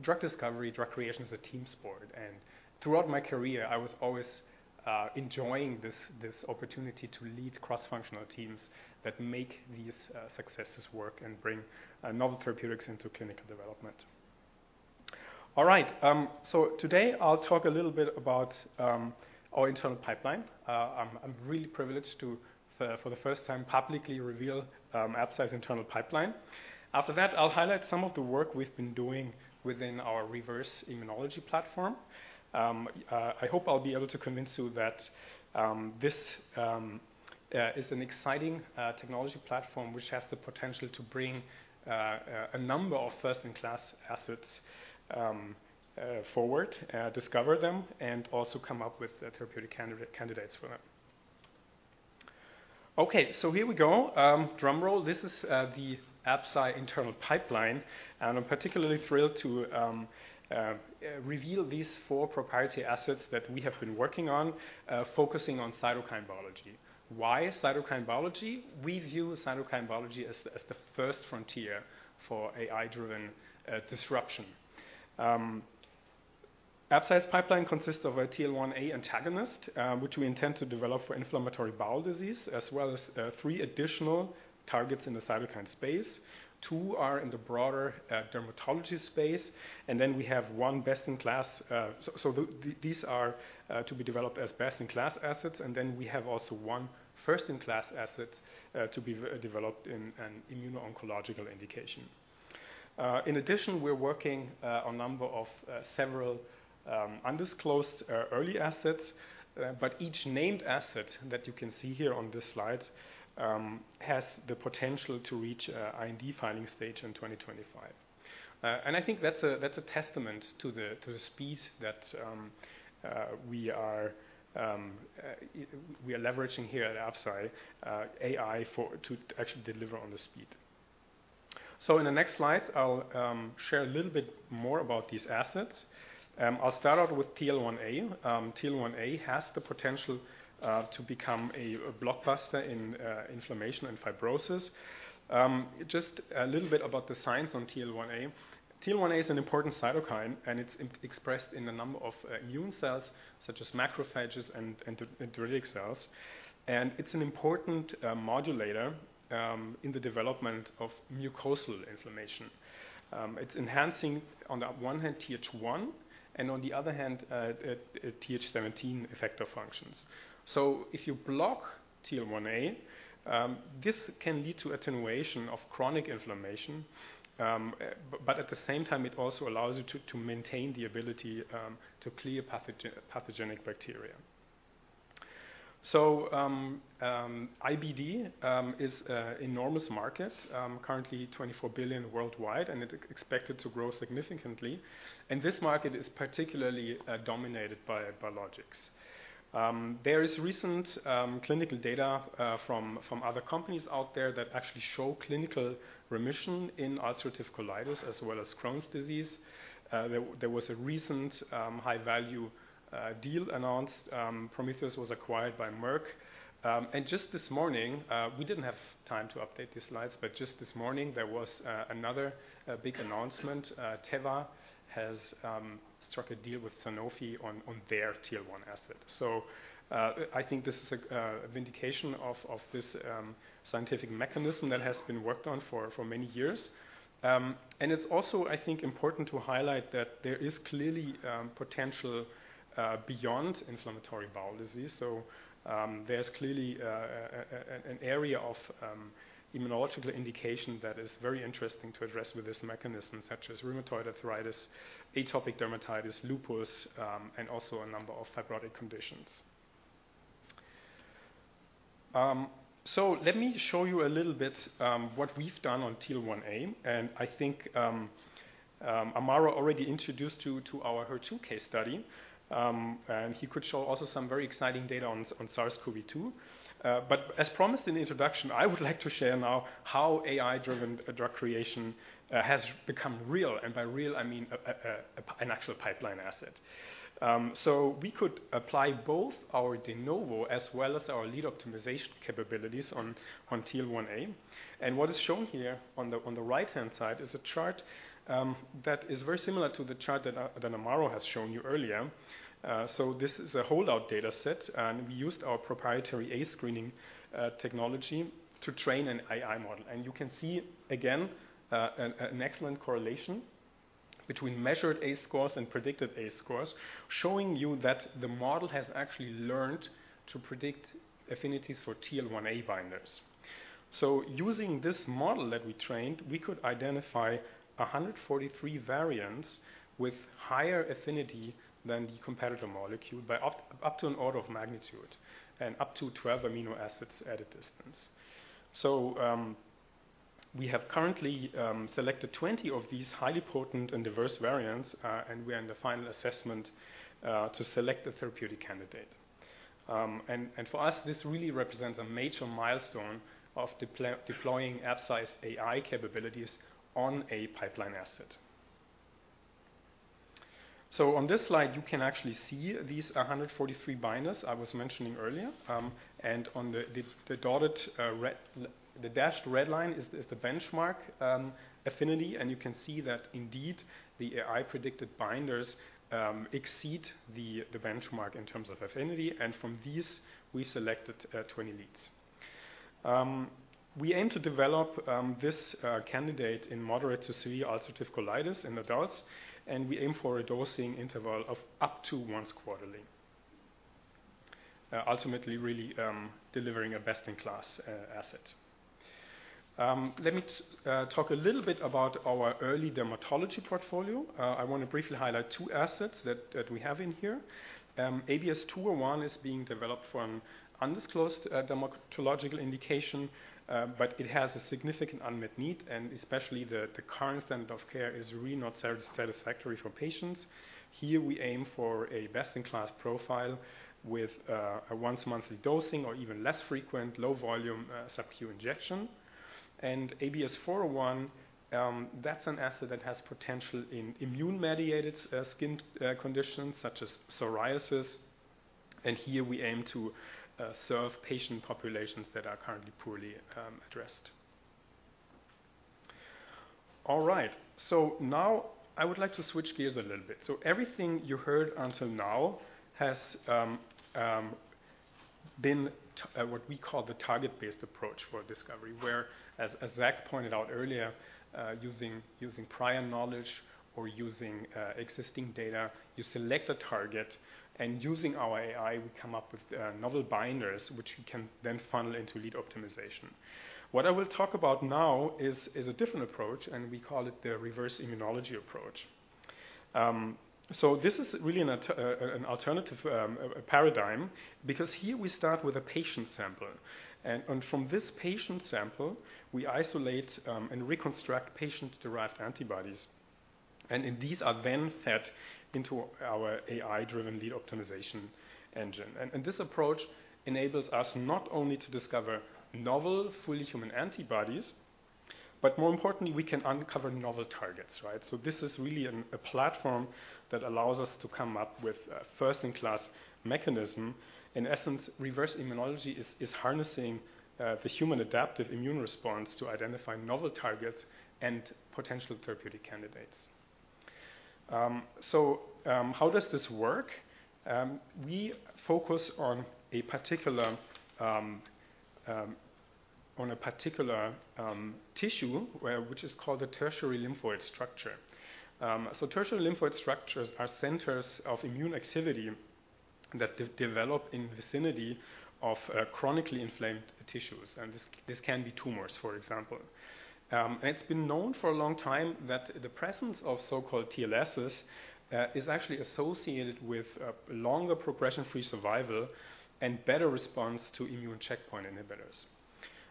drug discovery, drug creation is a team sport, and throughout my career, I was always enjoying this, this opportunity to lead cross-functional teams that make these successes work and bring novel therapeutics into clinical development. All right. So today I'll talk a little bit about our internal pipeline. I'm really privileged to, for the first time, publicly reveal Absci's internal pipeline. After that, I'll highlight some of the work we've been doing within our Reverse Immunology Platform. I hope I'll be able to convince you that this is an exciting technology platform, which has the potential to bring a number of first-in-class assets forward, discover them, and also come up with the therapeutic candidate, candidates for them. Okay, so here we go. Drum roll. This is the Absci internal pipeline, and I'm particularly thrilled to reveal these four proprietary assets that we have been working on, focusing on cytokine biology. Why cytokine biology? We view cytokine biology as the first frontier for AI-driven disruption. Absci's pipeline consists of a TL1A antagonist, which we intend to develop for inflammatory bowel disease, as well as three additional targets in the cytokine space. Two are in the broader dermatology space, and then we have one best-in-class. These are to be developed as best-in-class assets, and then we have also one first-in-class asset, to be developed in an immuno-oncological indication. In addition, we're working on number of several undisclosed early assets, but each named asset that you can see here on this slide has the potential to reach IND filing stage in 2025. And I think that's a testament to the speed that we are leveraging here at Absci AI for to actually deliver on the speed. So in the next slide, I'll share a little bit more about these assets. I'll start out with TL1A. TL1A has the potential to become a blockbuster in inflammation and fibrosis. Just a little bit about the science on TL1A. TL1A is an important cytokine, and it's expressed in a number of immune cells, such as macrophages and dendritic cells, and it's an important modulator in the development of mucosal inflammation. It's enhancing, on the one hand, Th1, and on the other hand, Th17 effector functions. So if you block TL1A, this can lead to attenuation of chronic inflammation, but at the same time, it also allows you to maintain the ability to clear pathogenic bacteria. So, IBD is a enormous market, currently $24 billion worldwide, and it expected to grow significantly, and this market is particularly dominated by biologics. There is recent clinical data from other companies out there that actually show clinical remission in ulcerative colitis as well as Crohn's disease. There was a recent high-value deal announced. Prometheus was acquired by Merck. And just this morning, we didn't have time to update these slides, but just this morning, there was another big announcement. Teva has struck a deal with Sanofi on their tier one asset. So, I think this is a vindication of this scientific mechanism that has been worked on for many years. And it's also, I think, important to highlight that there is clearly potential beyond inflammatory bowel disease. So, there's clearly an area of immunological indication that is very interesting to address with this mechanism, such as rheumatoid arthritis, atopic dermatitis, lupus, and also a number of fibrotic conditions. So let me show you a little bit, what we've done on TL1A, and I think, Amaro already introduced you to our HER2 case study. And he could show also some very exciting data on, on SARS-CoV-2. But as promised in the introduction, I would like to share now how AI-driven, drug creation, has become real, and by real, I mean, an actual pipeline asset. So we could apply both our de novo as well as our lead optimization capabilities on, on TL1A. And what is shown here on the, on the right-hand side, is a chart, that is very similar to the chart that Amaro has shown you earlier. So this is a holdout dataset, and we used our proprietary AI screening, technology to train an AI model. And you can see again, an excellent correlation between measured KD scores and predicted KD scores, showing you that the model has actually learned to predict affinities for TL1A binders. So using this model that we trained, we could identify 143 variants with higher affinity than the competitor molecule by up to an order of magnitude and up to 12 amino acids at a distance. So, we have currently selected 20 of these highly potent and diverse variants, and we are in the final assessment to select the therapeutic candidate. And for us, this really represents a major milestone of deploying Absci's AI capabilities on a pipeline asset. So on this slide, you can actually see these 143 binders I was mentioning earlier. And on the, the, the dotted, red-- the dashed red line is the, is the benchmark, affinity, and you can see that indeed, the AI predicted binders, exceed the, the benchmark in terms of affinity, and from these, we selected, 20 leads. We aim to develop, this, candidate in moderate to severe ulcerative colitis in adults, and we aim for a dosing interval of up to once quarterly, ultimately really, delivering a best-in-class, asset. Let me talk a little bit about our early dermatology portfolio. I want to briefly highlight two assets that, that we have in here. ABS-201 is being developed for an undisclosed, dermatological indication, but it has a significant unmet need, and especially the, the current standard of care is really not sa- satisfactory for patients. Here we aim for a best-in-class profile with a once monthly dosing or even less frequent low volume subQ injection. And ABS-401, that's an asset that has potential in immune-mediated skin conditions such as psoriasis, and here we aim to serve patient populations that are currently poorly addressed. All right, so now I would like to switch gears a little bit. So everything you heard until now has been what we call the target-based approach for discovery, where, as Zach pointed out earlier, using prior knowledge or using existing data, you select a target, and using our AI, we come up with novel binders, which you can then funnel into lead optimization. What I will talk about now is a different approach, and we call it the Reverse Immunology approach. So this is really an alternative paradigm, because here we start with a patient sample, and, and from this patient sample, we isolate, and reconstruct patient-derived antibodies, and then these are then fed into our AI-driven lead optimization engine. And, and this approach enables us not only to discover novel, fully human antibodies, but more importantly, we can uncover novel targets, right? So this is really a platform that allows us to come up with a first-in-class mechanism. In essence, Reverse Immunology is harnessing the human adaptive immune response to identify novel targets and potential therapeutic candidates. So, how does this work? We focus on a particular, on a particular, tissue, which is called a tertiary lymphoid structure. So tertiary lymphoid structures are centers of immune activity that develop in the vicinity of chronically inflamed tissues, and this can be tumors, for example. And it's been known for a long time that the presence of so-called TLSs is actually associated with longer progression-free survival and better response to immune checkpoint inhibitors.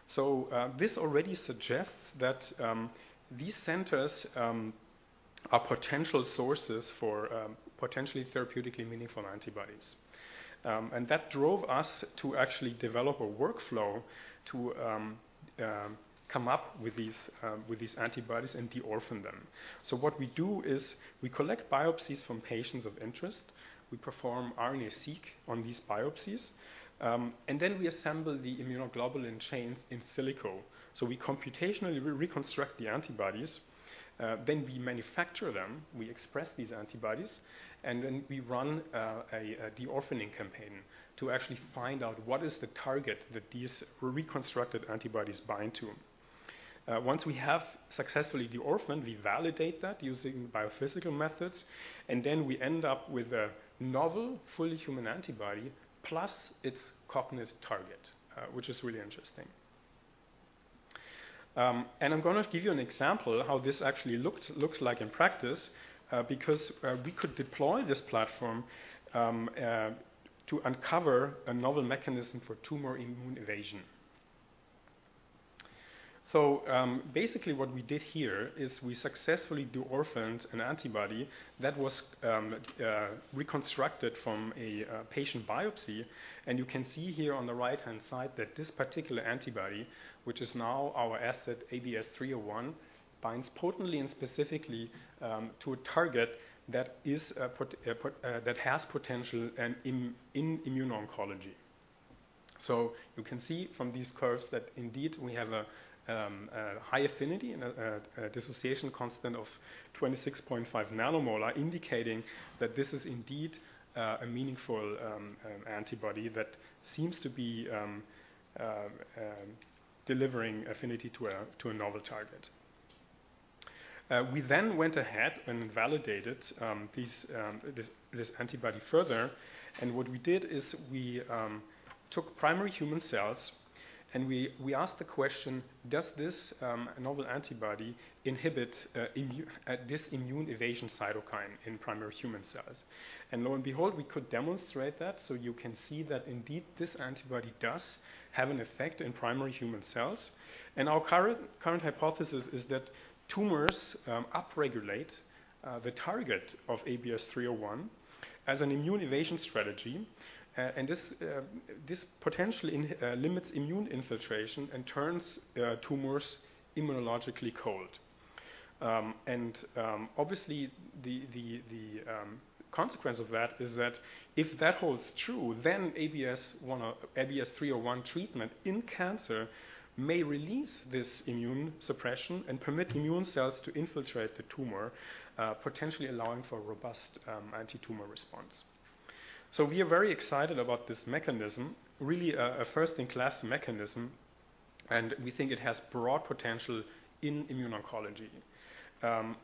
So this already suggests that these centers are potential sources for potentially therapeutically meaningful antibodies. And that drove us to actually develop a workflow to come up with these antibodies and de-orphan them. So what we do is we collect biopsies from patients of interest, we perform RNA-seq on these biopsies, and then we assemble the immunoglobulin chains in silico. So we computationally reconstruct the antibodies, then we manufacture them, we express these antibodies, and then we run a de-orphaning campaign to actually find out what is the target that these reconstructed antibodies bind to. Once we have successfully de-orphaned, we validate that using biophysical methods, and then we end up with a novel, fully human antibody, plus its cognate target, which is really interesting. And I'm gonna give you an example of how this actually looks like in practice, because we could deploy this platform to uncover a novel mechanism for tumor immune evasion. So, basically, what we did here is we successfully de-orphaned an antibody that was reconstructed from a patient biopsy. And you can see here on the right-hand side that this particular antibody, which is now our asset, ABS-301, binds potently and specifically to a target that has potential in immuno-oncology. So you can see from these curves that indeed we have a high affinity and a dissociation constant of 26.5 nanomolar, indicating that this is indeed a meaningful antibody that seems to be delivering affinity to a novel target. We then went ahead and validated this antibody further, and what we did is we took primary human cells, and we asked the question: Does this novel antibody inhibit this immune evasion cytokine in primary human cells? And lo and behold, we could demonstrate that. So you can see that indeed, this antibody does have an effect in primary human cells. And our current hypothesis is that tumors upregulate the target of ABS-301 as an immune evasion strategy, and this potentially limits immune infiltration and turns tumors immunologically cold. And obviously, the consequence of that is that if that holds true, then ABS-101 or ABS-301 treatment in cancer may release this immune suppression and permit immune cells to infiltrate the tumor, potentially allowing for robust antitumor response. So we are very excited about this mechanism, really, a first-in-class mechanism, and we think it has broad potential in immuno-oncology.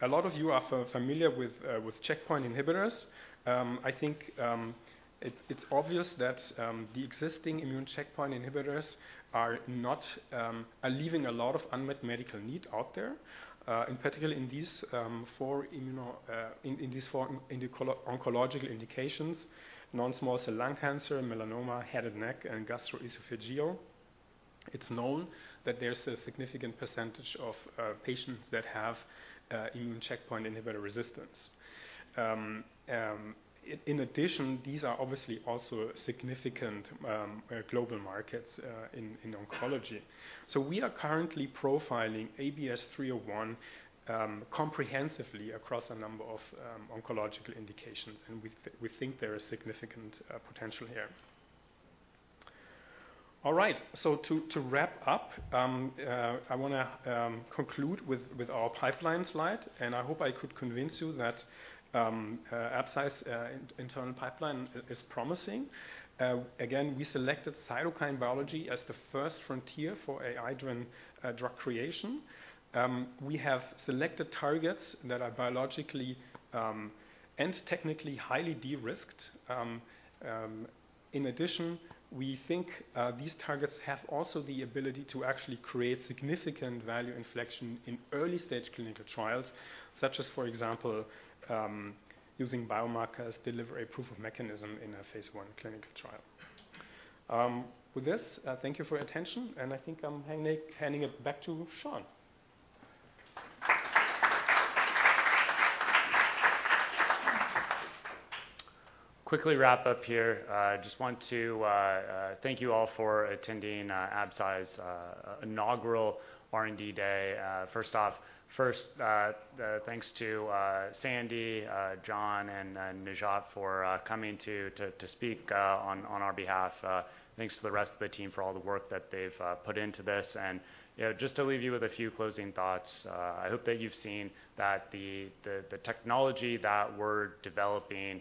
A lot of you are familiar with checkpoint inhibitors. I think it's obvious that the existing immune checkpoint inhibitors are leaving a lot of unmet medical need out there, in particular in these four immuno-oncological indications, non-small cell lung cancer, melanoma, head and neck, and gastroesophageal. It's known that there's a significant percentage of patients that have immune checkpoint inhibitor resistance. In addition, these are obviously also significant global markets in oncology. So we are currently profiling ABS-301 comprehensively across a number of oncological indications, and we think there is significant potential here. All right, so to wrap up, I wanna conclude with our pipeline slide, and I hope I could convince you that Absci's internal pipeline is promising. Again, we selected cytokine biology as the first frontier for AI-driven drug creation. We have selected targets that are biologically and technically highly de-risked. In addition, we think these targets have also the ability to actually create significant value inflection in early-stage clinical trials, such as, for example, using biomarkers deliver a proof of mechanism in a phase I clinical trial. With this, thank you for your attention, and I think I'm handing it back to Sean. Quickly wrap up here. I just want to thank you all for attending Absci's inaugural R&D Day. First off, first, thanks to Sandi, John, and Najat for coming to speak on our behalf. Thanks to the rest of the team for all the work that they've put into this. You know, just to leave you with a few closing thoughts, I hope that you've seen that the technology that we're developing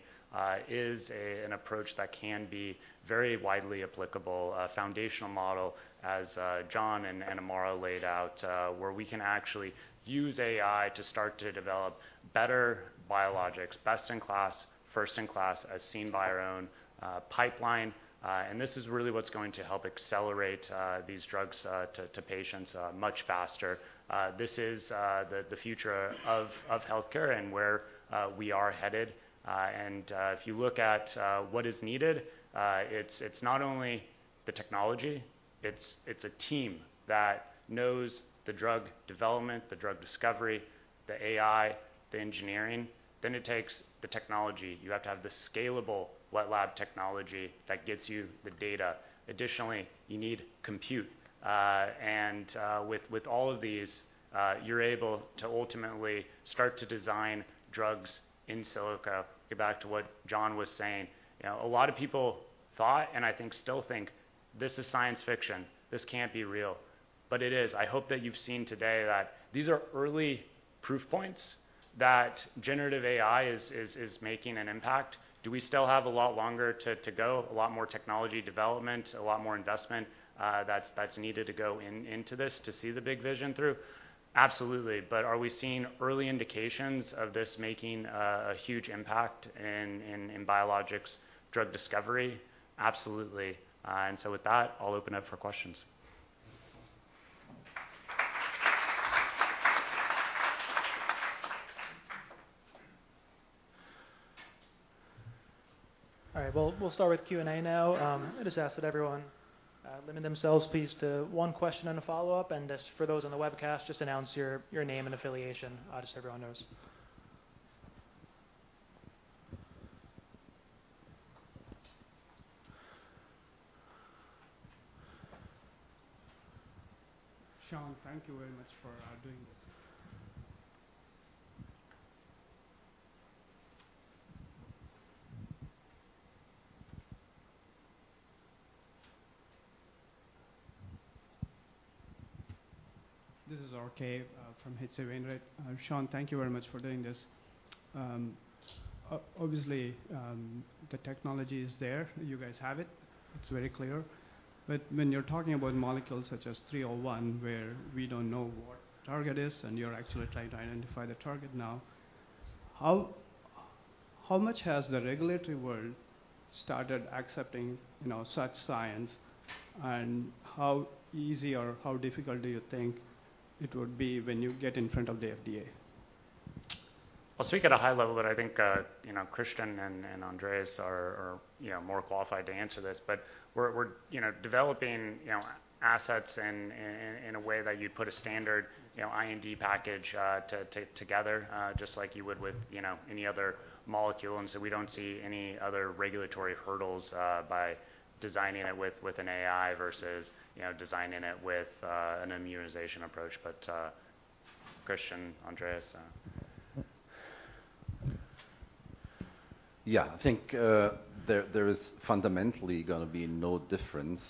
is an approach that can be very widely applicable, a foundational model, as John and Amaro laid out, where we can actually use AI to start to develop better biologics, best-in-class, first-in-class, as seen by our own pipeline, and this is really what's going to help accelerate these drugs to patients much faster. This is the future of healthcare and where we are headed. If you look at what is needed, it's not only the technology, it's a team that knows the drug development, the drug discovery, the AI, the engineering. Then it takes the technology. You have to have the scalable wet lab technology that gets you the data. Additionally, you need compute. With all of these, you're able to ultimately start to design drugs in silico. Get back to what John was saying. You know, a lot of people thought, and I think still think, this is science fiction. This can't be real, but it is. I hope that you've seen today that these are early proof points that generative AI is making an impact. Do we still have a lot longer to go, a lot more technology development, a lot more investment that's needed to go into this to see the big vision through? Absolutely. But are we seeing early indications of this making a huge impact in biologics drug discovery? Absolutely. And so with that, I'll open up for questions. All right, we'll start with Q&A now. I just ask that everyone limit themselves please to one question and a follow-up, and just for those on the webcast, just announce your name and affiliation, just so everyone knows. Sean, thank you very much for doing this. This is R. K. from Hitachi Vantara. Sean, thank you very much for doing this. Obviously, the technology is there, you guys have it, it's very clear. But when you're talking about molecules such as ABS-301, where we don't know what the target is, and you're actually trying to identify the target now, how much has the regulatory world started accepting, you know, such science? And how easy or how difficult do you think it would be when you get in front of the FDA? I'll speak at a high level, but I think, you know, Christian and Andreas are, you know, more qualified to answer this. But we're, you know, developing, you know, assets in a way that you'd put a standard, you know, IND package together, just like you would with, you know, any other molecule. And so we don't see any other regulatory hurdles by designing it with an AI versus, you know, designing it with an immunization approach. But, Christian, Andreas. Yeah, I think, there is fundamentally gonna be no difference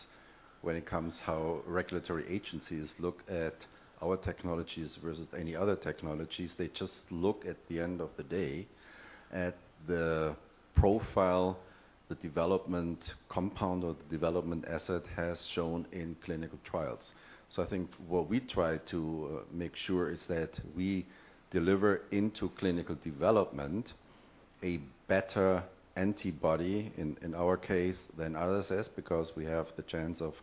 when it comes how regulatory agencies look at our technologies versus any other technologies. They just look at the end of the day at the profile, the development compound or the development asset has shown in clinical trials. So I think what we try to make sure is that we deliver into clinical development a better antibody in our case, than others is because we have the chance of,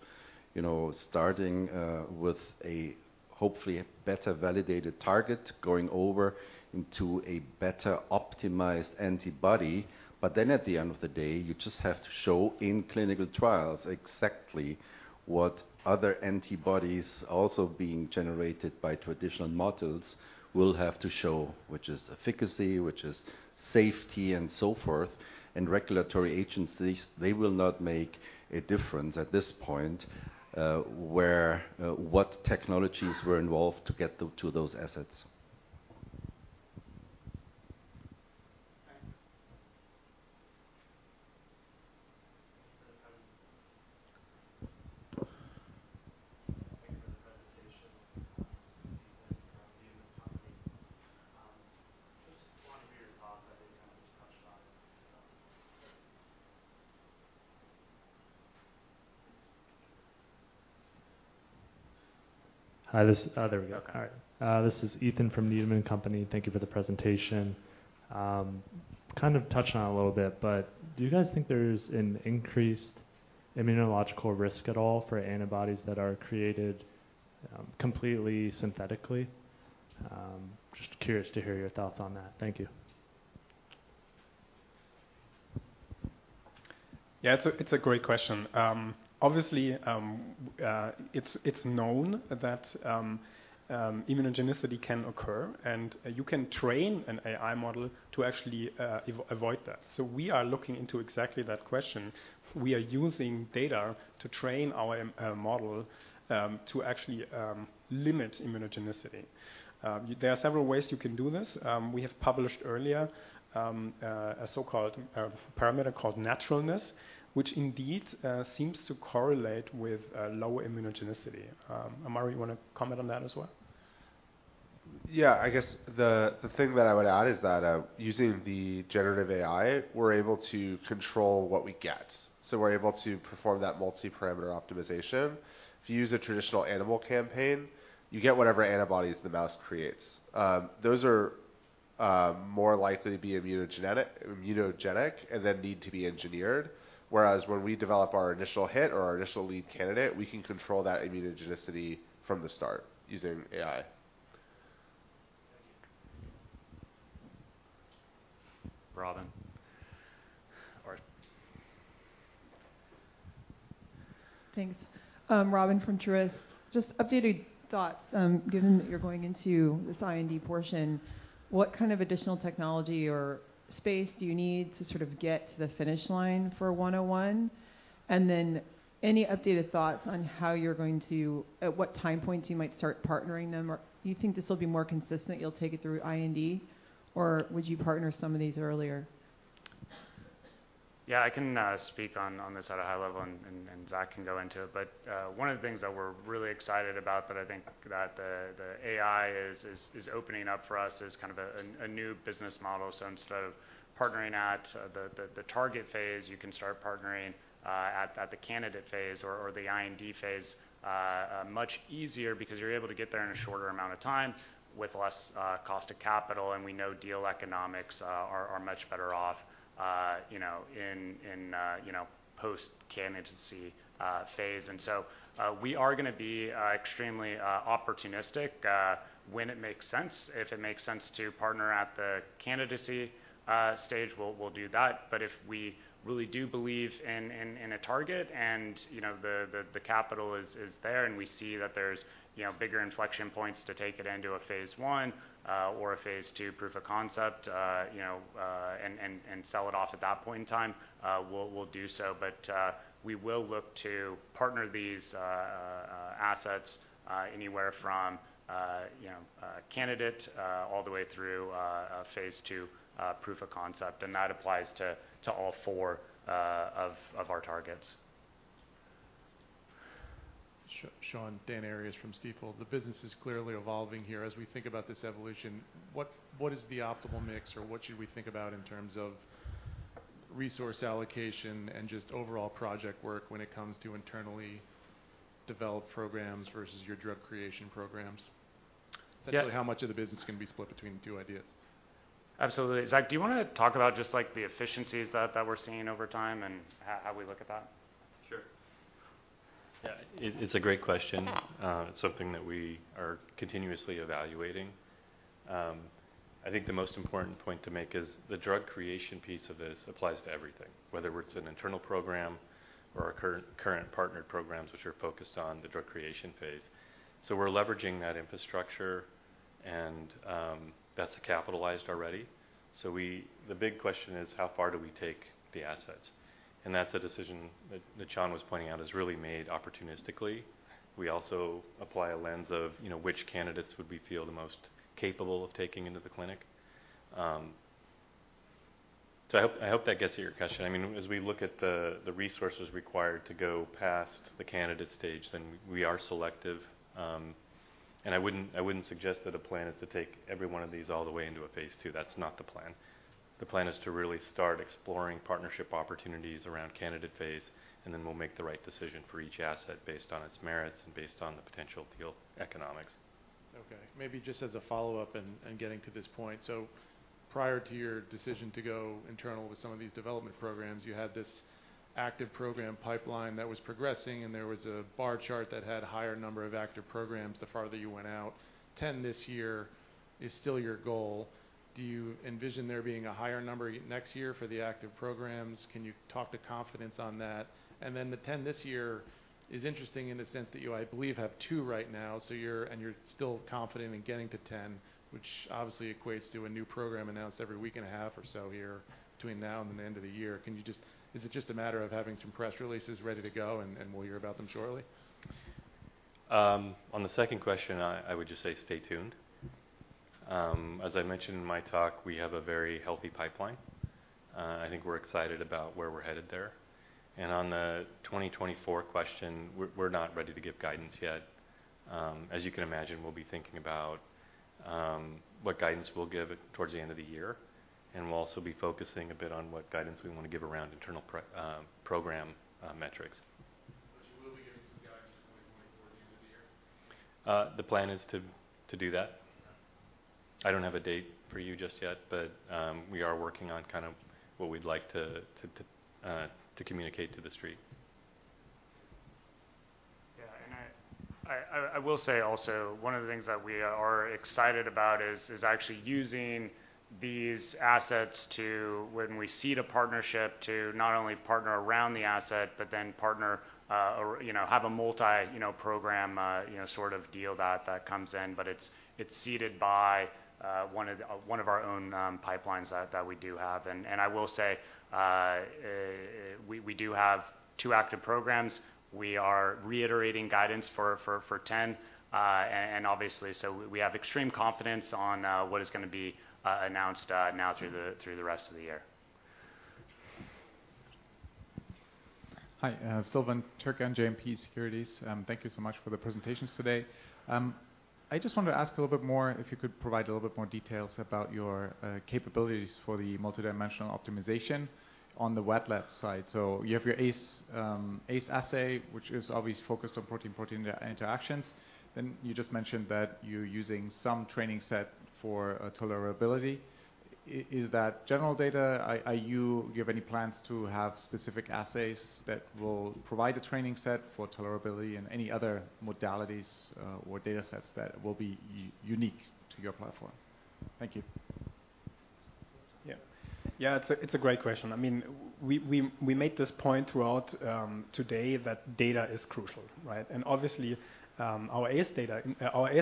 you know, starting with a hopefully a better validated target, going over into a better optimized antibody. But then at the end of the day, you just have to show in clinical trials exactly what other antibodies also being generated by traditional models will have to show, which is efficacy, which is safety, and so forth. Regulatory agencies, they will not make a difference at this point, what technologies were involved to get to those assets. Thanks. Thank you for the presentation. Just want to hear your thoughts, I think I just touched on it. This is Ethan from the Needham Company. Thank you for the presentation. Kind of touched on it a little bit, but do you guys think there's an increased immunological risk at all for antibodies that are created completely synthetically? Just curious to hear your thoughts on that. Thank you. Yeah, it's a great question. Obviously, it's known that immunogenicity can occur, and you can train an AI model to actually avoid that. So we are looking into exactly that question. We are using data to train our model to actually limit immunogenicity. There are several ways you can do this. We have published earlier a so-called parameter called naturalness, which indeed seems to correlate with low immunogenicity. Amaro, you want to comment on that as well? Yeah, I guess the thing that I would add is that using the generative AI, we're able to control what we get. So we're able to perform that multiparametric optimization. If you use a traditional animal campaign, you get whatever antibodies the mouse creates. Those are more likely to be immunogenic and then need to be engineered. Whereas when we develop our initial hit or our initial lead candidate, we can control that immunogenicity from the start using AI. Thank you. Robin. Or- Thanks. Robin from Truist. Just updated thoughts, given that you're going into this IND portion, what kind of additional technology or space do you need to sort of get to the finish line for 101? And then any updated thoughts on how you're going to- at what time points you might start partnering them, or do you think this will be more consistent, you'll take it through IND, or would you partner some of these earlier? Yeah, I can speak on this at a high level, and Zach can go into it. But, one of the things that we're really excited about that I think that the AI is opening up for us is kind of a new business model. So instead of partnering at the target phase, you can start partnering at the candidate phase or the IND phase much easier because you're able to get there in a shorter amount of time with less cost of capital. And we know deal economics are much better off, you know, in post-candidacy phase. And so, we are gonna be extremely opportunistic when it makes sense. If it makes sense to partner at the candidate stage, we'll do that. But if we really do believe in a target and, you know, the capital is there, and we see that there's, you know, bigger inflection points to take it into a phase I or a phase II proof of concept, you know, and sell it off at that point in time, we'll do so. But we will look to partner these assets anywhere from, you know, a candidate all the way through a phase II proof of concept, and that applies to all four of our targets. ... Sean, Dan Arias from Stifel. The business is clearly evolving here. As we think about this evolution, what is the optimal mix, or what should we think about in terms of resource allocation and just overall project work when it comes to internally developed programs versus your drug creation programs? Yeah. Essentially, how much of the business can be split between the two ideas? Absolutely. Zach, do you want to talk about just, like, the efficiencies that we're seeing over time and how we look at that? Sure. It's a great question. It's something that we are continuously evaluating. I think the most important point to make is the drug creation piece of this applies to everything, whether it's an internal program or our current partnered programs, which are focused on the drug creation phase. So we're leveraging that infrastructure, and that's capitalized already. So, the big question is: how far do we take the assets? And that's a decision that Sean was pointing out is really made opportunistically. We also apply a lens of, you know, which candidates would we feel the most capable of taking into the clinic. So I hope that gets to your question. I mean, as we look at the resources required to go past the candidate stage, then we are selective. I wouldn't suggest that a plan is to take every one of these all the way into a phase 2. That's not the plan. The plan is to really start exploring partnership opportunities around candidate phase, and then we'll make the right decision for each asset based on its merits and based on the potential deal economics. Okay. Maybe just as a follow-up and, and getting to this point, so prior to your decision to go internal with some of these development programs, you had this active program pipeline that was progressing, and there was a bar chart that had a higher number of active programs the farther you went out. 10 this year is still your goal. Do you envision there being a higher number next year for the active programs? Can you talk to confidence on that? And then the 10 this year is interesting in the sense that you, I believe, have two right now, so you're, and you're still confident in getting to 10, which obviously equates to a new program announced every week and a half or so here between now and the end of the year. Is it just a matter of having some press releases ready to go, and, and we'll hear about them shortly? On the second question, I would just say stay tuned. As I mentioned in my talk, we have a very healthy pipeline. I think we're excited about where we're headed there. And on the 2024 question, we're not ready to give guidance yet. As you can imagine, we'll be thinking about what guidance we'll give it towards the end of the year, and we'll also be focusing a bit on what guidance we want to give around internal program metrics. You will be giving some guidance in 2024 during the year? The plan is to do that. I don't have a date for you just yet, but we are working on kind of what we'd like to communicate to the street. Yeah, and I will say also, one of the things that we are excited about is actually using these assets to, when we seed a partnership, to not only partner around the asset, but then partner, or, you know, have a multi, you know, program, you know, sort of deal that comes in, but it's seeded by one of our own pipelines that we do have. And I will say, we do have two active programs. We are reiterating guidance for 10, and obviously... So we have extreme confidence on what is gonna be announced now through the rest of the year. Hi, Silvan Turkcan, JMP Securities. Thank you so much for the presentations today. I just wanted to ask a little bit more, if you could provide a little bit more details about your capabilities for the multidimensional optimization on the wet lab side. So you have your ACE assay, which is obviously focused on protein-protein interactions. Then you just mentioned that you're using some training set for tolerability. Is that general data? Do you have any plans to have specific assays that will provide a training set for tolerability and any other modalities, or data sets that will be unique to your platform? Thank you. Yeah. Yeah, it's a great question. I mean, we made this point throughout today that data is crucial, right? And obviously, our ACE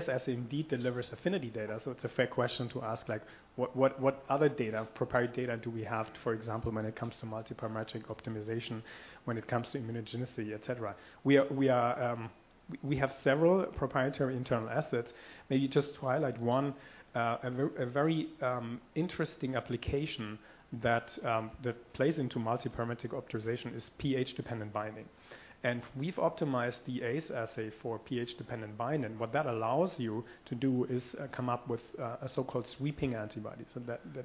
Assay indeed delivers affinity data, so it's a fair question to ask, like, what other data, proprietary data, do we have, for example, when it comes to multiparametric optimization, when it comes to immunogenicity, et cetera? We are, we are—we have several proprietary internal assets. May you just highlight one, a very interesting application that plays into multiparametric optimization is pH-dependent binding, and we've optimized the ACE Assay for pH-dependent binding, and what that allows you to do is come up with a so-called sweeping antibody.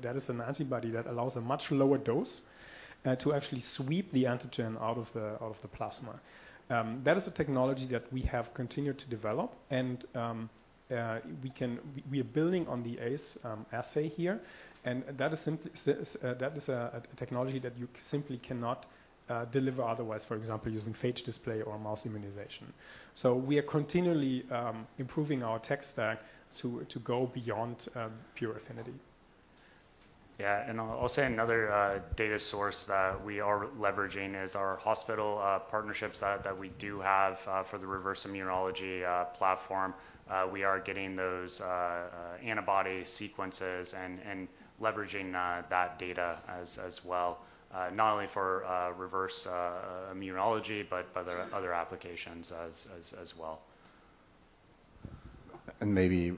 That is an antibody that allows a much lower dose to actually sweep the antigen out of the plasma. That is a technology that we have continued to develop, and we are building on the ACE Assay here, and that is a technology that you simply cannot deliver otherwise, for example, using phage display or mouse immunization. So we are continually improving our tech stack to go beyond pure affinity. Yeah, and I'll say another data source that we are leveraging is our hospital partnerships that we do have for the reverse immunology platform. We are getting those antibody sequences and leveraging that data as well, not only for reverse immunology, but other applications as well. ...And maybe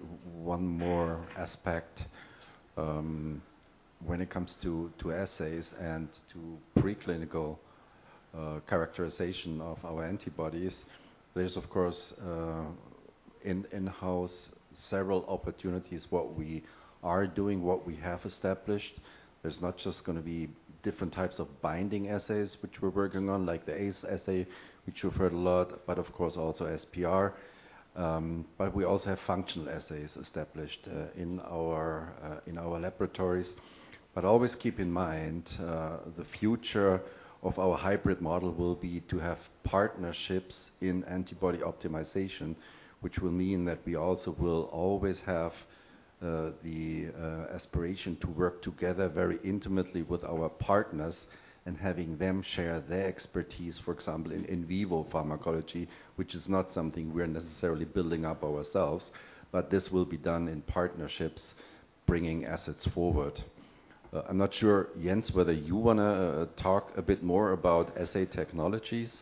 one more aspect, when it comes to, to assays and to preclinical characterization of our antibodies, there's of course, in, in-house several opportunities, what we are doing, what we have established. There's not just gonna be different types of binding assays, which we're working on, like the ACE Assay, which you've heard a lot, but of course, also SPR. But we also have functional assays established, in our, in our laboratories. But always keep in mind, the future of our hybrid model will be to have partnerships in antibody optimization, which will mean that we also will always have, the, aspiration to work together very intimately with our partners and having them share their expertise, for example, in, in vivo pharmacology, which is not something we're necessarily building up ourselves, but this will be done in partnerships, bringing assets forward. I'm not sure, Jens, whether you wanna talk a bit more about assay technologies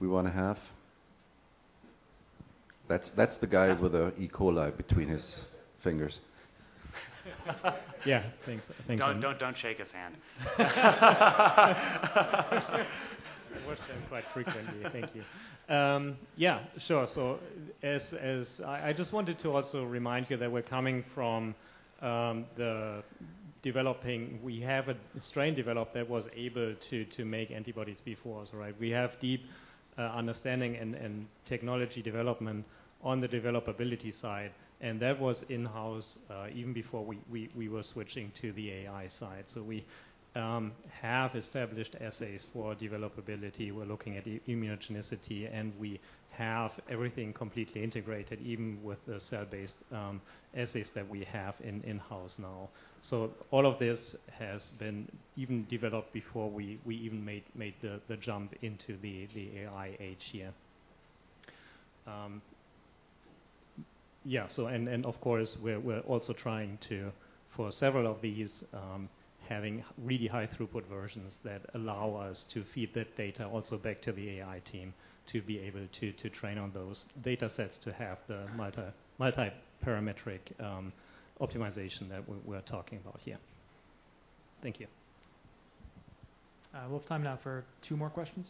we wanna have? That's, that's the guy with the E. coli between his fingers. Yeah. Thanks. Thanks. Don't, don't, don't shake his hand. I wash them quite frequently. Thank you. Yeah, sure. So, as I just wanted to also remind you that we're coming from the development. We have a strain developed that was able to make antibodies before, so, right? We have deep understanding and technology development on the developability side, and that was in-house, even before we were switching to the AI side. So we have established assays for developability. We're looking at immunogenicity, and we have everything completely integrated, even with the cell-based assays that we have in-house now. So all of this has been even developed before we even made the jump into the AI age here. Yeah, so, and of course, we're also trying to, for several of these, having really high throughput versions that allow us to feed that data also back to the AI team, to be able to train on those datasets, to have the multiparametric optimization that we're talking about here. Thank you. We have time now for two more questions.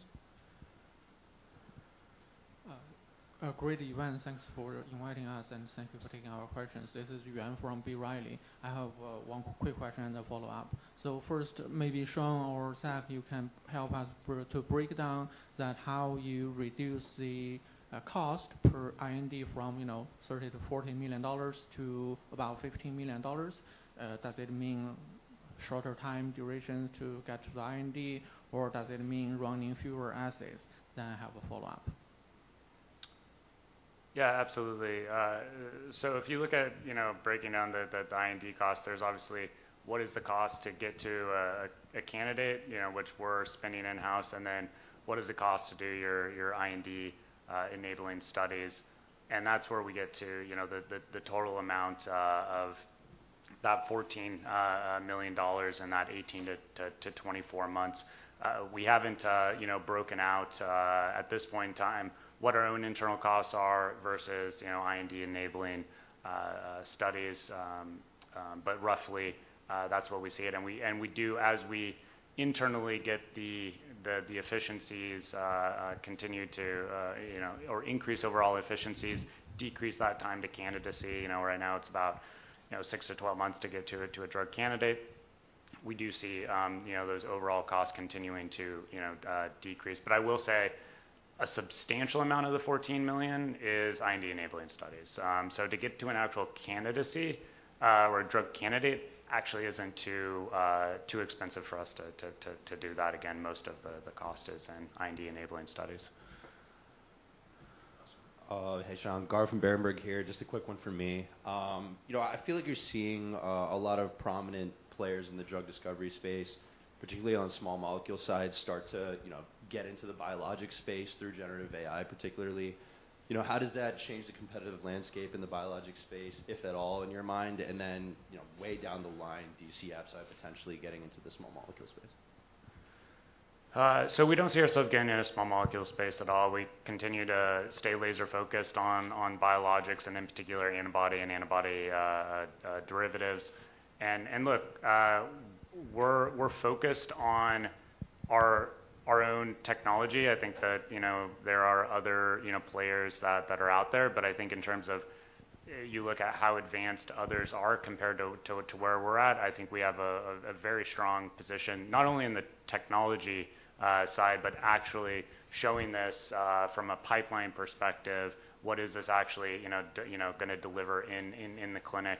Great event. Thanks for inviting us, and thank you for taking our questions. This is Yuan from B. Riley. I have one quick question and a follow-up. So first, maybe Sean or Zach, you can help us to break down that how you reduce the cost per IND from, you know, $30-$40 million to about $15 million. Does it mean shorter time durations to get to the IND, or does it mean running fewer assays? Then I have a follow-up. Yeah, absolutely. So if you look at, you know, breaking down the IND cost, there's obviously what is the cost to get to a candidate, you know, which we're spending in-house, and then what does it cost to do your IND enabling studies? And that's where we get to, you know, the total amount of that $14 million and that 18-24 months. We haven't, you know, broken out at this point in time what our own internal costs are versus, you know, IND enabling studies. But roughly, that's where we see it. And we do as we internally get the efficiencies continue to you know or increase overall efficiencies, decrease that time to candidacy. You know, right now it's about, you know, 6-12 months to get to a drug candidate. We do see, you know, those overall costs continuing to, you know, decrease. But I will say a substantial amount of the $14 million is IND enabling studies. So to get to an actual candidacy, or a drug candidate, actually isn't too expensive for us to do that. Again, most of the cost is in IND enabling studies. Hey, Sean. Gar from Berenberg here. Just a quick one from me. You know, I feel like you're seeing a lot of prominent players in the drug discovery space, particularly on the small molecule side, start to, you know, get into the biologic space through generative AI, particularly. You know, how does that change the competitive landscape in the biologic space, if at all, in your mind? And then, you know, way down the line, do you see Absci potentially getting into the small molecule space? So we don't see ourselves getting into small molecule space at all. We continue to stay laser focused on biologics and in particular antibody and antibody derivatives. And look, we're focused on our own technology. I think that, you know, there are other, you know, players that are out there. But I think in terms of you look at how advanced others are compared to where we're at, I think we have a very strong position, not only in the technology side, but actually showing this from a pipeline perspective, what is this actually, you know, gonna deliver in the clinic?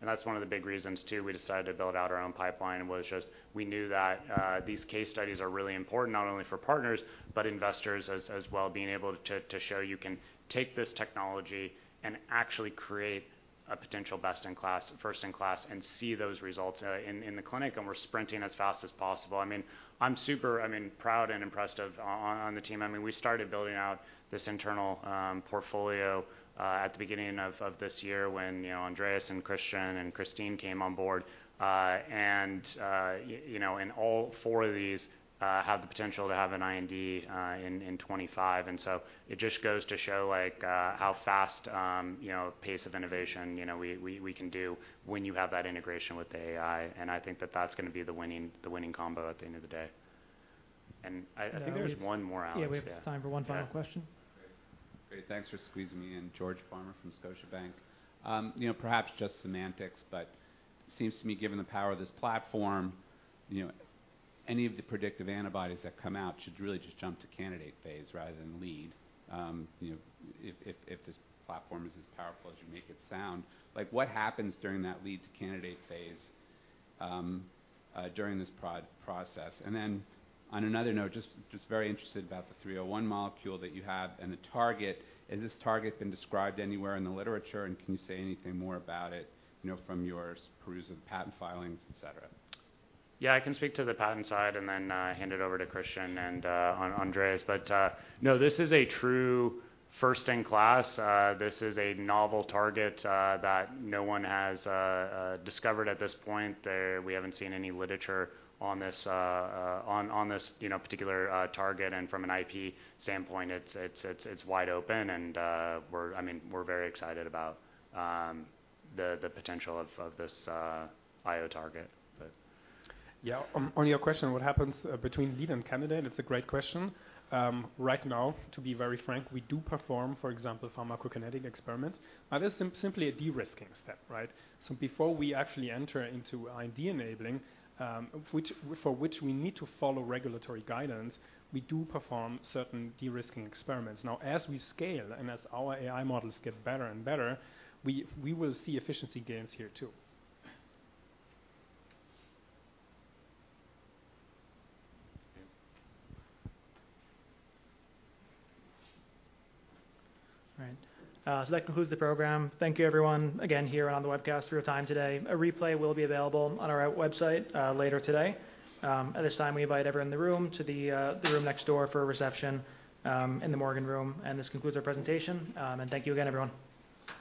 And that's one of the big reasons too. We decided to build out our own pipeline was just we knew that, these case studies are really important, not only for partners, but investors as, as well. Being able to, to show you can take this technology and actually create a potential best-in-class, first-in-class, and see those results, in, in the clinic, and we're sprinting as fast as possible. I mean, I'm super, I mean, proud and impressed of on the team. I mean, we started building out this internal, portfolio, at the beginning of, of this year when, you know, Andreas and Christian and Christina came on board. And, you know, and all four of these, have the potential to have an IND, in, in 25. And so it just goes to show like how fast, you know, the pace of innovation, you know, we can do when you have that integration with the AI, and I think that that's gonna be the winning combo at the end of the day. And I think there's one more out- Yeah, we have time for one final question. ... Great, thanks for squeezing me in. George Farmer from Scotiabank. You know, perhaps just semantics, but it seems to me, given the power of this platform, you know, any of the predictive antibodies that come out should really just jump to candidate phase rather than lead. You know, if this platform is as powerful as you make it sound, like, what happens during that lead to candidate phase during this process? And then on another note, just, just very interested about the 301 molecule that you have and the target. Has this target been described anywhere in the literature, and can you say anything more about it, you know, from your perusal of patent filings, et cetera? Yeah, I can speak to the patent side and then hand it over to Christian and Andreas. But no, this is a true first in class. This is a novel target that no one has discovered at this point. We haven't seen any literature on this, you know, particular target. And from an IP standpoint, it's wide open and, we're—I mean, we're very excited about the potential of this IO target, but. Yeah, on your question, what happens between lead and candidate? It's a great question. Right now, to be very frank, we do perform, for example, pharmacokinetic experiments. But this is simply a de-risking step, right? So before we actually enter into IND-enabling, which for which we need to follow regulatory guidance, we do perform certain de-risking experiments. Now, as we scale and as our AI models get better and better, we will see efficiency gains here too. All right, that concludes the program. Thank you, everyone, again, here on the webcast for your time today. A replay will be available on our website later today. At this time, we invite everyone in the room to the room next door for a reception in the Morgan room. This concludes our presentation. Thank you again, everyone.